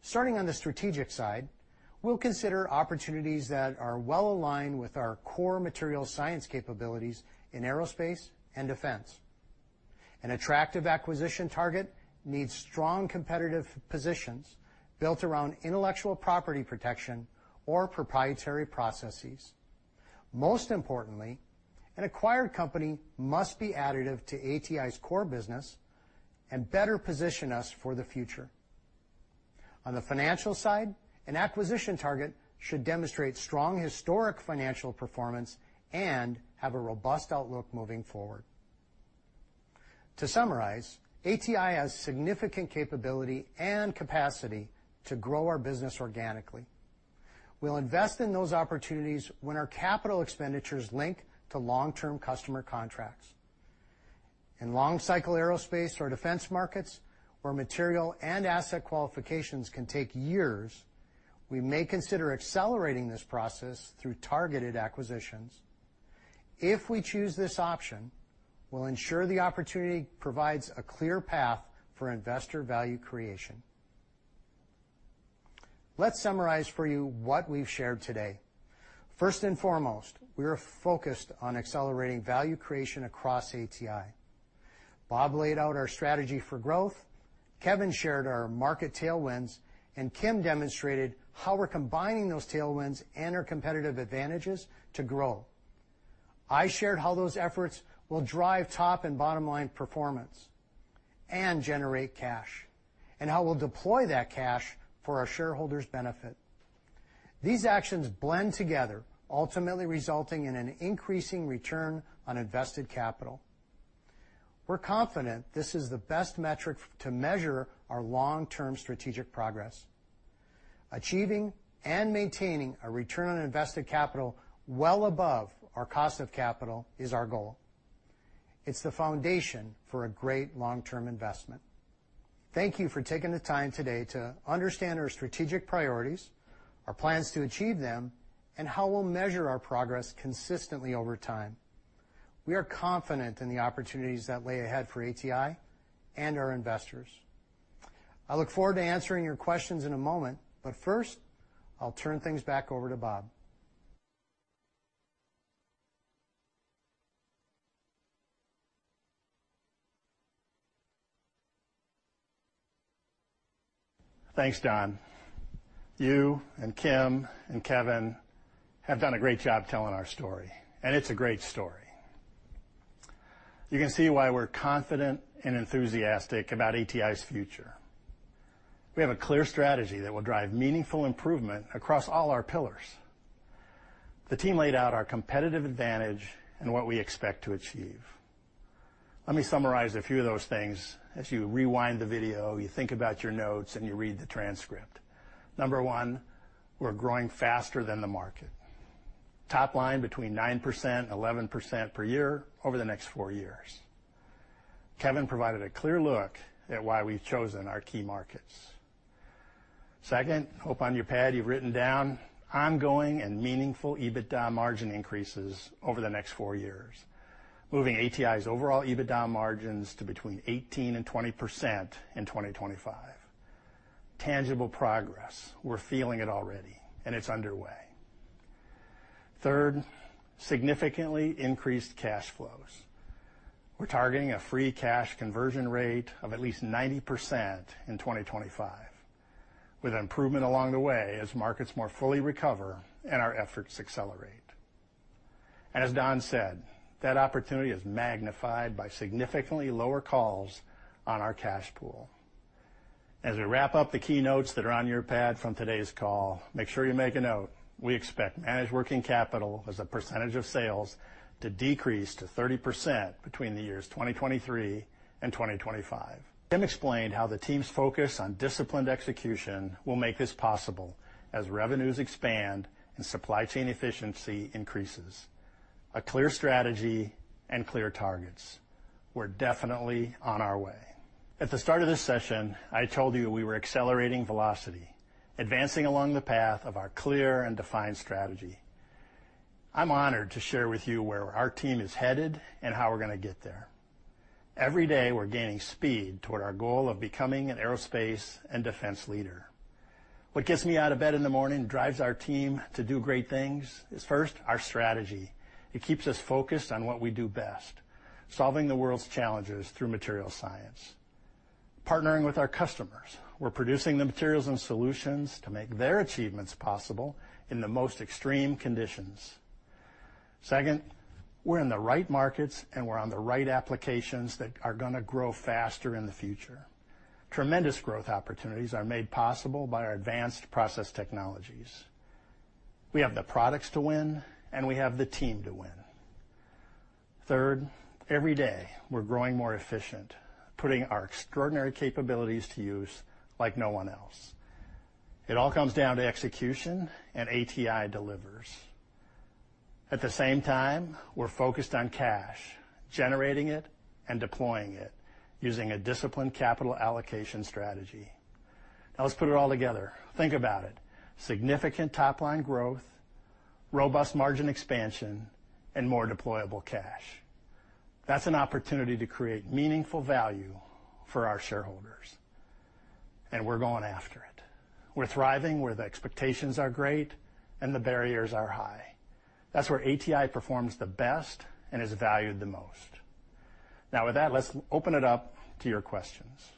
Starting on the strategic side, we'll consider opportunities that are well aligned with our core material science capabilities in aerospace and defense. An attractive acquisition target needs strong competitive positions built around intellectual property protection or proprietary processes. Most importantly, an acquired company must be additive to ATI's core business and better position us for the future. On the financial side, an acquisition target should demonstrate strong historic financial performance and have a robust outlook moving forward. To summarize, ATI has significant capability and capacity to grow our business organically. We'll invest in those opportunities when our capital expenditures link to long-term customer contracts. In long-cycle aerospace or defense markets, where material and asset qualifications can take years, we may consider accelerating this process through targeted acquisitions. If we choose this option, we'll ensure the opportunity provides a clear path for investor value creation. Let's summarize for you what we've shared today. First and foremost, we are focused on accelerating value creation across ATI. Bob laid out our strategy for growth, Kevin shared our market tailwinds, and Kim demonstrated how we're combining those tailwinds and our competitive advantages to grow. I shared how those efforts will drive top and bottom-line performance and generate cash, and how we'll deploy that cash for our shareholders' benefit. These actions blend together, ultimately resulting in an increasing return on invested capital. We're confident this is the best metric to measure our long-term strategic progress. Achieving and maintaining a return on invested capital well above our cost of capital is our goal. It's the foundation for a great long-term investment. Thank you for taking the time today to understand our strategic priorities, our plans to achieve them, and how we'll measure our progress consistently over time. We are confident in the opportunities that lay ahead for ATI and our investors. I look forward to answering your questions in a moment, but first, I'll turn things back over to Bob. Thanks, Don. You and Kim and Kevin have done a great job telling our story, and it's a great story. You can see why we're confident and enthusiastic about ATI's future. We have a clear strategy that will drive meaningful improvement across all our pillars. The team laid out our competitive advantage and what we expect to achieve. Let me summarize a few of those things as you rewind the video, you think about your notes, and you read the transcript. Number one, we're growing faster than the market. Top line 9%-11% per year over the next four years. Kevin provided a clear look at why we've chosen our key markets. Second, I hope on your pad you've written down ongoing and meaningful EBITDA margin increases over the next 4 years, moving ATI's overall EBITDA margins to 18%-20% in 2025. Tangible progress, we're feeling it already, and it's underway. Third, significantly increased cash flows. We're targeting a free cash conversion rate of at least 90% in 2025, with improvement along the way as markets more fully recover and our efforts accelerate. As Don said, that opportunity is magnified by significantly lower calls on our cash pool. As we wrap up the keynotes that are on your pad from today's call, make sure you make a note. We expect managed working capital as a percentage of sales to decrease to 30% between the years 2023 and 2025. Kim explained how the team's focus on disciplined execution will make this possible as revenues expand and supply chain efficiency increases. A clear strategy and clear targets. We're definitely on our way. At the start of this session, I told you we were accelerating velocity, advancing along the path of our clear and defined strategy. I'm honored to share with you where our team is headed and how we're gonna get there. Every day, we're gaining speed toward our goal of becoming an aerospace and defense leader. What gets me out of bed in the morning, drives our team to do great things is, first, our strategy. It keeps us focused on what we do best, solving the world's challenges through materials science. Partnering with our customers, we're producing the materials and solutions to make their achievements possible in the most extreme conditions. Second, we're in the right markets, and we're on the right applications that are gonna grow faster in the future. Tremendous growth opportunities are made possible by our advanced process technologies. We have the products to win, and we have the team to win. Third, every day, we're growing more efficient, putting our extraordinary capabilities to use like no one else. It all comes down to execution, and ATI delivers. At the same time, we're focused on cash, generating it and deploying it using a disciplined capital allocation strategy. Now, let's put it all together. Think about it. Significant top-line growth, robust margin expansion, and more deployable cash. That's an opportunity to create meaningful value for our shareholders, and we're going after it. We're thriving where the expectations are great and the barriers are high. That's where ATI performs the best and is valued the most. Now, with that, let's open it up to your questions.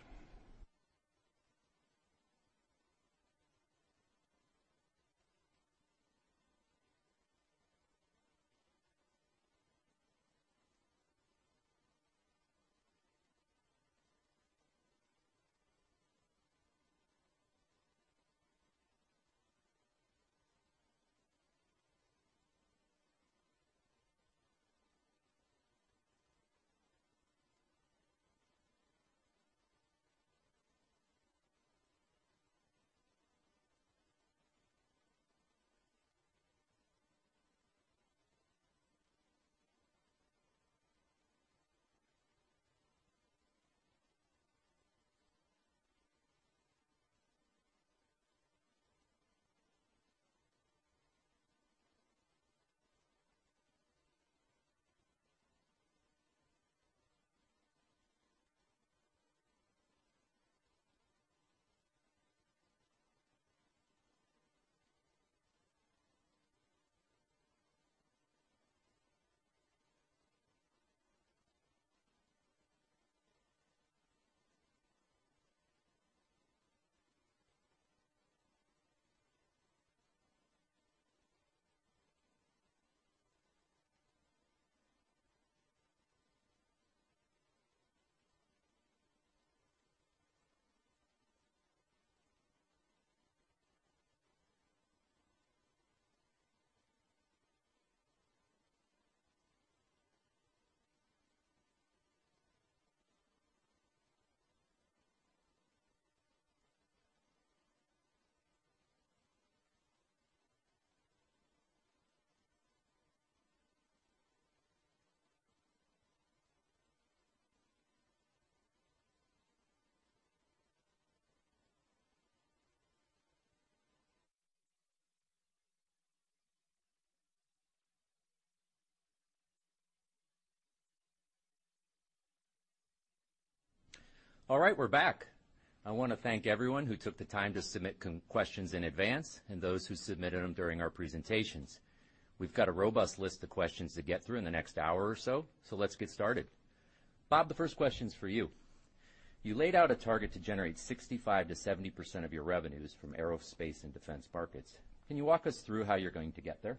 All right, we're back. I wanna thank everyone who took the time to submit questions in advance and those who submitted them during our presentations. We've got a robust list of questions to get through in the next hour or so let's get started. Bob, the first question is for you. You laid out a target to generate 65%-70% of your revenues from aerospace and defense markets. Can you walk us through how you're going to get there?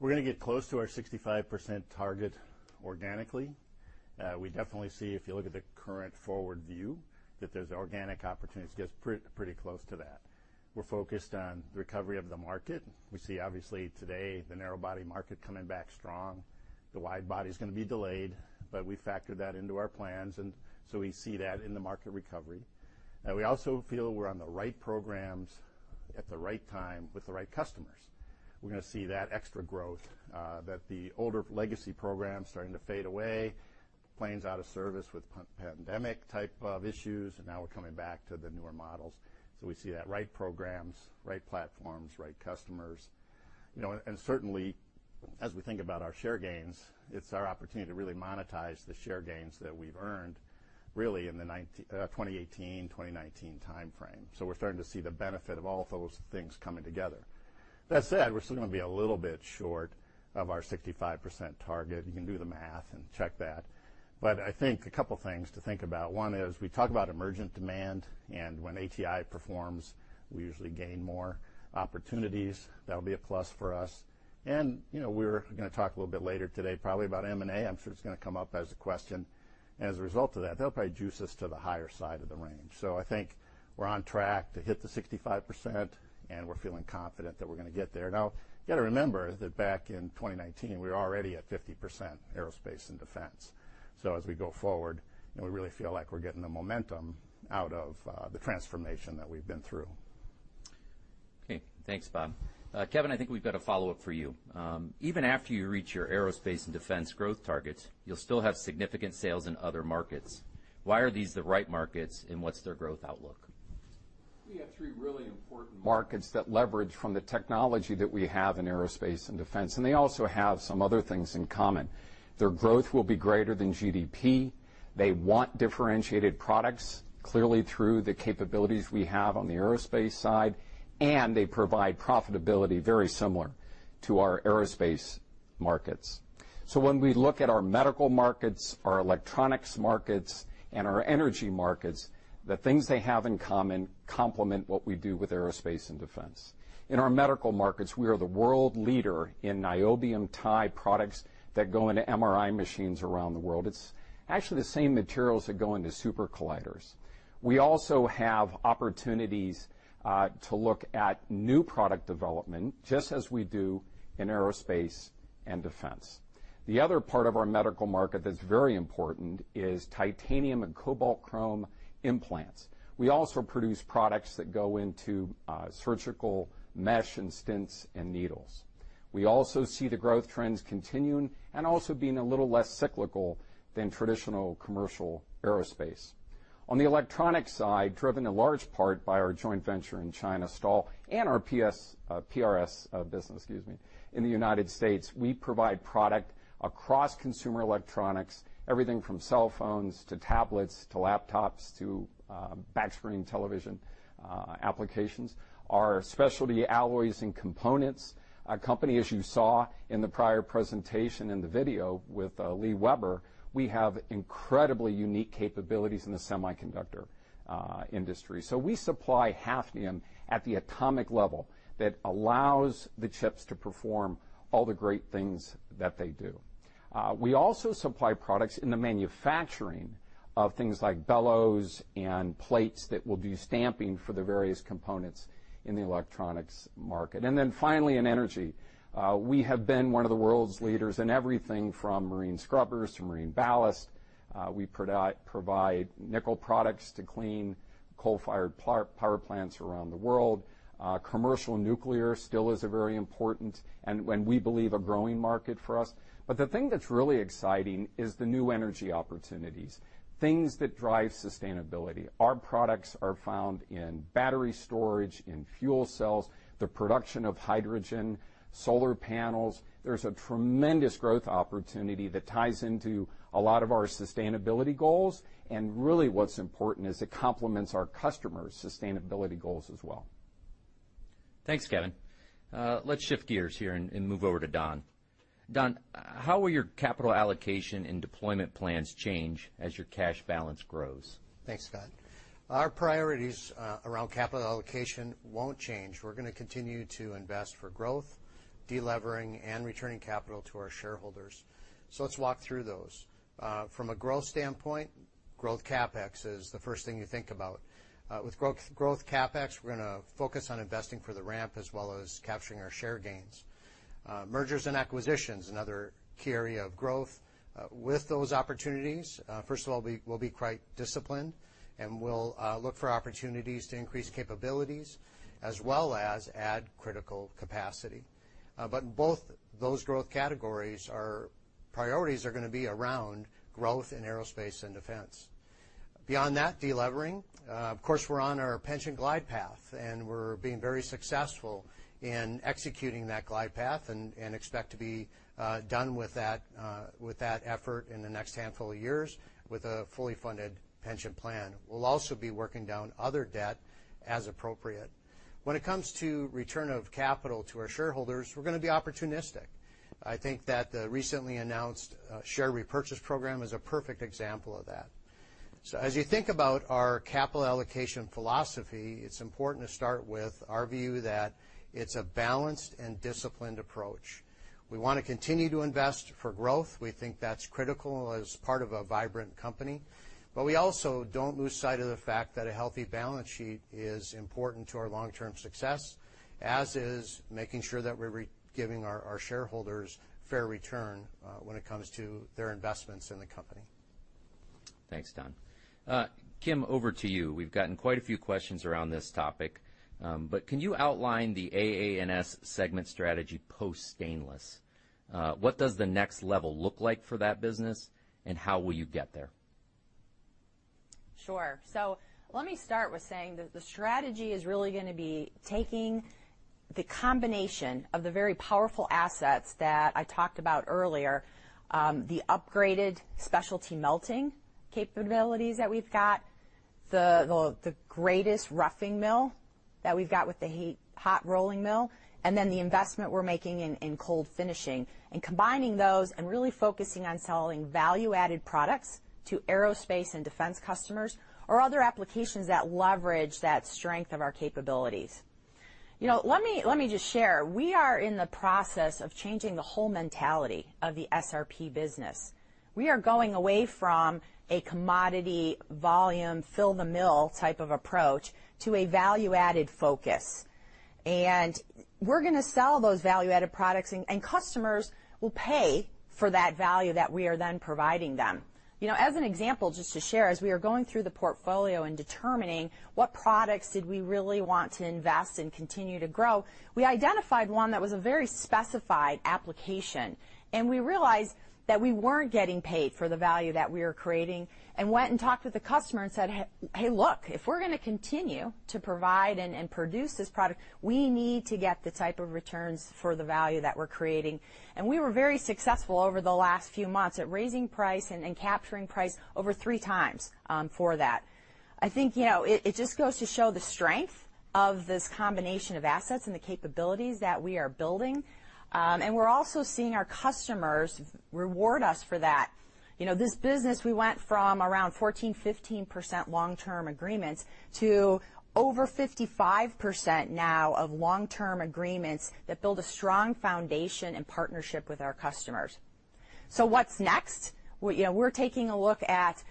We're gonna get close to our 65% target organically. We definitely see, if you look at the current forward view, that there's organic opportunities that get pretty close to that. We're focused on the recovery of the market. We see, obviously, today, the narrow body market coming back strong. The wide body is gonna be delayed, but we factored that into our plans, and so we see that in the market recovery. We also feel we're on the right programs at the right time with the right customers. We're gonna see that extra growth, that the older legacy program is starting to fade away, planes out of service with pandemic type of issues, and now we're coming back to the newer models. We see that right programs, right platforms, right customers. You know, certainly, as we think about our share gains, it's our opportunity to really monetize the share gains that we've earned, really in the 2018, 2019 timeframe. We're starting to see the benefit of all of those things coming together. That said, we're still gonna be a little bit short of our 65% target. You can do the math and check that. I think a couple things to think about. One is we talk about emerging demand, and when ATI performs, we usually gain more opportunities. That'll be a plus for us. You know, we're gonna talk a little bit later today probably about M&A. I'm sure it's gonna come up as a question. As a result of that, they'll probably juice us to the higher side of the range. I think we're on track to hit the 65%, and we're feeling confident that we're gonna get there. Now you gotta remember that back in 2019, we were already at 50% aerospace and defense. As we go forward, and we really feel like we're getting the momentum out of the transformation that we've been through. Okay. Thanks, Bob. Kevin, I think we've got a follow-up for you. Even after you reach your aerospace and defense growth targets, you'll still have significant sales in other markets. Why are these the right markets, and what's their growth outlook? We have three really important markets that leverage from the technology that we have in aerospace and defense, and they also have some other things in common. Their growth will be greater than GDP. They want differentiated products, clearly through the capabilities we have on the aerospace side, and they provide profitability very similar to our aerospace markets. When we look at our medical markets, our electronics markets, and our energy markets, the things they have in common complement what we do with aerospace and defense. In our medical markets, we are the world leader in niobium-titanium products that go into MRI machines around the world. It's actually the same materials that go into supercolliders. We also have opportunities to look at new product development, just as we do in aerospace and defense. The other part of our medical market that's very important is titanium and cobalt chrome implants. We also produce products that go into surgical mesh and stents and needles. We also see the growth trends continuing and also being a little less cyclical than traditional commercial aerospace. On the electronic side, driven in large part by our joint venture in China, STAL, and our PRS business, excuse me, in the United States, we provide product across consumer electronics, everything from cell phones to tablets to laptops to big screen television applications. Our specialty alloys and components, our company, as you saw in the prior presentation in the video with Lee Weber, we have incredibly unique capabilities in the semiconductor industry. We supply hafnium at the atomic level that allows the chips to perform all the great things that they do. We also supply products in the manufacturing of things like bellows and plates that will do stamping for the various components in the electronics market. Then finally, in energy, we have been one of the world's leaders in everything from marine scrubbers to marine ballast. We provide nickel products to clean coal-fired power plants around the world. Commercial nuclear still is a very important and we believe a growing market for us. The thing that's really exciting is the new energy opportunities, things that drive sustainability. Our products are found in battery storage, in fuel cells, the production of hydrogen, solar panels. There's a tremendous growth opportunity that ties into a lot of our sustainability goals, and really what's important is it complements our customers' sustainability goals as well. Thanks, Kevin. Let's shift gears here and move over to Don. Don, how will your capital allocation and deployment plans change as your cash balance grows? Thanks, Scott. Our priorities around capital allocation won't change. We're gonna continue to invest for growth, de-levering, and returning capital to our shareholders. Let's walk through those. From a growth standpoint, growth CapEx is the first thing you think about. With growth CapEx, we're gonna focus on investing for the ramp as well as capturing our share gains. Mergers and acquisitions, another key area of growth. With those opportunities, first of all, we'll be quite disciplined, and we'll look for opportunities to increase capabilities as well as add critical capacity. Both those growth categories, our priorities are gonna be around growth in aerospace and defense. Beyond that, de-levering. Of course, we're on our pension glide path, and we're being very successful in executing that glide path and expect to be done with that effort in the next handful of years with a fully funded pension plan. We'll also be working down other debt as appropriate. When it comes to return of capital to our shareholders, we're gonna be opportunistic. I think that the recently announced share repurchase program is a perfect example of that. As you think about our capital allocation philosophy, it's important to start with our view that it's a balanced and disciplined approach. We wanna continue to invest for growth. We think that's critical as part of a vibrant company, but we also don't lose sight of the fact that a healthy balance sheet is important to our long-term success, as is making sure that we're giving our shareholders fair return, when it comes to their investments in the company. Thanks, Don. Kim, over to you. We've gotten quite a few questions around this topic, but can you outline the AA&S segment strategy post-stainless? What does the next level look like for that business, and how will you get there? Sure. Let me start with saying that the strategy is really gonna be taking the combination of the very powerful assets that I talked about earlier, the upgraded specialty melting capabilities that we've got, the greatest roughing mill that we've got with the hot rolling mill, and then the investment we're making in cold finishing and combining those and really focusing on selling value-added products to aerospace and defense customers or other applications that leverage that strength of our capabilities. You know, let me just share. We are in the process of changing the whole mentality of the SRP business. We are going away from a commodity volume, fill the mill type of approach to a value-added focus. We're gonna sell those value-added products and customers will pay for that value that we are then providing them. You know, as an example, just to share, as we are going through the portfolio and determining what products did we really want to invest and continue to grow, we identified one that was a very specified application, and we realized that we weren't getting paid for the value that we were creating and went and talked with the customer and said, "Hey, look, if we're gonna continue to provide and produce this product, we need to get the type of returns for the value that we're creating." We were very successful over the last few months at raising price and capturing price over three times for that. I think, you know, it just goes to show the strength of this combination of assets and the capabilities that we are building. We're also seeing our customers reward us for that. You know, this business, we went from around 14%, 15% long-term agreements to over 55% now of long-term agreements that build a strong foundation and partnership with our customers. What's next? Well, you know, we're taking a look at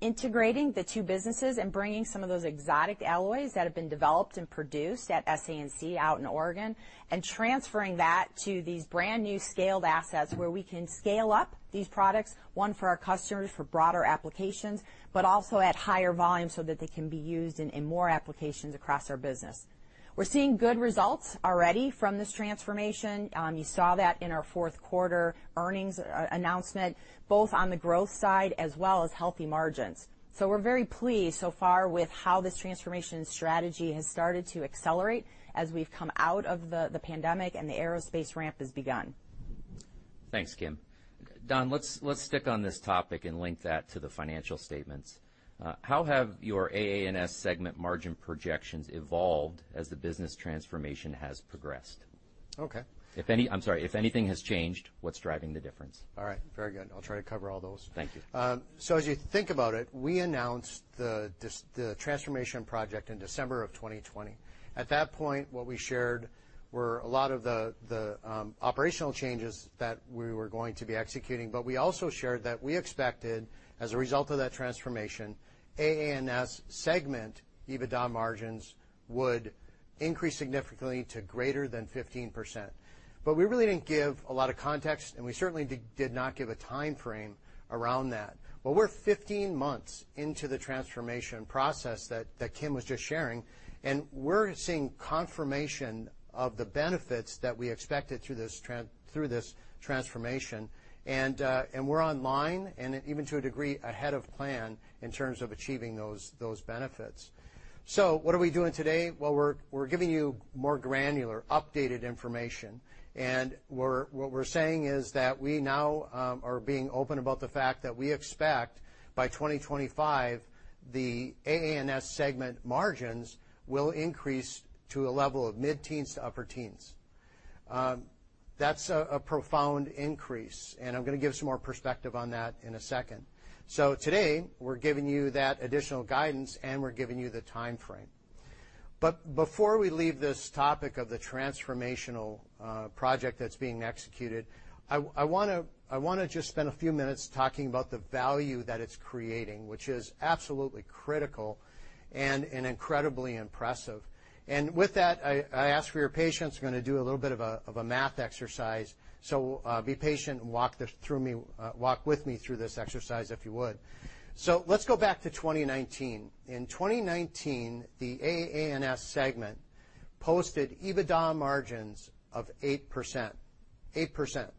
integrating the two businesses and bringing some of those exotic alloys that have been developed and produced at SANC out in Oregon and transferring that to these brand-new scaled assets where we can scale up these products, one, for our customers for broader applications, but also at higher volumes so that they can be used in more applications across our business. We're seeing good results already from this transformation. You saw that in our fourth quarter earnings announcement, both on the growth side as well as healthy margins. We're very pleased so far with how this transformation strategy has started to accelerate as we've come out of the pandemic and the aerospace ramp has begun. Thanks, Kim. Don, let's stick on this topic and link that to the financial statements. How have your AA&S segment margin projections evolved as the business transformation has progressed? Okay. If anything has changed, what's driving the difference? All right. Very good. I'll try to cover all those. Thank you. As you think about it, we announced the transformation project in December 2020. At that point, what we shared were a lot of the operational changes that we were going to be executing, but we also shared that we expected, as a result of that transformation, AA&S segment EBITDA margins would increase significantly to greater than 15%. We really didn't give a lot of context, and we certainly did not give a timeframe around that. Well, we're 15 months into the transformation process that Kim was just sharing, and we're seeing confirmation of the benefits that we expected through this transformation. And we're online and even to a degree ahead of plan in terms of achieving those benefits. What are we doing today? Well, we're giving you more granular, updated information. What we're saying is that we now are being open about the fact that we expect, by 2025, the AA&S segment margins will increase to a level of mid-teens% to upper-teens%. That's a profound increase, and I'm gonna give some more perspective on that in a second. Today, we're giving you that additional guidance, and we're giving you the timeframe. Before we leave this topic of the transformational project that's being executed, I wanna just spend a few minutes talking about the value that it's creating, which is absolutely critical and incredibly impressive. With that, I ask for your patience. We're gonna do a little bit of a math exercise. Be patient and walk with me through this exercise, if you would. Let's go back to 2019. In 2019, the AA&S segment posted EBITDA margins of 8%. 8%.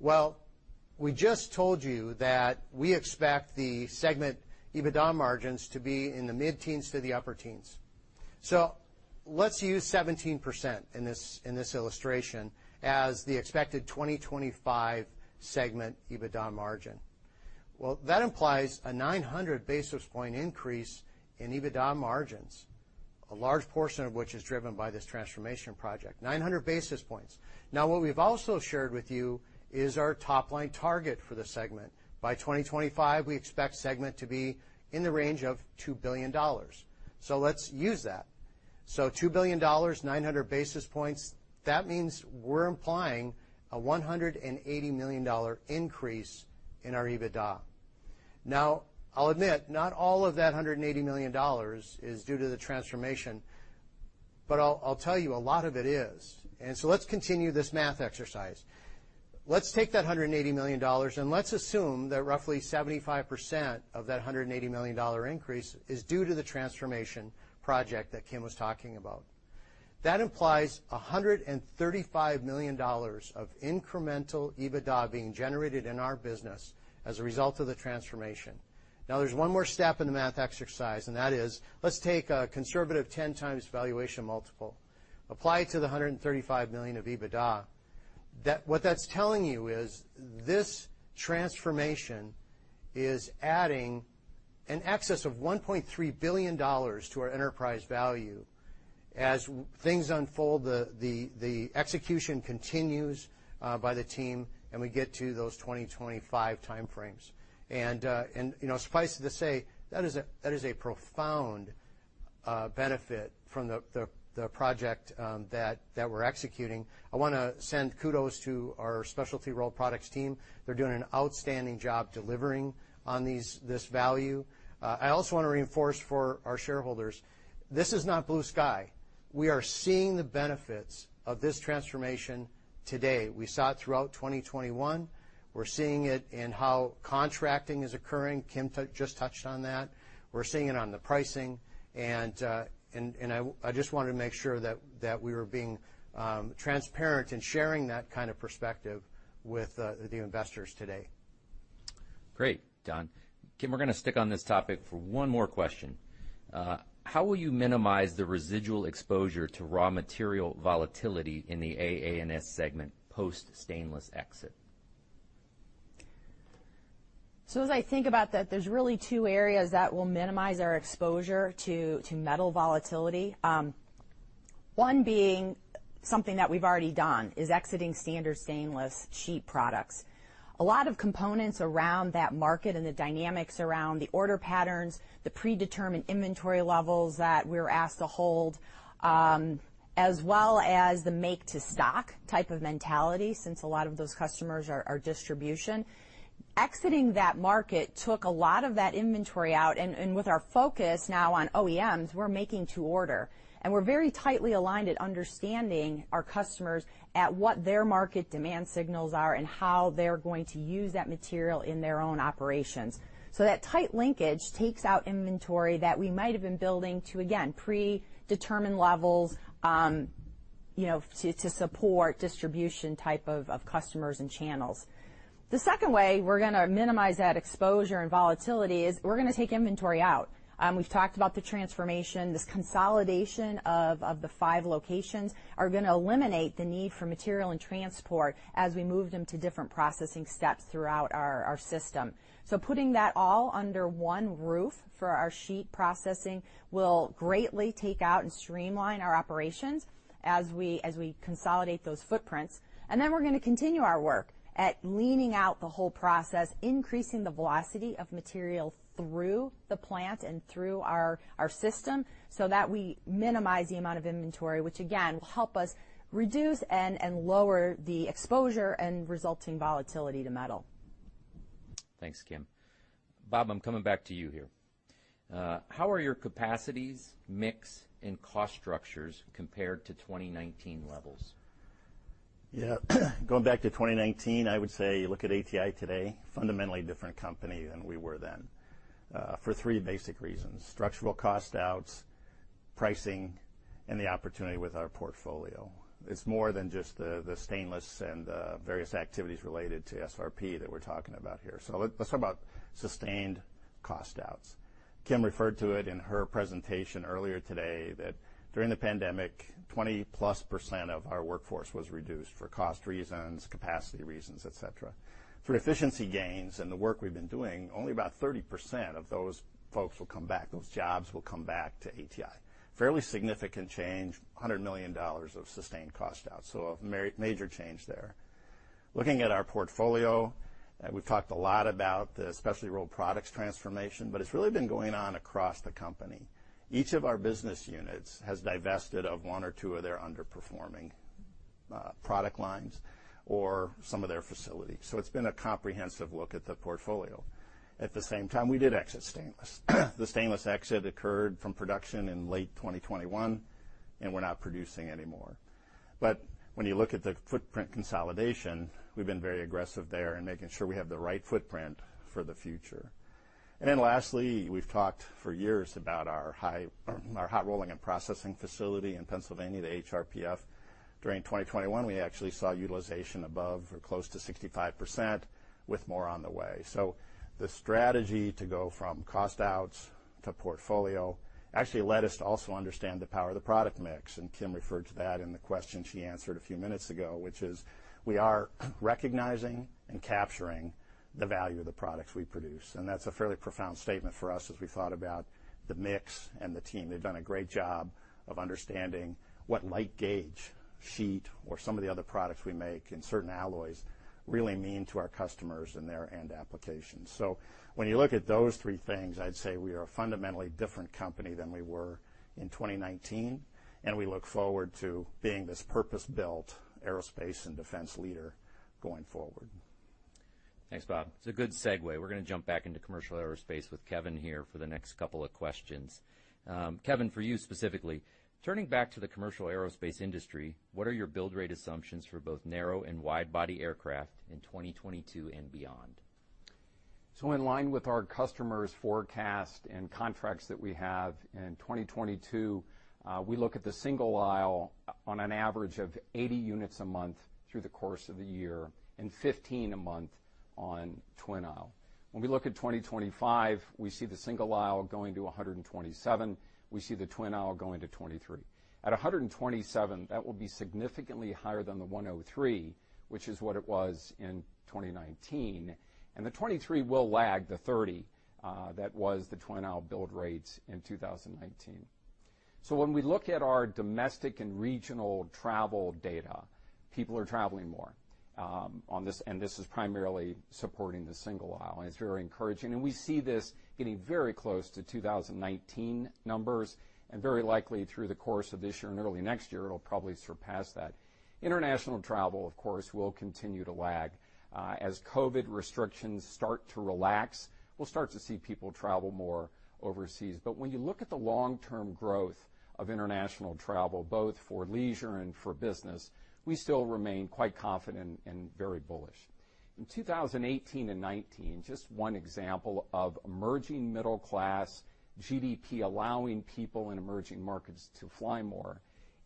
Well, we just told you that we expect the segment EBITDA margins to be in the mid-teens to the upper teens. Let's use 17% in this illustration as the expected 2025 segment EBITDA margin. Well, that implies a 900 basis point increase in EBITDA margins, a large portion of which is driven by this transformation project. 900 basis points. Now, what we've also shared with you is our top-line target for the segment. By 2025, we expect segment to be in the range of $2 billion. Let's use that. Two billion dollars, 900 basis points, that means we're implying a $180 million increase in our EBITDA. Now, I'll admit, not all of that $180 million is due to the transformation, but I'll tell you, a lot of it is. Let's continue this math exercise. Let's take that $180 million, and let's assume that roughly 75% of that $180 million increase is due to the transformation project that Kim was talking about. That implies $135 million of incremental EBITDA being generated in our business as a result of the transformation. Now, there's one more step in the math exercise, and that is, let's take a conservative 10x valuation multiple, apply it to the $135 million of EBITDA. What that's telling you is this transformation is adding in excess of $1.3 billion to our enterprise value. As things unfold, the execution continues by the team, and we get to those 2025 timeframes. You know, suffice to say, that is a profound benefit from the project that we're executing. I wanna send kudos to our Specialty Rolled Products team. They're doing an outstanding job delivering on this value. I also wanna reinforce for our shareholders, this is not blue sky. We are seeing the benefits of this transformation today. We saw it throughout 2021. We're seeing it in how contracting is occurring. Kim just touched on that. We're seeing it on the pricing. I just wanna make sure that we were being transparent in sharing that kind of perspective with the investors today. Great, Don. Kim, we're gonna stick on this topic for one more question. How will you minimize the residual exposure to raw material volatility in the AA&S segment post stainless exit? As I think about that, there's really two areas that will minimize our exposure to metal volatility. One being something that we've already done, is exiting standard stainless sheet products. A lot of components around that market and the dynamics around the order patterns, the predetermined inventory levels that we're asked to hold, as well as the make to stock type of mentality since a lot of those customers are distribution. Exiting that market took a lot of that inventory out, and with our focus now on OEMs, we're making to order. We're very tightly aligned at understanding our customers at what their market demand signals are and how they're going to use that material in their own operations. That tight linkage takes out inventory that we might have been building to, again, predetermine levels, you know, to support distribution type of customers and channels. The second way we're gonna minimize that exposure and volatility is we're gonna take inventory out. We've talked about the transformation. This consolidation of the five locations are gonna eliminate the need for material and transport as we move them to different processing steps throughout our system. Putting that all under one roof for our sheet processing will greatly take out and streamline our operations as we consolidate those footprints. We're gonna continue our work at leaning out the whole process, increasing the velocity of material through the plant and through our system, so that we minimize the amount of inventory, which, again, will help us reduce and lower the exposure and resulting volatility to metal. Thanks, Kim. Bob, I'm coming back to you here. How are your capacities, mix, and cost structures compared to 2019 levels? Yeah. Going back to 2019, I would say, look at ATI today, fundamentally different company than we were then, for three basic reasons, structural cost outs, pricing, and the opportunity with our portfolio. It's more than just the stainless and the various activities related to SRP that we're talking about here. Let's talk about sustained cost outs. Kim referred to it in her presentation earlier today that during the pandemic, 20+% of our workforce was reduced for cost reasons, capacity reasons, et cetera. Through efficiency gains and the work we've been doing, only about 30% of those folks will come back. Those jobs will come back to ATI. Fairly significant change, $100 million of sustained cost out, so a major change there. Looking at our portfolio, we've talked a lot about the specialty rolled products transformation, but it's really been going on across the company. Each of our business units has divested of one or two of their underperforming product lines or some of their facilities. It's been a comprehensive look at the portfolio. At the same time, we did exit stainless. The stainless exit occurred from production in late 2021, and we're not producing anymore. When you look at the footprint consolidation, we've been very aggressive there in making sure we have the right footprint for the future. Then lastly, we've talked for years about our hot rolling and processing facility in Pennsylvania, the HRPF. During 2021, we actually saw utilization above or close to 65%, with more on the way. The strategy to go from cost outs to portfolio actually led us to also understand the power of the product mix. Kim referred to that in the question she answered a few minutes ago, which is we are recognizing and capturing the value of the products we produce. That's a fairly profound statement for us as we thought about the mix and the team. They've done a great job of understanding what light gauge sheet or some of the other products we make in certain alloys really mean to our customers and their end applications. When you look at those three things, I'd say we are a fundamentally different company than we were in 2019, and we look forward to being this purpose-built aerospace and defense leader going forward. Thanks, Bob. It's a good segue. We're gonna jump back into commercial aerospace with Kevin here for the next couple of questions. Kevin, for you specifically, turning back to the commercial aerospace industry, what are your build rate assumptions for both narrow and wide body aircraft in 2022 and beyond? In line with our customers' forecast and contracts that we have in 2022, we look at the single aisle on an average of 80 units a month through the course of the year and 15 a month on twin aisle. When we look at 2025, we see the single aisle going to 127. We see the twin aisle going to 23. At 127, that will be significantly higher than the 103, which is what it was in 2019. The 23 will lag the 30, that was the twin aisle build rate in 2019. When we look at our domestic and regional travel data, people are traveling more, on this, and this is primarily supporting the single aisle, and it's very encouraging. We see this getting very close to 2019 numbers, and very likely through the course of this year and early next year, it'll probably surpass that. International travel, of course, will continue to lag. As COVID restrictions start to relax, we'll start to see people travel more overseas. But when you look at the long-term growth of international travel, both for leisure and for business, we still remain quite confident and very bullish. In 2018 and 2019, just one example of emerging middle class GDP allowing people in emerging markets to fly more.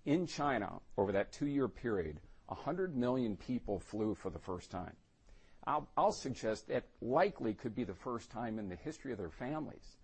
In China, over that two-year period, 100 million people flew for the first time. I'll suggest that likely could be the first time in the history of their families.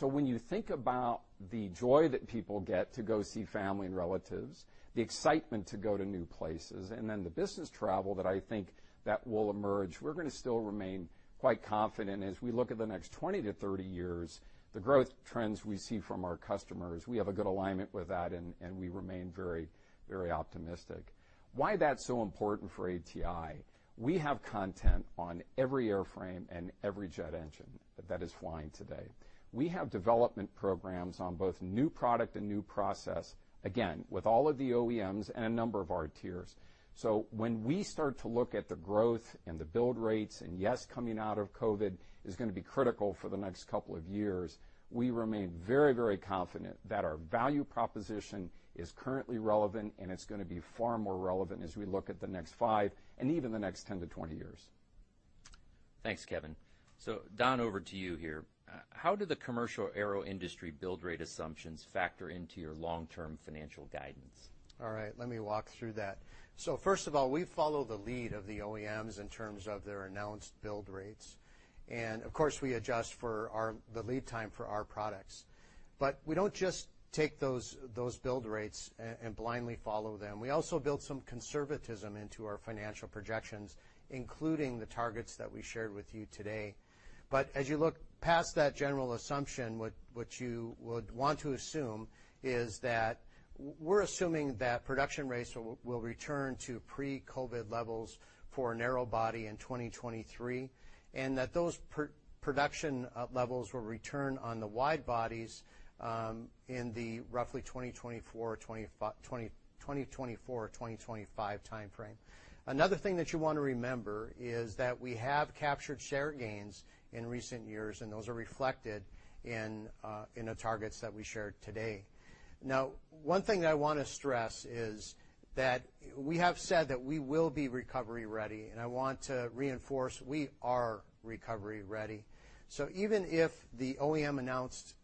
When you think about the joy that people get to go see family and relatives, the excitement to go to new places, and then the business travel that I think that will emerge, we're gonna still remain quite confident as we look at the next 20-30 years, the growth trends we see from our customers, we have a good alignment with that and we remain very, very optimistic. Why that's so important for ATI, we have content on every airframe and every jet engine that is flying today. We have development programs on both new product and new process, again, with all of the OEMs and a number of our tiers. When we start to look at the growth and the build rates, and yes, coming out of COVID is gonna be critical for the next couple of years, we remain very, very confident that our value proposition is currently relevant, and it's gonna be far more relevant as we look at the next five and even the next 10 to 20 years. Thanks, Kevin. Don, over to you here. How do the commercial aero industry build rate assumptions factor into your long-term financial guidance? All right, let me walk through that. First of all, we follow the lead of the OEMs in terms of their announced build rates. Of course, we adjust for the lead time for our products. We don't just take those build rates and blindly follow them. We also build some conservatism into our financial projections, including the targets that we shared with you today. As you look past that general assumption, what you would want to assume is that we're assuming that production rates will return to pre-COVID levels for narrow body in 2023, and that those production levels will return on the wide bodies in the roughly 2024 or 2025 timeframe. Another thing that you wanna remember is that we have captured share gains in recent years, and those are reflected in the targets that we shared today. Now, one thing that I wanna stress is that we have said that we will be recovery ready, and I want to reinforce we are recovery ready. So even if the OEM announced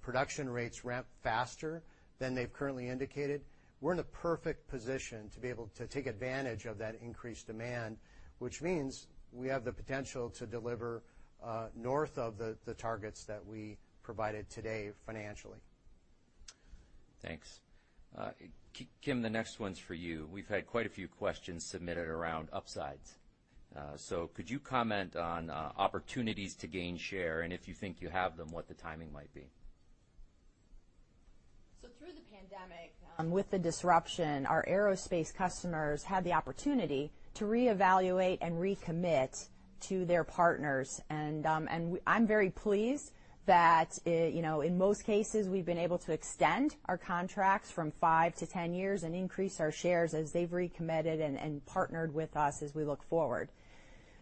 production rates ramp faster than they've currently indicated, we're in the perfect position to be able to take advantage of that increased demand, which means we have the potential to deliver north of the targets that we provided today financially. Thanks. Kim, the next one's for you. We've had quite a few questions submitted around upsides. Could you comment on opportunities to gain share, and if you think you have them, what the timing might be? Through the pandemic, with the disruption, our aerospace customers had the opportunity to reevaluate and recommit to their partners. I'm very pleased that, you know, in most cases, we've been able to extend our contracts from 5-10 years and increase our shares as they've recommitted and partnered with us as we look forward.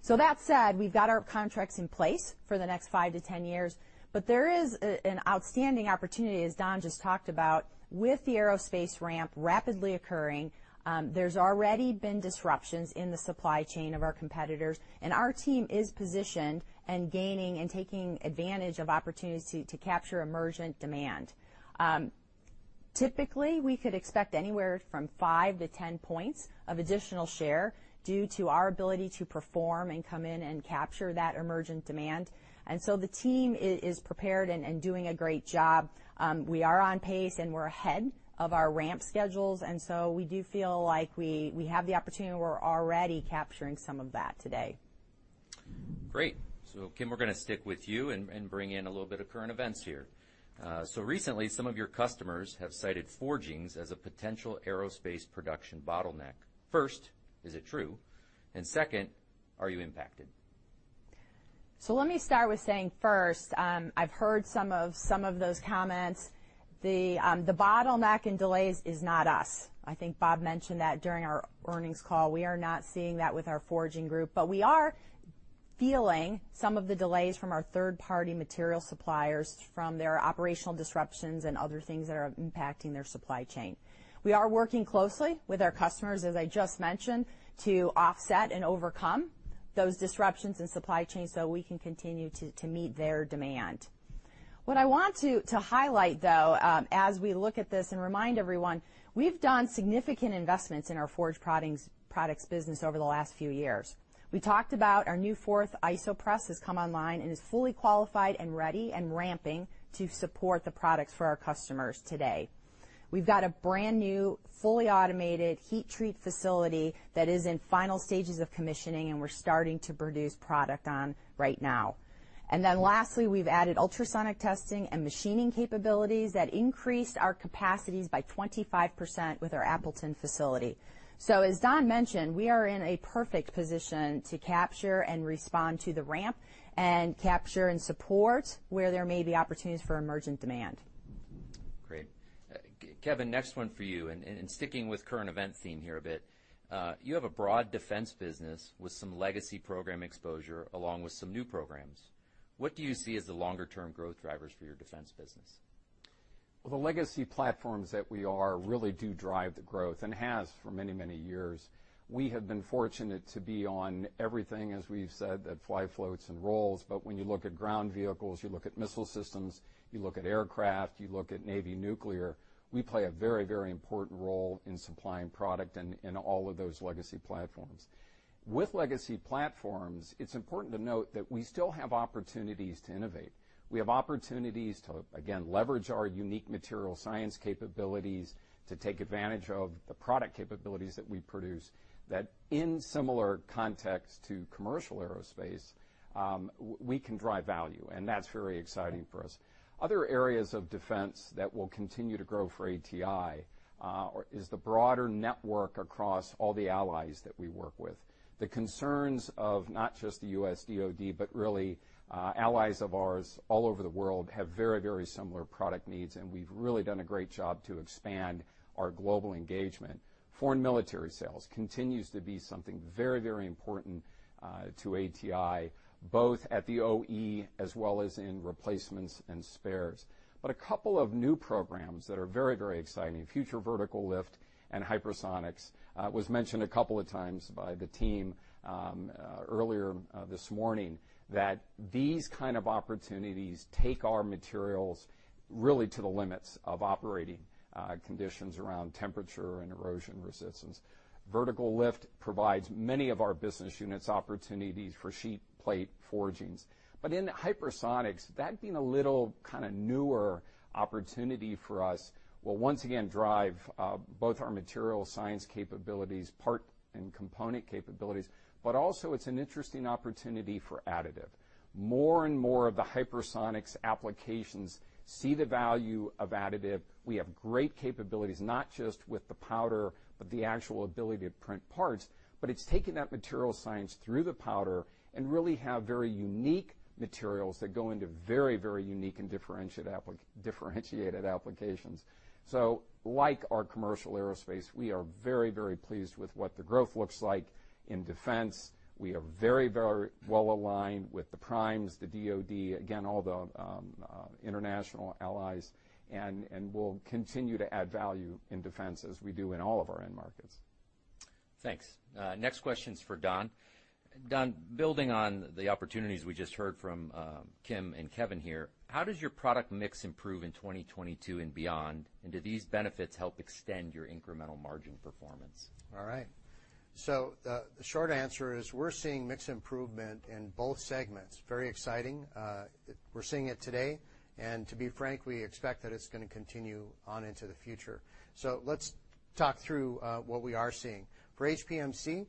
That said, we've got our contracts in place for the next 5-10 years, but there is an outstanding opportunity, as Don just talked about. With the aerospace ramp rapidly occurring, there's already been disruptions in the supply chain of our competitors, and our team is positioned and gaining and taking advantage of opportunities to capture emergent demand. Typically, we could expect anywhere from 5-10 points of additional share due to our ability to perform and come in and capture that emergent demand. The team is prepared and doing a great job. We are on pace, and we're ahead of our ramp schedules. We do feel like we have the opportunity, and we're already capturing some of that today. Great. Kim, we're gonna stick with you and bring in a little bit of current events here. Recently, some of your customers have cited forgings as a potential aerospace production bottleneck. First, is it true? Second, are you impacted? Let me start with saying first, I've heard some of those comments. The bottleneck and delays is not us. I think Bob mentioned that during our earnings call. We are not seeing that with our Forged Products group, but we are feeling some of the delays from our third-party material suppliers from their operational disruptions and other things that are impacting their supply chain. We are working closely with our customers, as I just mentioned, to offset and overcome those disruptions in supply chain so we can continue to meet their demand. What I want to highlight, though, as we look at this and remind everyone, we've done significant investments in our Forged Products business over the last few years. We talked about our new fourth iso press has come online and is fully qualified and ready and ramping to support the products for our customers today. We've got a brand-new, fully automated heat treat facility that is in final stages of commissioning, and we're starting to produce product on right now. Then lastly, we've added ultrasonic testing and machining capabilities that increased our capacities by 25% with our Appleton facility. As Don mentioned, we are in a perfect position to capture and respond to the ramp and capture and support where there may be opportunities for emergent demand. Great. Kevin, next one for you, and sticking with current event theme here a bit, you have a broad defense business with some legacy program exposure along with some new programs. What do you see as the longer-term growth drivers for your defense business? Well, the legacy platforms that we really do drive the growth and has for many, many years. We have been fortunate to be on everything, as we've said, that fly, floats, and rolls. When you look at ground vehicles, you look at missile systems, you look at aircraft, you look at Navy nuclear, we play a very, very important role in supplying product in all of those legacy platforms. With legacy platforms, it's important to note that we still have opportunities to innovate. We have opportunities to, again, leverage our unique material science capabilities to take advantage of the product capabilities that we produce, that in similar context to commercial aerospace, we can drive value, and that's very exciting for us. Other areas of defense that will continue to grow for ATI is the broader network across all the allies that we work with. The concerns of not just the U.S. DoD, but really, allies of ours all over the world have very, very similar product needs, and we've really done a great job to expand our global engagement. Foreign military sales continues to be something very, very important, to ATI, both at the OE as well as in replacements and spares. A couple of new programs that are very, very exciting, Future Vertical Lift and hypersonics, was mentioned a couple of times by the team, earlier, this morning that these kind of opportunities take our materials really to the limits of operating, conditions around temperature and erosion resistance. Vertical Lift provides many of our business units opportunities for sheet, plate, forgings. In hypersonics, that being a little kinda newer opportunity for us will once again drive both our material science capabilities, part and component capabilities, but also it's an interesting opportunity for additive. More and more of the hypersonics applications see the value of additive. We have great capabilities, not just with the powder, but the actual ability to print parts. It's taking that material science through the powder and really have very unique materials that go into very, very unique and differentiated applications. Like our commercial aerospace, we are very, very pleased with what the growth looks like in defense. We are very, very well aligned with the primes, the DoD, again, all the international allies, and we'll continue to add value in defense as we do in all of our end markets. Thanks. Next question's for Don. Don, building on the opportunities we just heard from, Kim and Kevin here, how does your product mix improve in 2022 and beyond? Do these benefits help extend your incremental margin performance? All right. The short answer is we're seeing mix improvement in both segments. Very exciting. We're seeing it today, and to be frank, we expect that it's gonna continue on into the future. Let's talk through what we are seeing. For HPMC,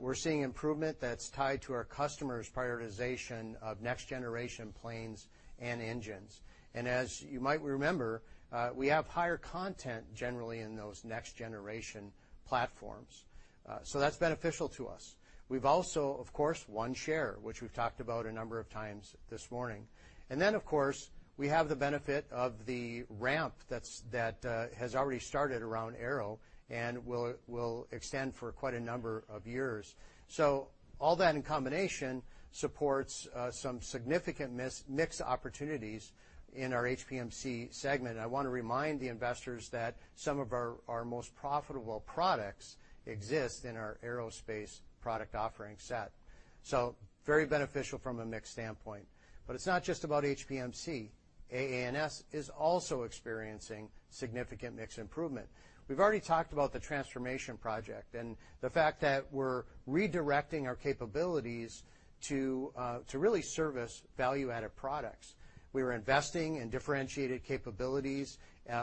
we're seeing improvement that's tied to our customers' prioritization of next-generation planes and engines. As you might remember, we have higher content generally in those next-generation platforms. That's beneficial to us. We've also, of course, Market Share One, which we've talked about a number of times this morning. Then, of course, we have the benefit of the ramp that has already started around aero and will extend for quite a number of years. All that in combination supports some significant mix opportunities in our HPMC segment. I wanna remind the investors that some of our most profitable products exist in our aerospace product offering set. Very beneficial from a mix standpoint. It's not just about HPMC. AA&S is also experiencing significant mix improvement. We've already talked about the transformation project and the fact that we're redirecting our capabilities to really service value-added products. We were investing in differentiated capabilities,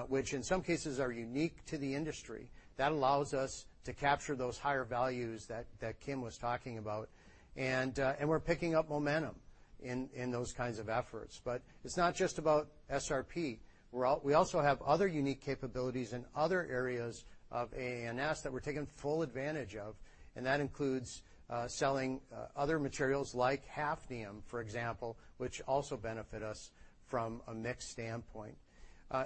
which in some cases are unique to the industry. That allows us to capture those higher values that Kim was talking about. We're picking up momentum in those kinds of efforts. It's not just about SRP. We also have other unique capabilities in other areas of AA&S that we're taking full advantage of, and that includes selling other materials like hafnium, for example, which also benefit us from a mix standpoint.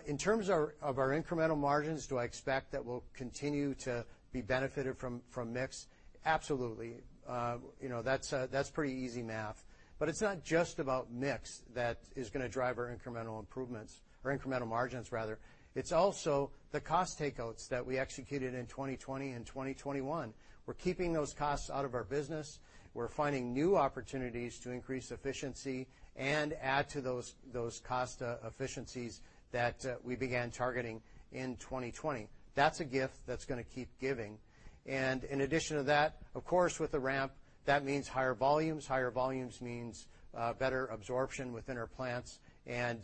In terms of our incremental margins, do I expect that we'll continue to be benefited from mix? Absolutely. You know, that's pretty easy math. But it's not just about mix that is gonna drive our incremental improvements, or incremental margins rather. It's also the cost takeouts that we executed in 2020 and 2021. We're keeping those costs out of our business. We're finding new opportunities to increase efficiency and add to those cost efficiencies that we began targeting in 2020. That's a gift that's gonna keep giving. In addition to that, of course, with the ramp, that means higher volumes. Higher volumes means better absorption within our plants, and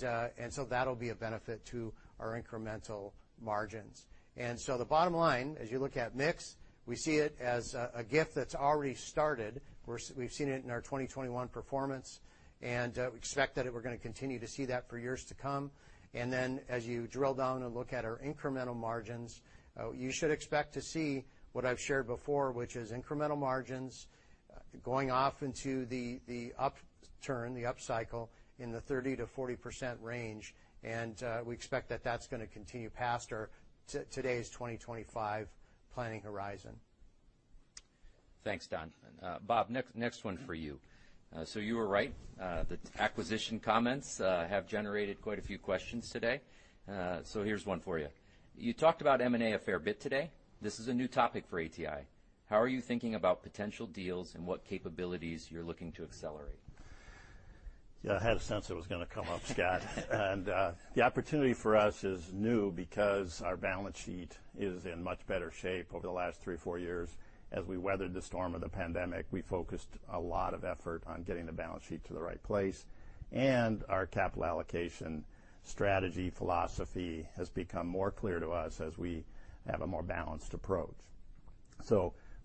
so that'll be a benefit to our incremental margins. The bottom line, as you look at mix, we see it as a gift that's already started. We've seen it in our 2021 performance, and we expect that we're gonna continue to see that for years to come. As you drill down and look at our incremental margins, you should expect to see what I've shared before, which is incremental margins going off into the upturn, the upcycle, in the 30%-40% range, and we expect that that's gonna continue past our today's 2025 planning horizon. Thanks, Don. Bob, next one for you. You were right. The acquisition comments have generated quite a few questions today. Here's one for you. You talked about M&A a fair bit today. This is a new topic for ATI. How are you thinking about potential deals and what capabilities you're looking to accelerate? Yeah, I had a sense it was gonna come up, Scott. The opportunity for us is new because our balance sheet is in much better shape over the last 3-4 years. As we weathered the storm of the pandemic, we focused a lot of effort on getting the balance sheet to the right place, and our capital allocation strategy philosophy has become more clear to us as we have a more balanced approach.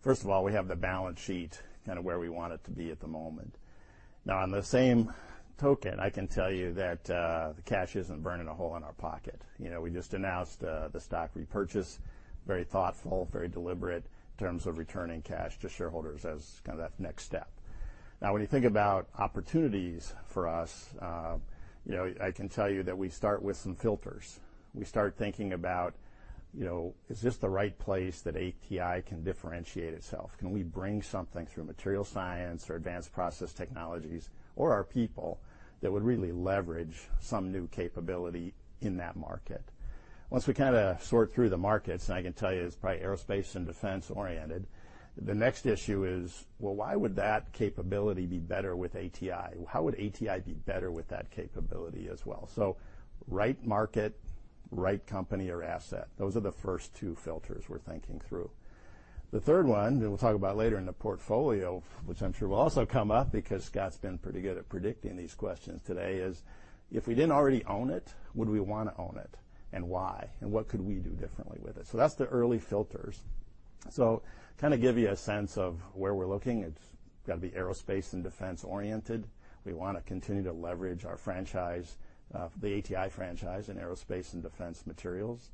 First of all, we have the balance sheet kinda where we want it to be at the moment. Now, by the same token, I can tell you that, the cash isn't burning a hole in our pocket. You know, we just announced, the stock repurchase, very thoughtful, very deliberate in terms of returning cash to shareholders as kind of that next step. Now, when you think about opportunities for us, I can tell you that we start with some filters. We start thinking about, is this the right place that ATI can differentiate itself? Can we bring something through material science or advanced process technologies or our people that would really leverage some new capability in that market? Once we kinda sort through the markets, and I can tell you it's probably aerospace and defense-oriented, the next issue is, well, why would that capability be better with ATI? How would ATI be better with that capability as well? Right market, right company or asset. Those are the first two filters we're thinking through. The third one that we'll talk about later in the portfolio, which I'm sure will also come up because Scott's been pretty good at predicting these questions today is, if we didn't already own it, would we wanna own it, and why? What could we do differently with it? That's the early filters. To kinda give you a sense of where we're looking, it's gotta be aerospace and defense-oriented. We wanna continue to leverage our franchise, the ATI franchise in aerospace and defense materials.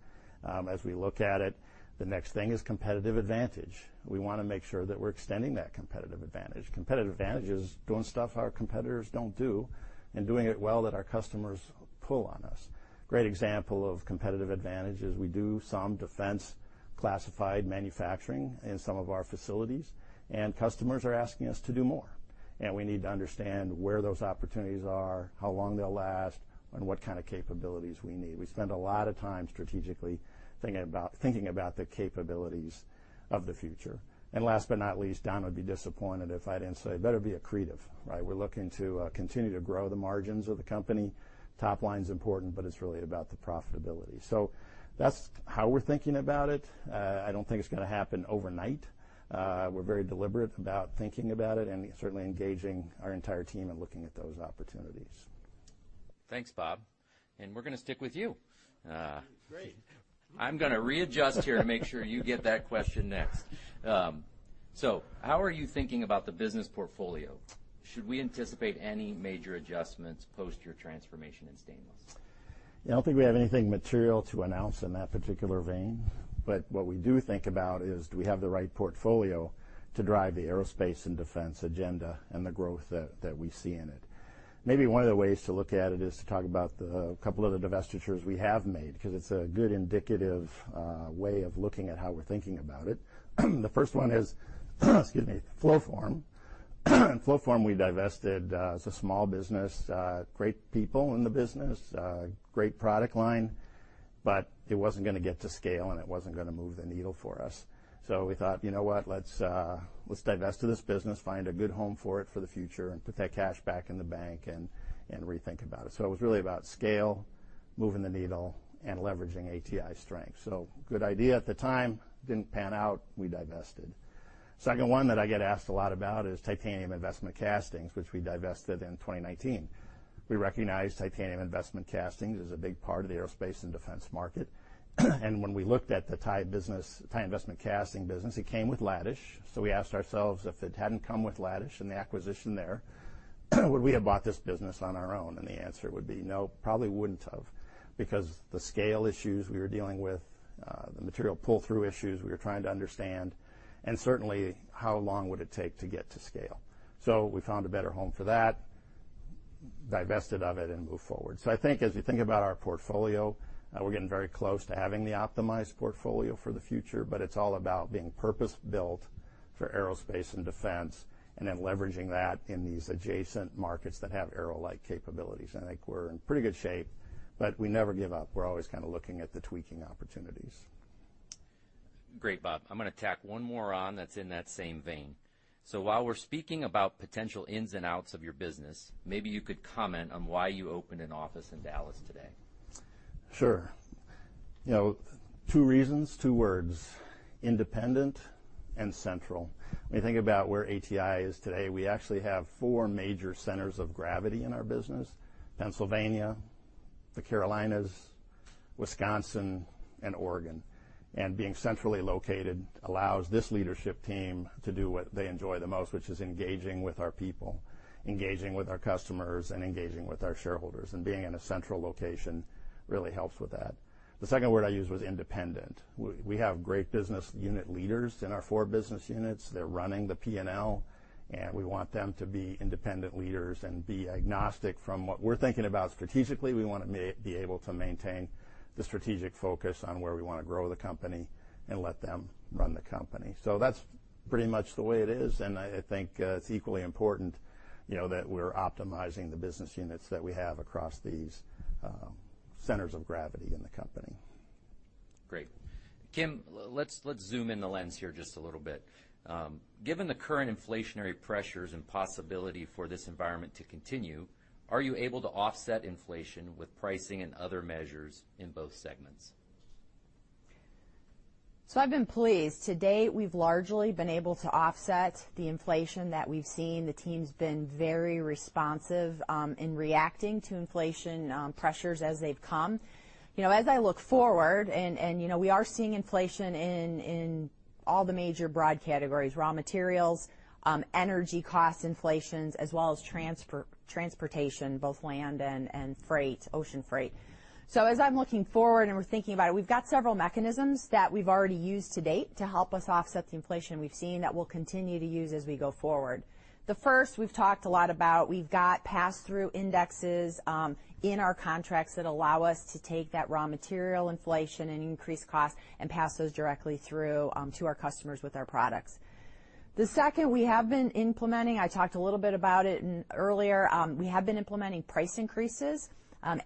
As we look at it, the next thing is competitive advantage. We wanna make sure that we're extending that competitive advantage. Competitive advantage is doing stuff our competitors don't do and doing it well that our customers pull on us. Great example of competitive advantage is we do some defense classified manufacturing in some of our facilities, and customers are asking us to do more. We need to understand where those opportunities are, how long they'll last, and what kind of capabilities we need. We spend a lot of time strategically thinking about the capabilities of the future. Last but not least, Don would be disappointed if I didn't say it better be accretive, right? We're looking to continue to grow the margins of the company. Top line's important, but it's really about the profitability. That's how we're thinking about it. I don't think it's gonna happen overnight. We're very deliberate about thinking about it and certainly engaging our entire team in looking at those opportunities. Thanks, Bob. We're gonna stick with you. Great. I'm gonna readjust here to make sure you get that question next. How are you thinking about the business portfolio? Should we anticipate any major adjustments post your transformation in stainless? Yeah, I don't think we have anything material to announce in that particular vein, but what we do think about is, do we have the right portfolio to drive the aerospace and defense agenda and the growth that we see in it? Maybe one of the ways to look at it is to talk about the couple of divestitures we have made, because it's a good indicative way of looking at how we're thinking about it. The first one is excuse me, Flowform. Flowform, we divested. It's a small business, great people in the business, great product line, but it wasn't gonna get to scale, and it wasn't gonna move the needle for us. So we thought, you know what? Let's divest of this business, find a good home for it for the future, and put that cash back in the bank and rethink about it. It was really about scale, moving the needle, and leveraging ATI strength. Good idea at the time, didn't pan out, we divested. Second one that I get asked a lot about is Titanium Investment Castings, which we divested in 2019. We recognized Titanium Investment Castings as a big part of the aerospace and defense market. When we looked at the Ti business, Ti Investment Casting business, it came with Ladish. We asked ourselves, if it hadn't come with Ladish and the acquisition there, would we have bought this business on our own? The answer would be no, probably wouldn't have. Because the scale issues we were dealing with, the material pull-through issues we were trying to understand, and certainly how long would it take to get to scale. We found a better home for that, divested of it, and moved forward. I think as you think about our portfolio, we're getting very close to having the optimized portfolio for the future, but it's all about being purpose-built for aerospace and defense and then leveraging that in these adjacent markets that have aero-like capabilities. I think we're in pretty good shape, but we never give up. We're always kinda looking at the tweaking opportunities. Great, Bob. I'm gonna tack one more on that's in that same vein. While we're speaking about potential ins and outs of your business, maybe you could comment on why you opened an office in Dallas today. Sure. You know, two reasons, two words, independent and central. When you think about where ATI is today, we actually have four major centers of gravity in our business, Pennsylvania, the Carolinas, Wisconsin, and Oregon. Being centrally located allows this leadership team to do what they enjoy the most, which is engaging with our people, engaging with our customers, and engaging with our shareholders, and being in a central location really helps with that. The second word I used was independent. We have great business unit leaders in our four business units. They're running the P&L, and we want them to be independent leaders and be agnostic from what we're thinking about strategically. We wanna be able to maintain the strategic focus on where we wanna grow the company and let them run the company. That's pretty much the way it is, and I think it's equally important, you know, that we're optimizing the business units that we have across these centers of gravity in the company. Great. Kim, let's zoom in the lens here just a little bit. Given the current inflationary pressures and possibility for this environment to continue, are you able to offset inflation with pricing and other measures in both segments? I've been pleased. To date, we've largely been able to offset the inflation that we've seen. The team's been very responsive in reacting to inflation pressures as they've come. You know, as I look forward and you know, we are seeing inflation in all the major broad categories, raw materials, energy cost inflations, as well as transportation, both land and freight, ocean freight. As I'm looking forward and we're thinking about it, we've got several mechanisms that we've already used to date to help us offset the inflation we've seen that we'll continue to use as we go forward. The first, we've talked a lot about, we've got pass-through indexes in our contracts that allow us to take that raw material inflation and increased cost and pass those directly through to our customers with our products. I talked a little bit about it in earlier, we have been implementing price increases,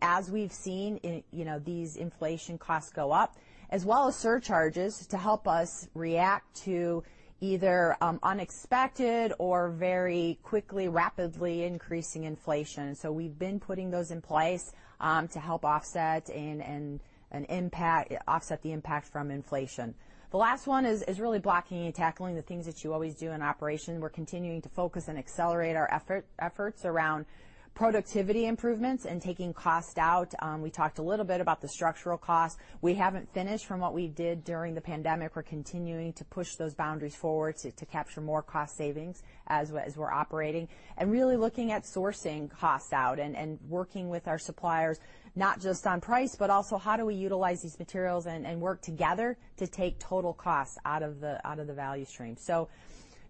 as we've seen, you know, these inflation costs go up, as well as surcharges to help us react to either unexpected or very quickly, rapidly increasing inflation. We've been putting those in place to help offset the impact from inflation. The last one is really blocking and tackling, the things that you always do in operation. We're continuing to focus and accelerate our efforts around productivity improvements and taking cost out. We talked a little bit about the structural costs. We haven't finished from what we did during the pandemic. We're continuing to push those boundaries forward to capture more cost savings as we're operating. Really looking at sourcing costs out and working with our suppliers, not just on price, but also how do we utilize these materials and work together to take total costs out of the value stream.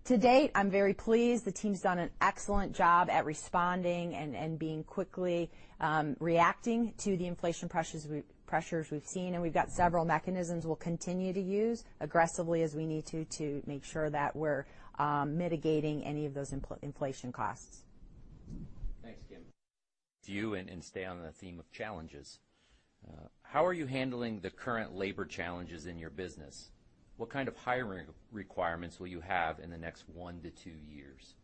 To date, I'm very pleased. The team's done an excellent job at responding and being quickly reacting to the inflation pressures we've seen, and we've got several mechanisms we'll continue to use aggressively as we need to make sure that we're mitigating any of those inflation costs. Thanks, Kim. To you and stay on the theme of challenges. How are you handling the current labor challenges in your business? What kind of hiring requirements will you have in the next one to two years?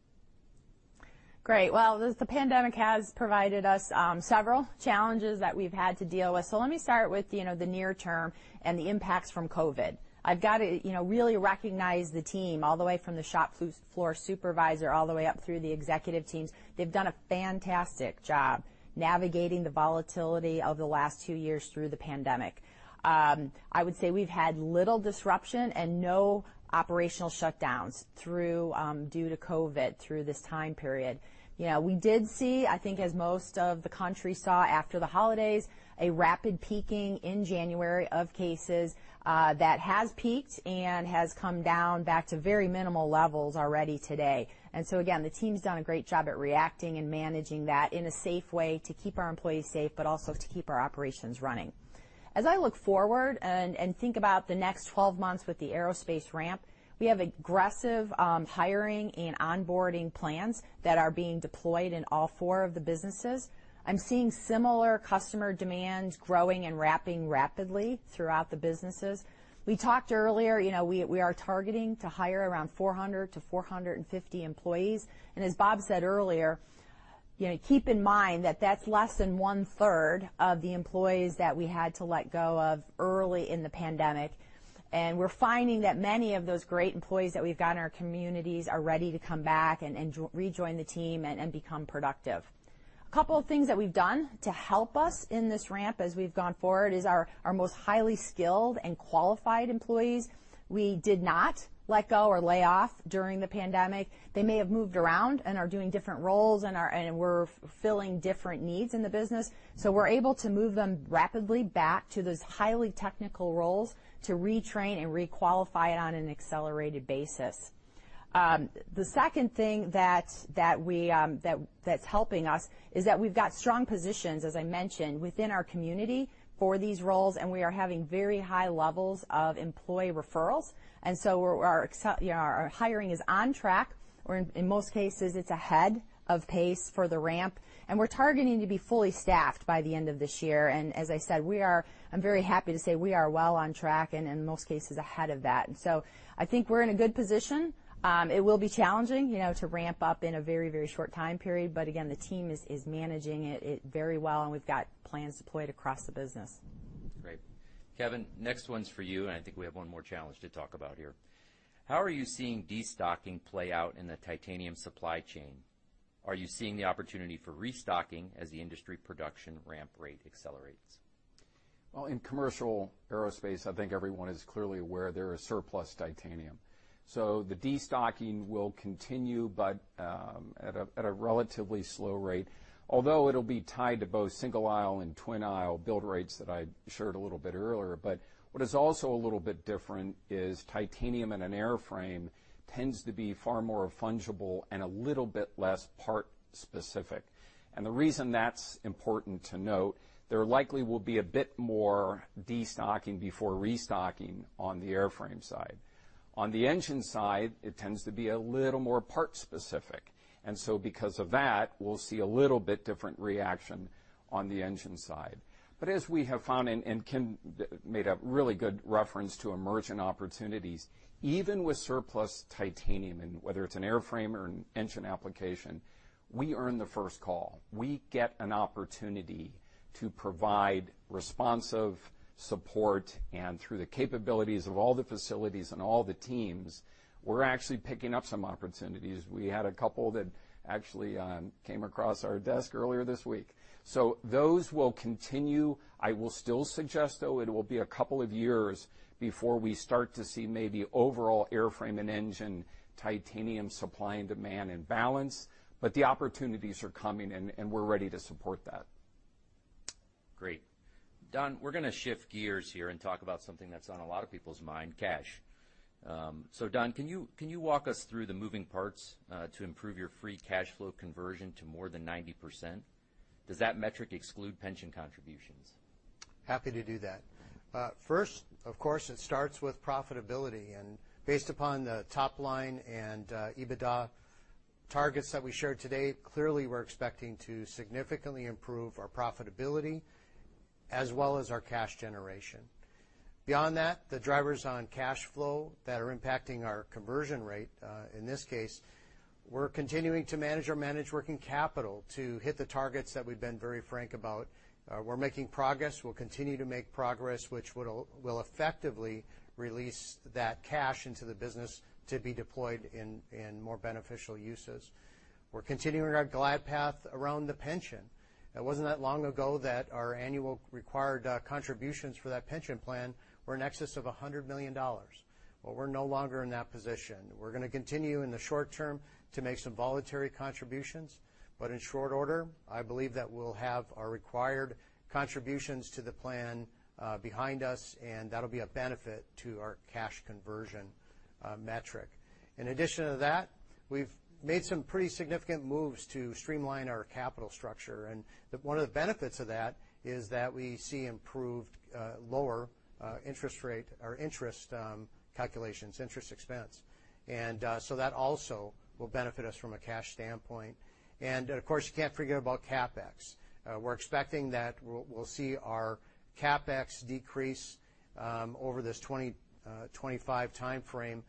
Great. Well, this, the pandemic has provided us several challenges that we've had to deal with. Let me start with, you know, the near term and the impacts from COVID. I've got to, you know, really recognize the team all the way from the shop floor supervisor all the way up through the executive teams. They've done a fantastic job navigating the volatility of the last two years through the pandemic. I would say we've had little disruption and no operational shutdowns, due to COVID, through this time period. You know, we did see, I think as most of the country saw after the holidays, a rapid peaking in January of cases that has peaked and has come down back to very minimal levels already today. Again, the team's done a great job at reacting and managing that in a safe way to keep our employees safe, but also to keep our operations running. As I look forward and think about the next 12 months with the aerospace ramp, we have aggressive hiring and onboarding plans that are being deployed in all four of the businesses. I'm seeing similar customer demands growing and ramping rapidly throughout the businesses. We talked earlier, you know, we are targeting to hire around 400 to 450 employees. As Bob said earlier, you know, keep in mind that that's less than one-third of the employees that we had to let go of early in the pandemic. We're finding that many of those great employees that we've got in our communities are ready to come back and rejoin the team and become productive. A couple of things that we've done to help us in this ramp as we've gone forward is our most highly skilled and qualified employees, we did not let go or lay off during the pandemic. They may have moved around and are doing different roles and were filling different needs in the business. We're able to move them rapidly back to those highly technical roles to retrain and re-qualify on an accelerated basis. The second thing that's helping us is that we've got strong positions, as I mentioned, within our community for these roles, and we are having very high levels of employee referrals. Our hiring is on track, or in most cases, it's ahead of pace for the ramp, and we're targeting to be fully staffed by the end of this year. As I said, I'm very happy to say we are well on track and in most cases ahead of that. I think we're in a good position. It will be challenging, you know, to ramp up in a very short time period, but again, the team is managing it very well, and we've got plans deployed across the business. Great. Kevin, next one's for you, and I think we have one more challenge to talk about here. How are you seeing destocking play out in the titanium supply chain? Are you seeing the opportunity for restocking as the industry production ramp rate accelerates? Well, in commercial aerospace, I think everyone is clearly aware there is surplus titanium. The destocking will continue, but at a relatively slow rate. Although it'll be tied to both single aisle and twin aisle build rates that I shared a little bit earlier. What is also a little bit different is titanium in an airframe tends to be far more fungible and a little bit less part-specific. The reason that's important to note, there likely will be a bit more destocking before restocking on the airframe side. On the engine side, it tends to be a little more part-specific. Because of that, we'll see a little bit different reaction on the engine side. As we have found, and Ken made a really good reference to emergent opportunities, even with surplus titanium, and whether it's an airframe or an engine application, we earn the first call. We get an opportunity to provide responsive support. Through the capabilities of all the facilities and all the teams, we're actually picking up some opportunities. We had a couple that actually came across our desk earlier this week. Those will continue. I will still suggest, though, it will be a couple of years before we start to see maybe overall airframe and engine titanium supply and demand in balance, but the opportunities are coming, and we're ready to support that. Great. Don, we're gonna shift gears here and talk about something that's on a lot of people's mind, cash. Don, can you walk us through the moving parts to improve your free cash flow conversion to more than 90%? Does that metric exclude pension contributions? Happy to do that. First, of course, it starts with profitability. Based upon the top line and EBITDA targets that we shared today, clearly, we're expecting to significantly improve our profitability as well as our cash generation. Beyond that, the drivers on cash flow that are impacting our conversion rate, in this case, we're continuing to manage our managed working capital to hit the targets that we've been very frank about. We're making progress. We'll continue to make progress, which will effectively release that cash into the business to be deployed in more beneficial uses. We're continuing our glide path around the pension. It wasn't that long ago that our annual required contributions for that pension plan were in excess of $100 million. Well, we're no longer in that position. We're gonna continue in the short term to make some voluntary contributions, but in short order, I believe that we'll have our required contributions to the plan behind us, and that'll be a benefit to our cash conversion metric. In addition to that, we've made some pretty significant moves to streamline our capital structure, and one of the benefits of that is that we see improved lower interest expense. That also will benefit us from a cash standpoint. Of course, you can't forget about CapEx. We're expecting that we'll see our CapEx decrease over this 2025 timeframe.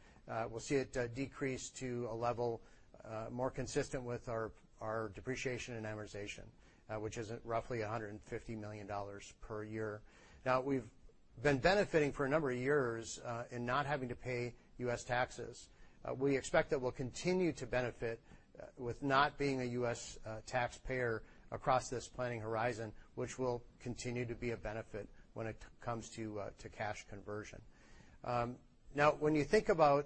We'll see it decrease to a level more consistent with our depreciation and amortization, which is at roughly $150 million per year. Now, we've been benefiting for a number of years in not having to pay U.S. taxes. We expect that we'll continue to benefit with not being a U.S. taxpayer across this planning horizon, which will continue to be a benefit when it comes to cash conversion. Now when we think about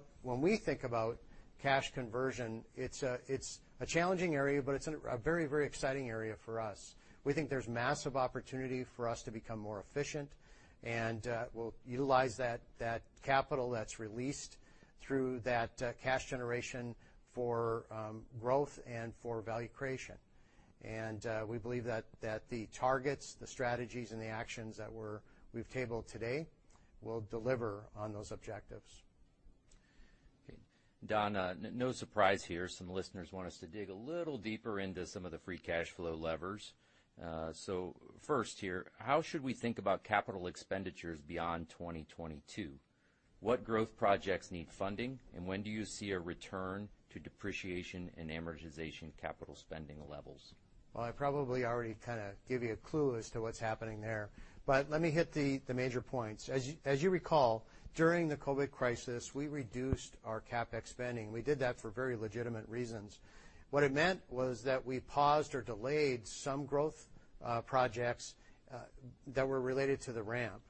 cash conversion, it's a very exciting area for us. We think there's massive opportunity for us to become more efficient, and we'll utilize that capital that's released through that cash generation for growth and for value creation. We believe that the targets, the strategies, and the actions that we've tabled today will deliver on those objectives. Okay. Don, no surprise here, some listeners want us to dig a little deeper into some of the free cash flow levers. First here, how should we think about capital expenditures beyond 2022? What growth projects need funding, and when do you see a return to depreciation and amortization capital spending levels? Well, I probably already kinda gave you a clue as to what's happening there, but let me hit the major points. As you recall, during the COVID crisis, we reduced our CapEx spending. We did that for very legitimate reasons. What it meant was that we paused or delayed some growth projects that were related to the ramp.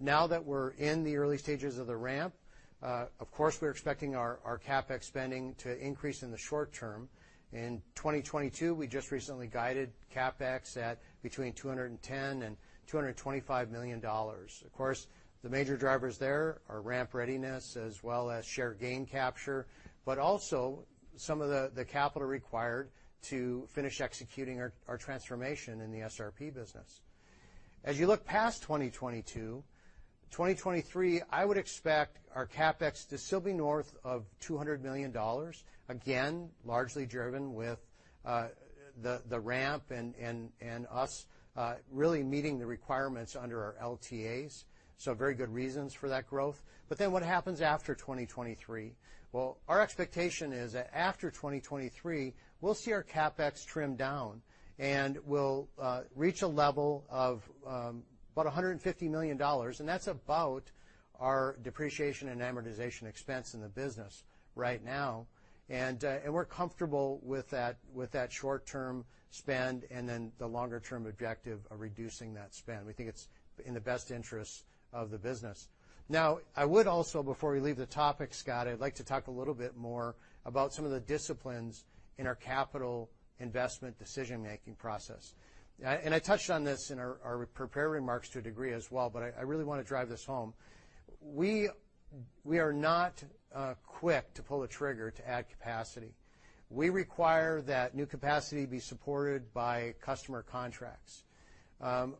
Now that we're in the early stages of the ramp, of course, we're expecting our CapEx spending to increase in the short term. In 2022, we just recently guided CapEx at between $210 million and $225 million. Of course, the major drivers there are ramp readiness as well as share gain capture, but also some of the capital required to finish executing our transformation in the SRP business. As you look past 2022, 2023, I would expect our CapEx to still be north of $200 million, again, largely driven with the ramp and us really meeting the requirements under our LTAs, so very good reasons for that growth. Then what happens after 2023? Well, our expectation is that after 2023, we'll see our CapEx trim down. We'll reach a level of about $150 million, and that's about our depreciation and amortization expense in the business right now. We're comfortable with that short-term spend and then the longer-term objective of reducing that spend. We think it's in the best interest of the business. Now, I would also, before we leave the topic, Scott, I'd like to talk a little bit more about some of the disciplines in our capital investment decision-making process. I touched on this in our prepared remarks to a degree as well, but I really wanna drive this home. We are not quick to pull the trigger to add capacity. We require that new capacity be supported by customer contracts.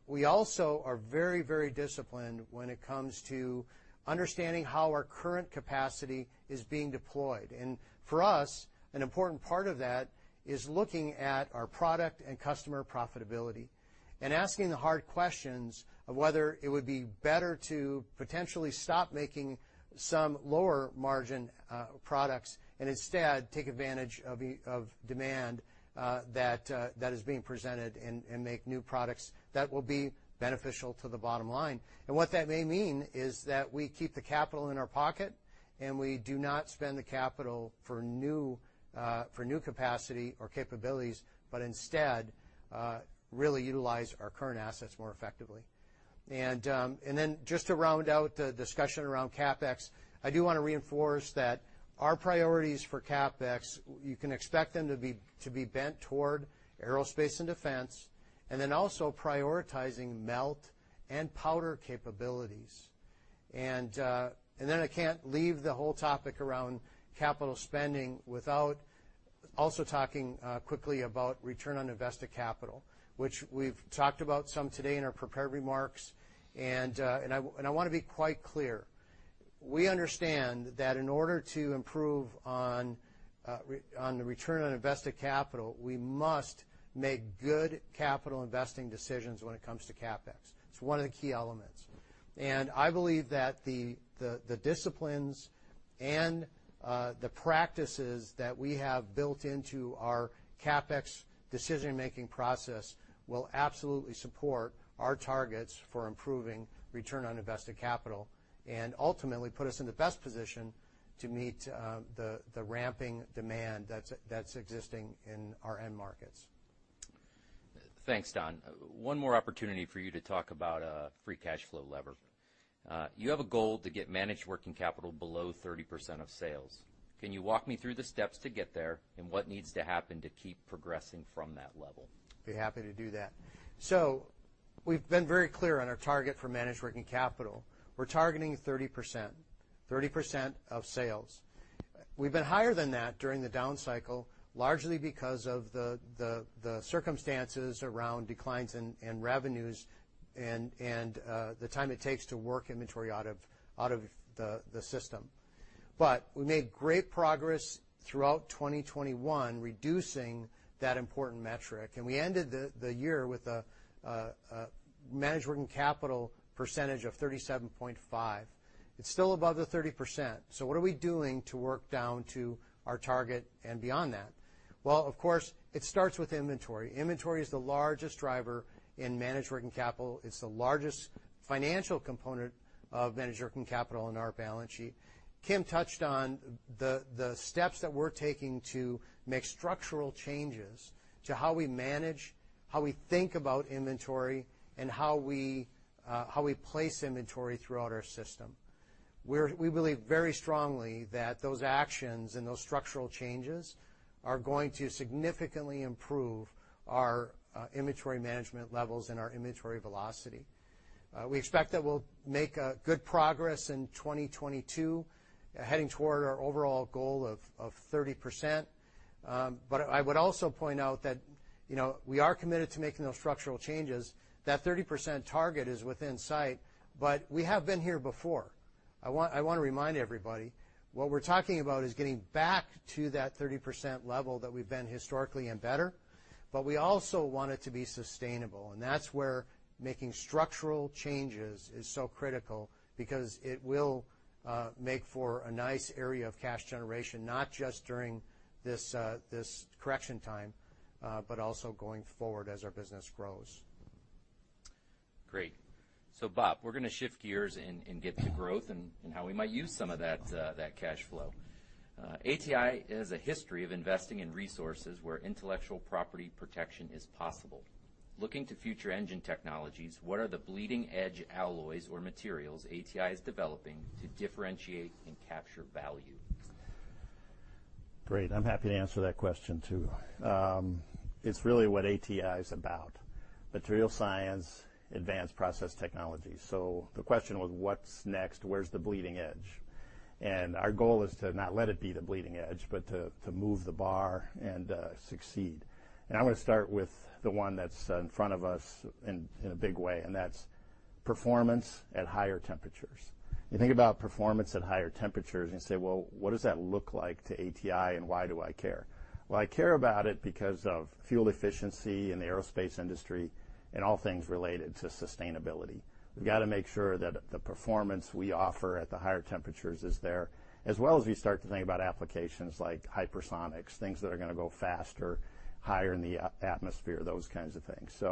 We also are very, very disciplined when it comes to understanding how our current capacity is being deployed. For us, an important part of that is looking at our product and customer profitability and asking the hard questions of whether it would be better to potentially stop making some lower margin products and instead take advantage of demand that is being presented and make new products that will be beneficial to the bottom line. What that may mean is that we keep the capital in our pocket, and we do not spend the capital for new capacity or capabilities, but instead really utilize our current assets more effectively. Then just to round out the discussion around CapEx, I do wanna reinforce that our priorities for CapEx, you can expect them to be bent toward aerospace and defense, and then also prioritizing melt and powder capabilities. I can't leave the whole topic around capital spending without also talking quickly about return on invested capital, which we've talked about some today in our prepared remarks. I wanna be quite clear. We understand that in order to improve on the return on invested capital, we must make good capital investing decisions when it comes to CapEx. It's one of the key elements. I believe that the disciplines and the practices that we have built into our CapEx decision-making process will absolutely support our targets for improving return on invested capital and ultimately put us in the best position to meet the ramping demand that's existing in our end markets. Thanks, Don. One more opportunity for you to talk about free cash flow lever. You have a goal to get managed working capital below 30% of sales. Can you walk me through the steps to get there and what needs to happen to keep progressing from that level? be happy to do that. We've been very clear on our target for managed working capital. We're targeting 30% of sales. We've been higher than that during the down cycle, largely because of the circumstances around declines in revenues and the time it takes to work inventory out of the system. We made great progress throughout 2021, reducing that important metric, and we ended the year with a managed working capital percentage of 37.5%. It's still above the 30%, what are we doing to work down to our target and beyond that? Well, of course, it starts with inventory. Inventory is the largest driver in managed working capital. It's the largest financial component of managed working capital in our balance sheet. Kim touched on the steps that we're taking to make structural changes to how we manage, how we think about inventory, and how we place inventory throughout our system. We believe very strongly that those actions and those structural changes are going to significantly improve our inventory management levels and our inventory velocity. We expect that we'll make good progress in 2022, heading toward our overall goal of 30%. I would also point out that, you know, we are committed to making those structural changes. That 30% target is within sight, but we have been here before. I wanna remind everybody, what we're talking about is getting back to that 30% level that we've been historically and better, but we also want it to be sustainable. That's where making structural changes is so critical because it will make for a nice area of cash generation, not just during this correction time, but also going forward as our business grows. Great. Bob, we're gonna shift gears and get to growth and how we might use some of that cash flow. ATI has a history of investing in resources where intellectual property protection is possible. Looking to future engine technologies, what are the bleeding edge alloys or materials ATI is developing to differentiate and capture value? Great. I'm happy to answer that question too. It's really what ATI is about, material science, advanced process technology. The question was, what's next? Where's the bleeding edge? Our goal is to not let it be the bleeding edge, but to move the bar and succeed. I wanna start with the one that's in front of us in a big way, and that's performance at higher temperatures. You think about performance at higher temperatures and you say, "Well, what does that look like to ATI and why do I care?" Well, I care about it because of fuel efficiency in the aerospace industry and all things related to sustainability. We've got to make sure that the performance we offer at the higher temperatures is there, as well as we start to think about applications like hypersonics, things that are gonna go faster, higher in the atmosphere, those kinds of things.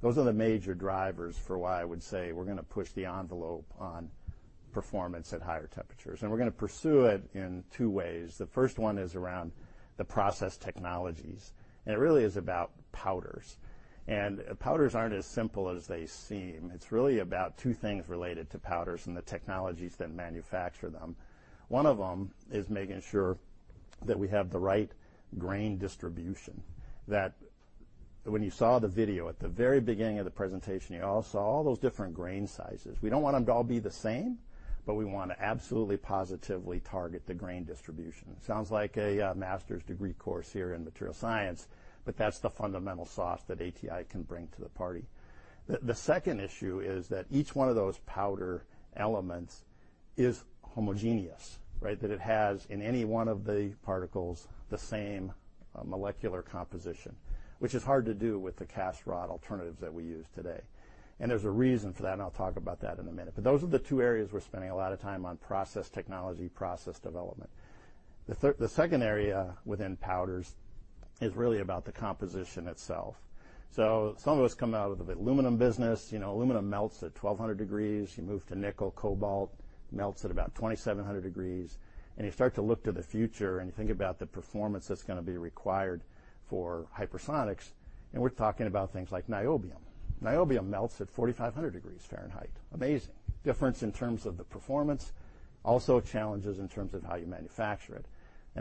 Those are the major drivers for why I would say we're gonna push the envelope on performance at higher temperatures, and we're gonna pursue it in two ways. The first one is around the process technologies, and it really is about powders. Powders aren't as simple as they seem. It's really about two things related to powders and the technologies that manufacture them. One of them is making sure that we have the right grain distribution, that when you saw the video at the very beginning of the presentation, you all saw all those different grain sizes. We don't want them to all be the same, but we wanna absolutely, positively target the grain distribution. Sounds like a master's degree course here in materials science, but that's the fundamental sauce that ATI can bring to the party. The second issue is that each one of those powder elements is homogeneous, right? That it has, in any one of the particles, the same molecular composition, which is hard to do with the cast and wrought alternatives that we use today. There's a reason for that, and I'll talk about that in a minute. Those are the two areas we're spending a lot of time on, process technology, process development. The second area within powders is really about the composition itself. Some of us come out of the aluminum business. You know, aluminum melts at 1,200 degrees. You move to nickel. Cobalt melts at about 2,700 degrees. You start to look to the future and you think about the performance that's gonna be required for hypersonics, and we're talking about things like niobium. Niobium melts at 4,500 degrees Fahrenheit. Amazing. Difference in terms of the performance, also challenges in terms of how you manufacture it.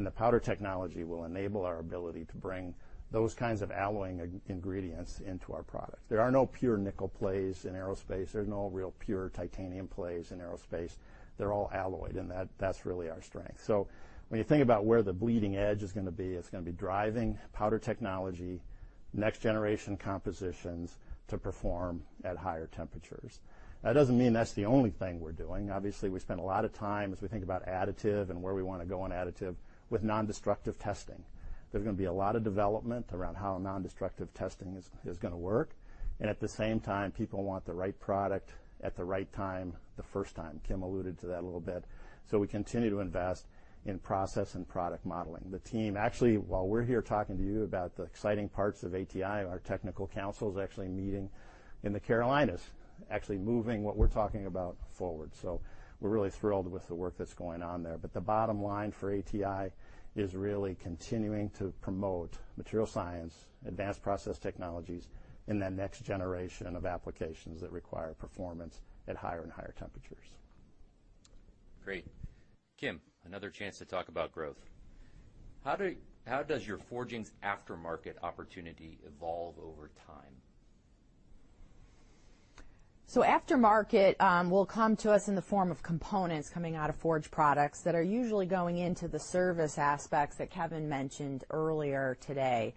The powder technology will enable our ability to bring those kinds of alloying ingredients into our products. There are no pure nickel plays in aerospace. There's no real pure titanium plays in aerospace. They're all alloyed, and that's really our strength. When you think about where the bleeding edge is gonna be, it's gonna be driving powder technology, next generation compositions to perform at higher temperatures. That doesn't mean that's the only thing we're doing. Obviously, we spend a lot of time as we think about additive and where we wanna go on additive with nondestructive testing. There's gonna be a lot of development around how nondestructive testing is gonna work. At the same time, people want the right product at the right time, the first time. Kim alluded to that a little bit. We continue to invest in process and product modeling. The team, actually, while we're here talking to you about the exciting parts of ATI, our technical council is actually meeting in the Carolinas, actually moving what we're talking about forward. We're really thrilled with the work that's going on there. The bottom line for ATI is really continuing to promote material science, advanced process technologies, and that next generation of applications that require performance at higher and higher temperatures. Great. Kim, another chance to talk about growth. How does your forgings aftermarket opportunity evolve over time? Aftermarket will come to us in the form of components coming out of Forged Products that are usually going into the service aspects that Kevin mentioned earlier today.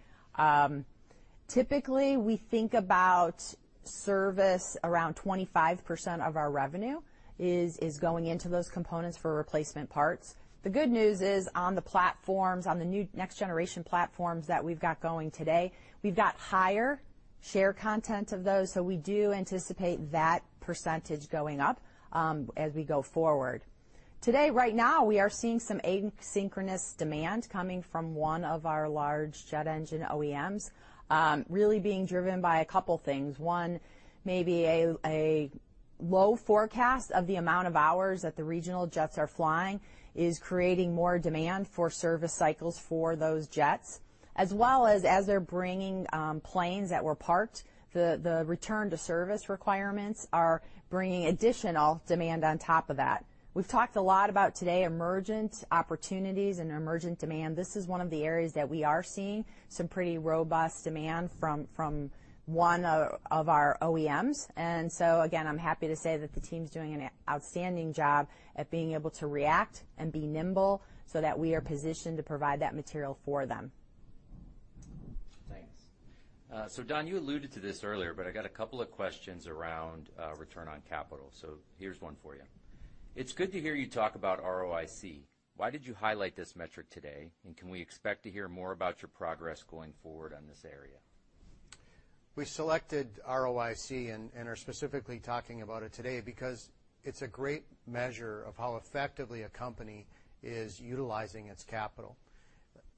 Typically, we think about service, around 25% of our revenue is going into those components for replacement parts. The good news is on the platforms, on the new next-generation platforms that we've got going today, we've got higher share content of those, so we do anticipate that percentage going up as we go forward. Today, right now, we are seeing some asynchronous demand coming from one of our large jet engine OEMs, really being driven by a couple things. One, maybe a low forecast of the amount of hours that the regional jets are flying is creating more demand for service cycles for those jets. As well as they're bringing planes that were parked, the return to service requirements are bringing additional demand on top of that. We've talked a lot about today emergent opportunities and emergent demand. This is one of the areas that we are seeing some pretty robust demand from one of our OEMs. Again, I'm happy to say that the team's doing an outstanding job at being able to react and be nimble so that we are positioned to provide that material for them. Thanks. Don, you alluded to this earlier, but I got a couple of questions around return on capital, so here's one for you. It's good to hear you talk about ROIC. Why did you highlight this metric today, and can we expect to hear more about your progress going forward on this area? We selected ROIC and are specifically talking about it today because it's a great measure of how effectively a company is utilizing its capital.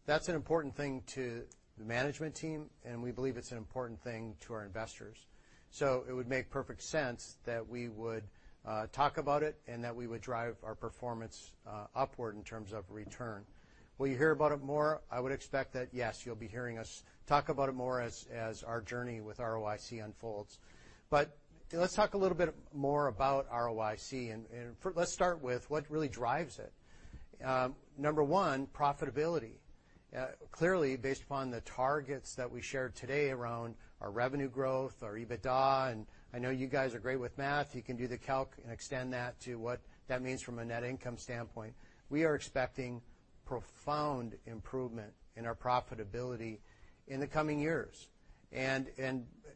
That's an important thing to the management team, and we believe it's an important thing to our investors. It would make perfect sense that we would talk about it and that we would drive our performance upward in terms of return. Will you hear about it more? I would expect that, yes, you'll be hearing us talk about it more as our journey with ROIC unfolds. Let's talk a little bit more about ROIC and let's start with what really drives it. Number one, profitability. Clearly, based upon the targets that we shared today around our revenue growth, our EBITDA, and I know you guys are great with math, you can do the calc and extend that to what that means from a net income standpoint, we are expecting profound improvement in our profitability in the coming years.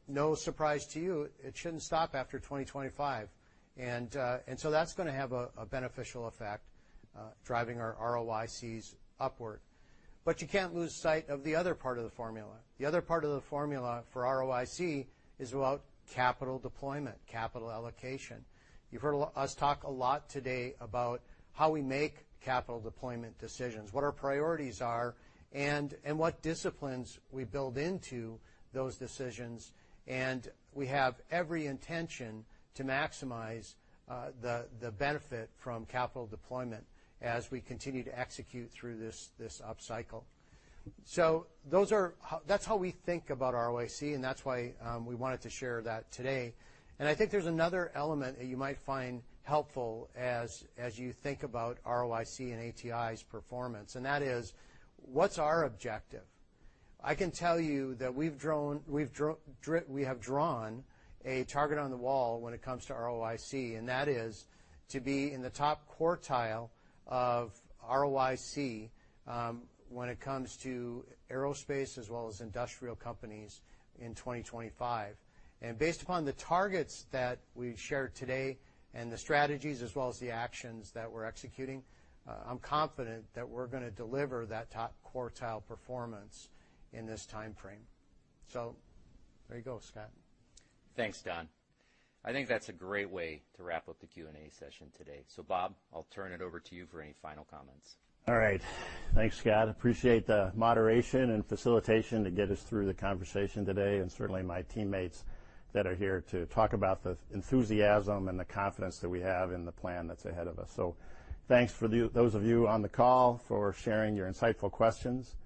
No surprise to you, it shouldn't stop after 2025. That's gonna have a beneficial effect, driving our ROICs upward. You can't lose sight of the other part of the formula. The other part of the formula for ROIC is about capital deployment, capital allocation. You've heard a lot of us talk a lot today about how we make capital deployment decisions, what our priorities are and what disciplines we build into those decisions, and we have every intention to maximize the benefit from capital deployment as we continue to execute through this upcycle. That's how we think about ROIC, and that's why we wanted to share that today. I think there's another element that you might find helpful as you think about ROIC and ATI's performance, and that is, what's our objective? I can tell you that we have drawn a target on the wall when it comes to ROIC, and that is to be in the top quartile of ROIC when it comes to aerospace as well as industrial companies in 2025. Based upon the targets that we've shared today and the strategies as well as the actions that we're executing, I'm confident that we're gonna deliver that top quartile performance in this timeframe. There you go, Scott. Thanks, Don. I think that's a great way to wrap up the Q&A session today. Bob, I'll turn it over to you for any final comments. All right. Thanks, Scott. Appreciate the moderation and facilitation to get us through the conversation today, and certainly my teammates that are here to talk about the enthusiasm and the confidence that we have in the plan that's ahead of us. Thanks for those of you on the call for sharing your insightful questions.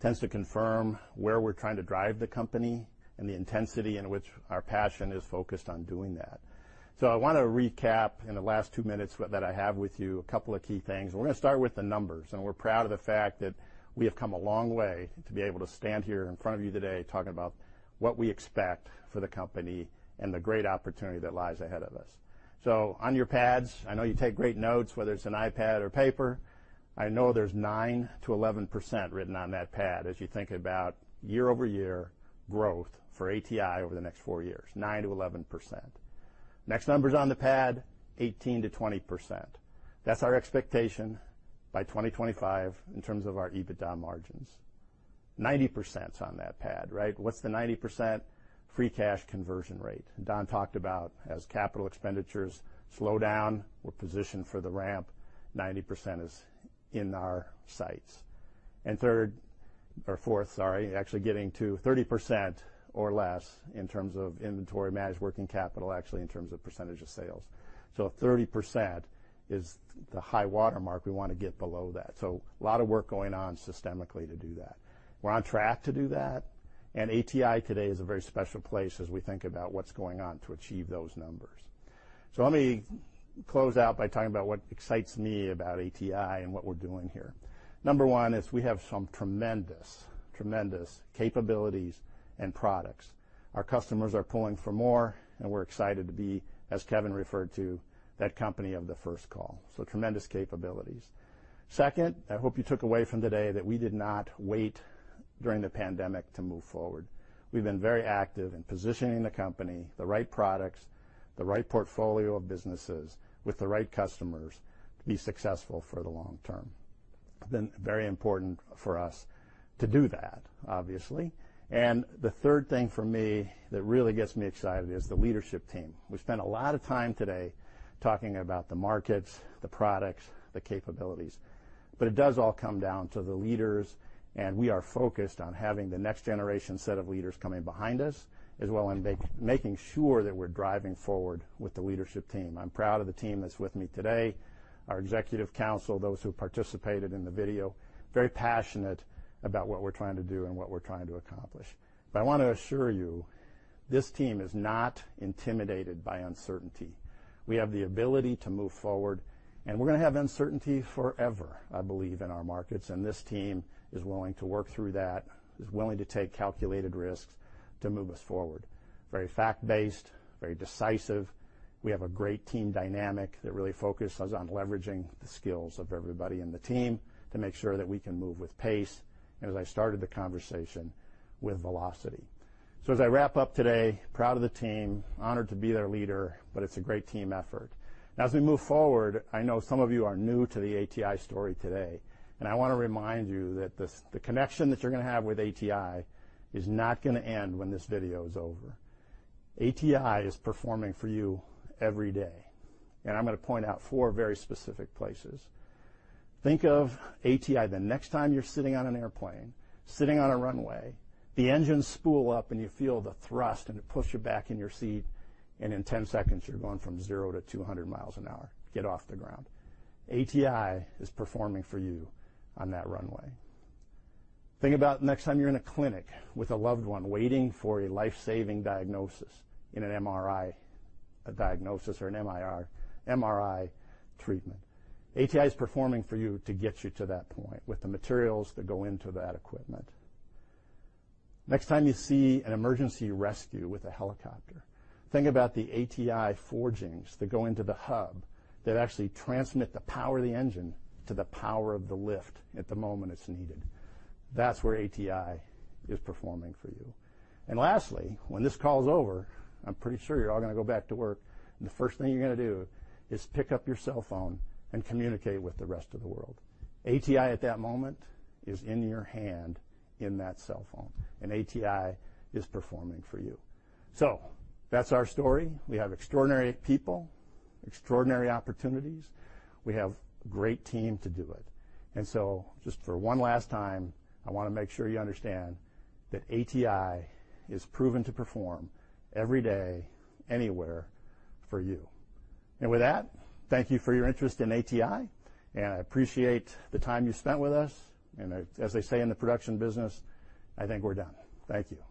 Tends to confirm where we're trying to drive the company and the intensity in which our passion is focused on doing that. I wanna recap in the last two minutes that I have with you a couple of key things. We're gonna start with the numbers, and we're proud of the fact that we have come a long way to be able to stand here in front of you today talking about what we expect for the company and the great opportunity that lies ahead of us. On your pads, I know you take great notes, whether it's an iPad or paper, I know there's 9%-11% written on that pad as you think about year-over-year growth for ATI over the next four years, 9%-11%. Next numbers on the pad, 18%-20%. That's our expectation by 2025 in terms of our EBITDA margins. 90% is on that pad, right? What's the 90%? Free cash flow conversion. Don talked about as capital expenditures slow down, we're positioned for the ramp, 90% is in our sights. Third or fourth, sorry, actually getting to 30% or less in terms of inventory, managed working capital, actually in terms of percentage of sales. 30% is the high watermark. We wanna get below that. A lot of work going on systemically to do that. We're on track to do that, and ATI today is a very special place as we think about what's going on to achieve those numbers. Let me close out by talking about what excites me about ATI and what we're doing here. Number one is we have some tremendous capabilities and products. Our customers are pulling for more, and we're excited to be, as Kevin referred to, that company of the first call. Tremendous capabilities. Second, I hope you took away from today that we did not wait during the pandemic to move forward. We've been very active in positioning the company, the right products, the right portfolio of businesses with the right customers to be successful for the long term. Been very important for us to do that, obviously. The third thing for me that really gets me excited is the leadership team. We spent a lot of time today talking about the markets, the products, the capabilities, but it does all come down to the leaders, and we are focused on having the next generation set of leaders coming behind us, as well in making sure that we're driving forward with the leadership team. I'm proud of the team that's with me today, our executive council, those who participated in the video, very passionate about what we're trying to do and what we're trying to accomplish. I wanna assure you, this team is not intimidated by uncertainty. We have the ability to move forward, and we're gonna have uncertainty forever, I believe, in our markets, and this team is willing to work through that, is willing to take calculated risks to move us forward. Very fact-based, very decisive. We have a great team dynamic that really focuses on leveraging the skills of everybody in the team to make sure that we can move with pace, and as I started the conversation, with velocity. As I wrap up today, proud of the team, honored to be their leader, but it's a great team effort. Now as we move forward, I know some of you are new to the ATI story today, and I wanna remind you that this, the connection that you're gonna have with ATI is not gonna end when this video is over. ATI is performing for you every day, and I'm gonna point out four very specific places. Think of ATI the next time you're sitting on an airplane, sitting on a runway, the engines spool up, and you feel the thrust, and it puts you back in your seat, and in 10 seconds, you're going from zero to 200 miles an hour and get off the ground. ATI is performing for you on that runway. Think about next time you're in a clinic with a loved one, waiting for a life-saving diagnosis in an MRI or MRI treatment. ATI is performing for you to get you to that point with the materials that go into that equipment. Next time you see an emergency rescue with a helicopter, think about the ATI forgings that go into the hub that actually transmit the power of the engine to the power of the lift at the moment it's needed. That's where ATI is performing for you. Lastly, when this call is over, I'm pretty sure you're all gonna go back to work, and the first thing you're gonna do is pick up your cell phone and communicate with the rest of the world. ATI at that moment is in your hand in that cell phone, and ATI is performing for you. That's our story. We have extraordinary people, extraordinary opportunities. We have a great team to do it. Just for one last time, I wanna make sure you understand that ATI is proven to perform every day, anywhere for you. With that, thank you for your interest in ATI, and I appreciate the time you spent with us. As they say in the production business, I think we're done. Thank you.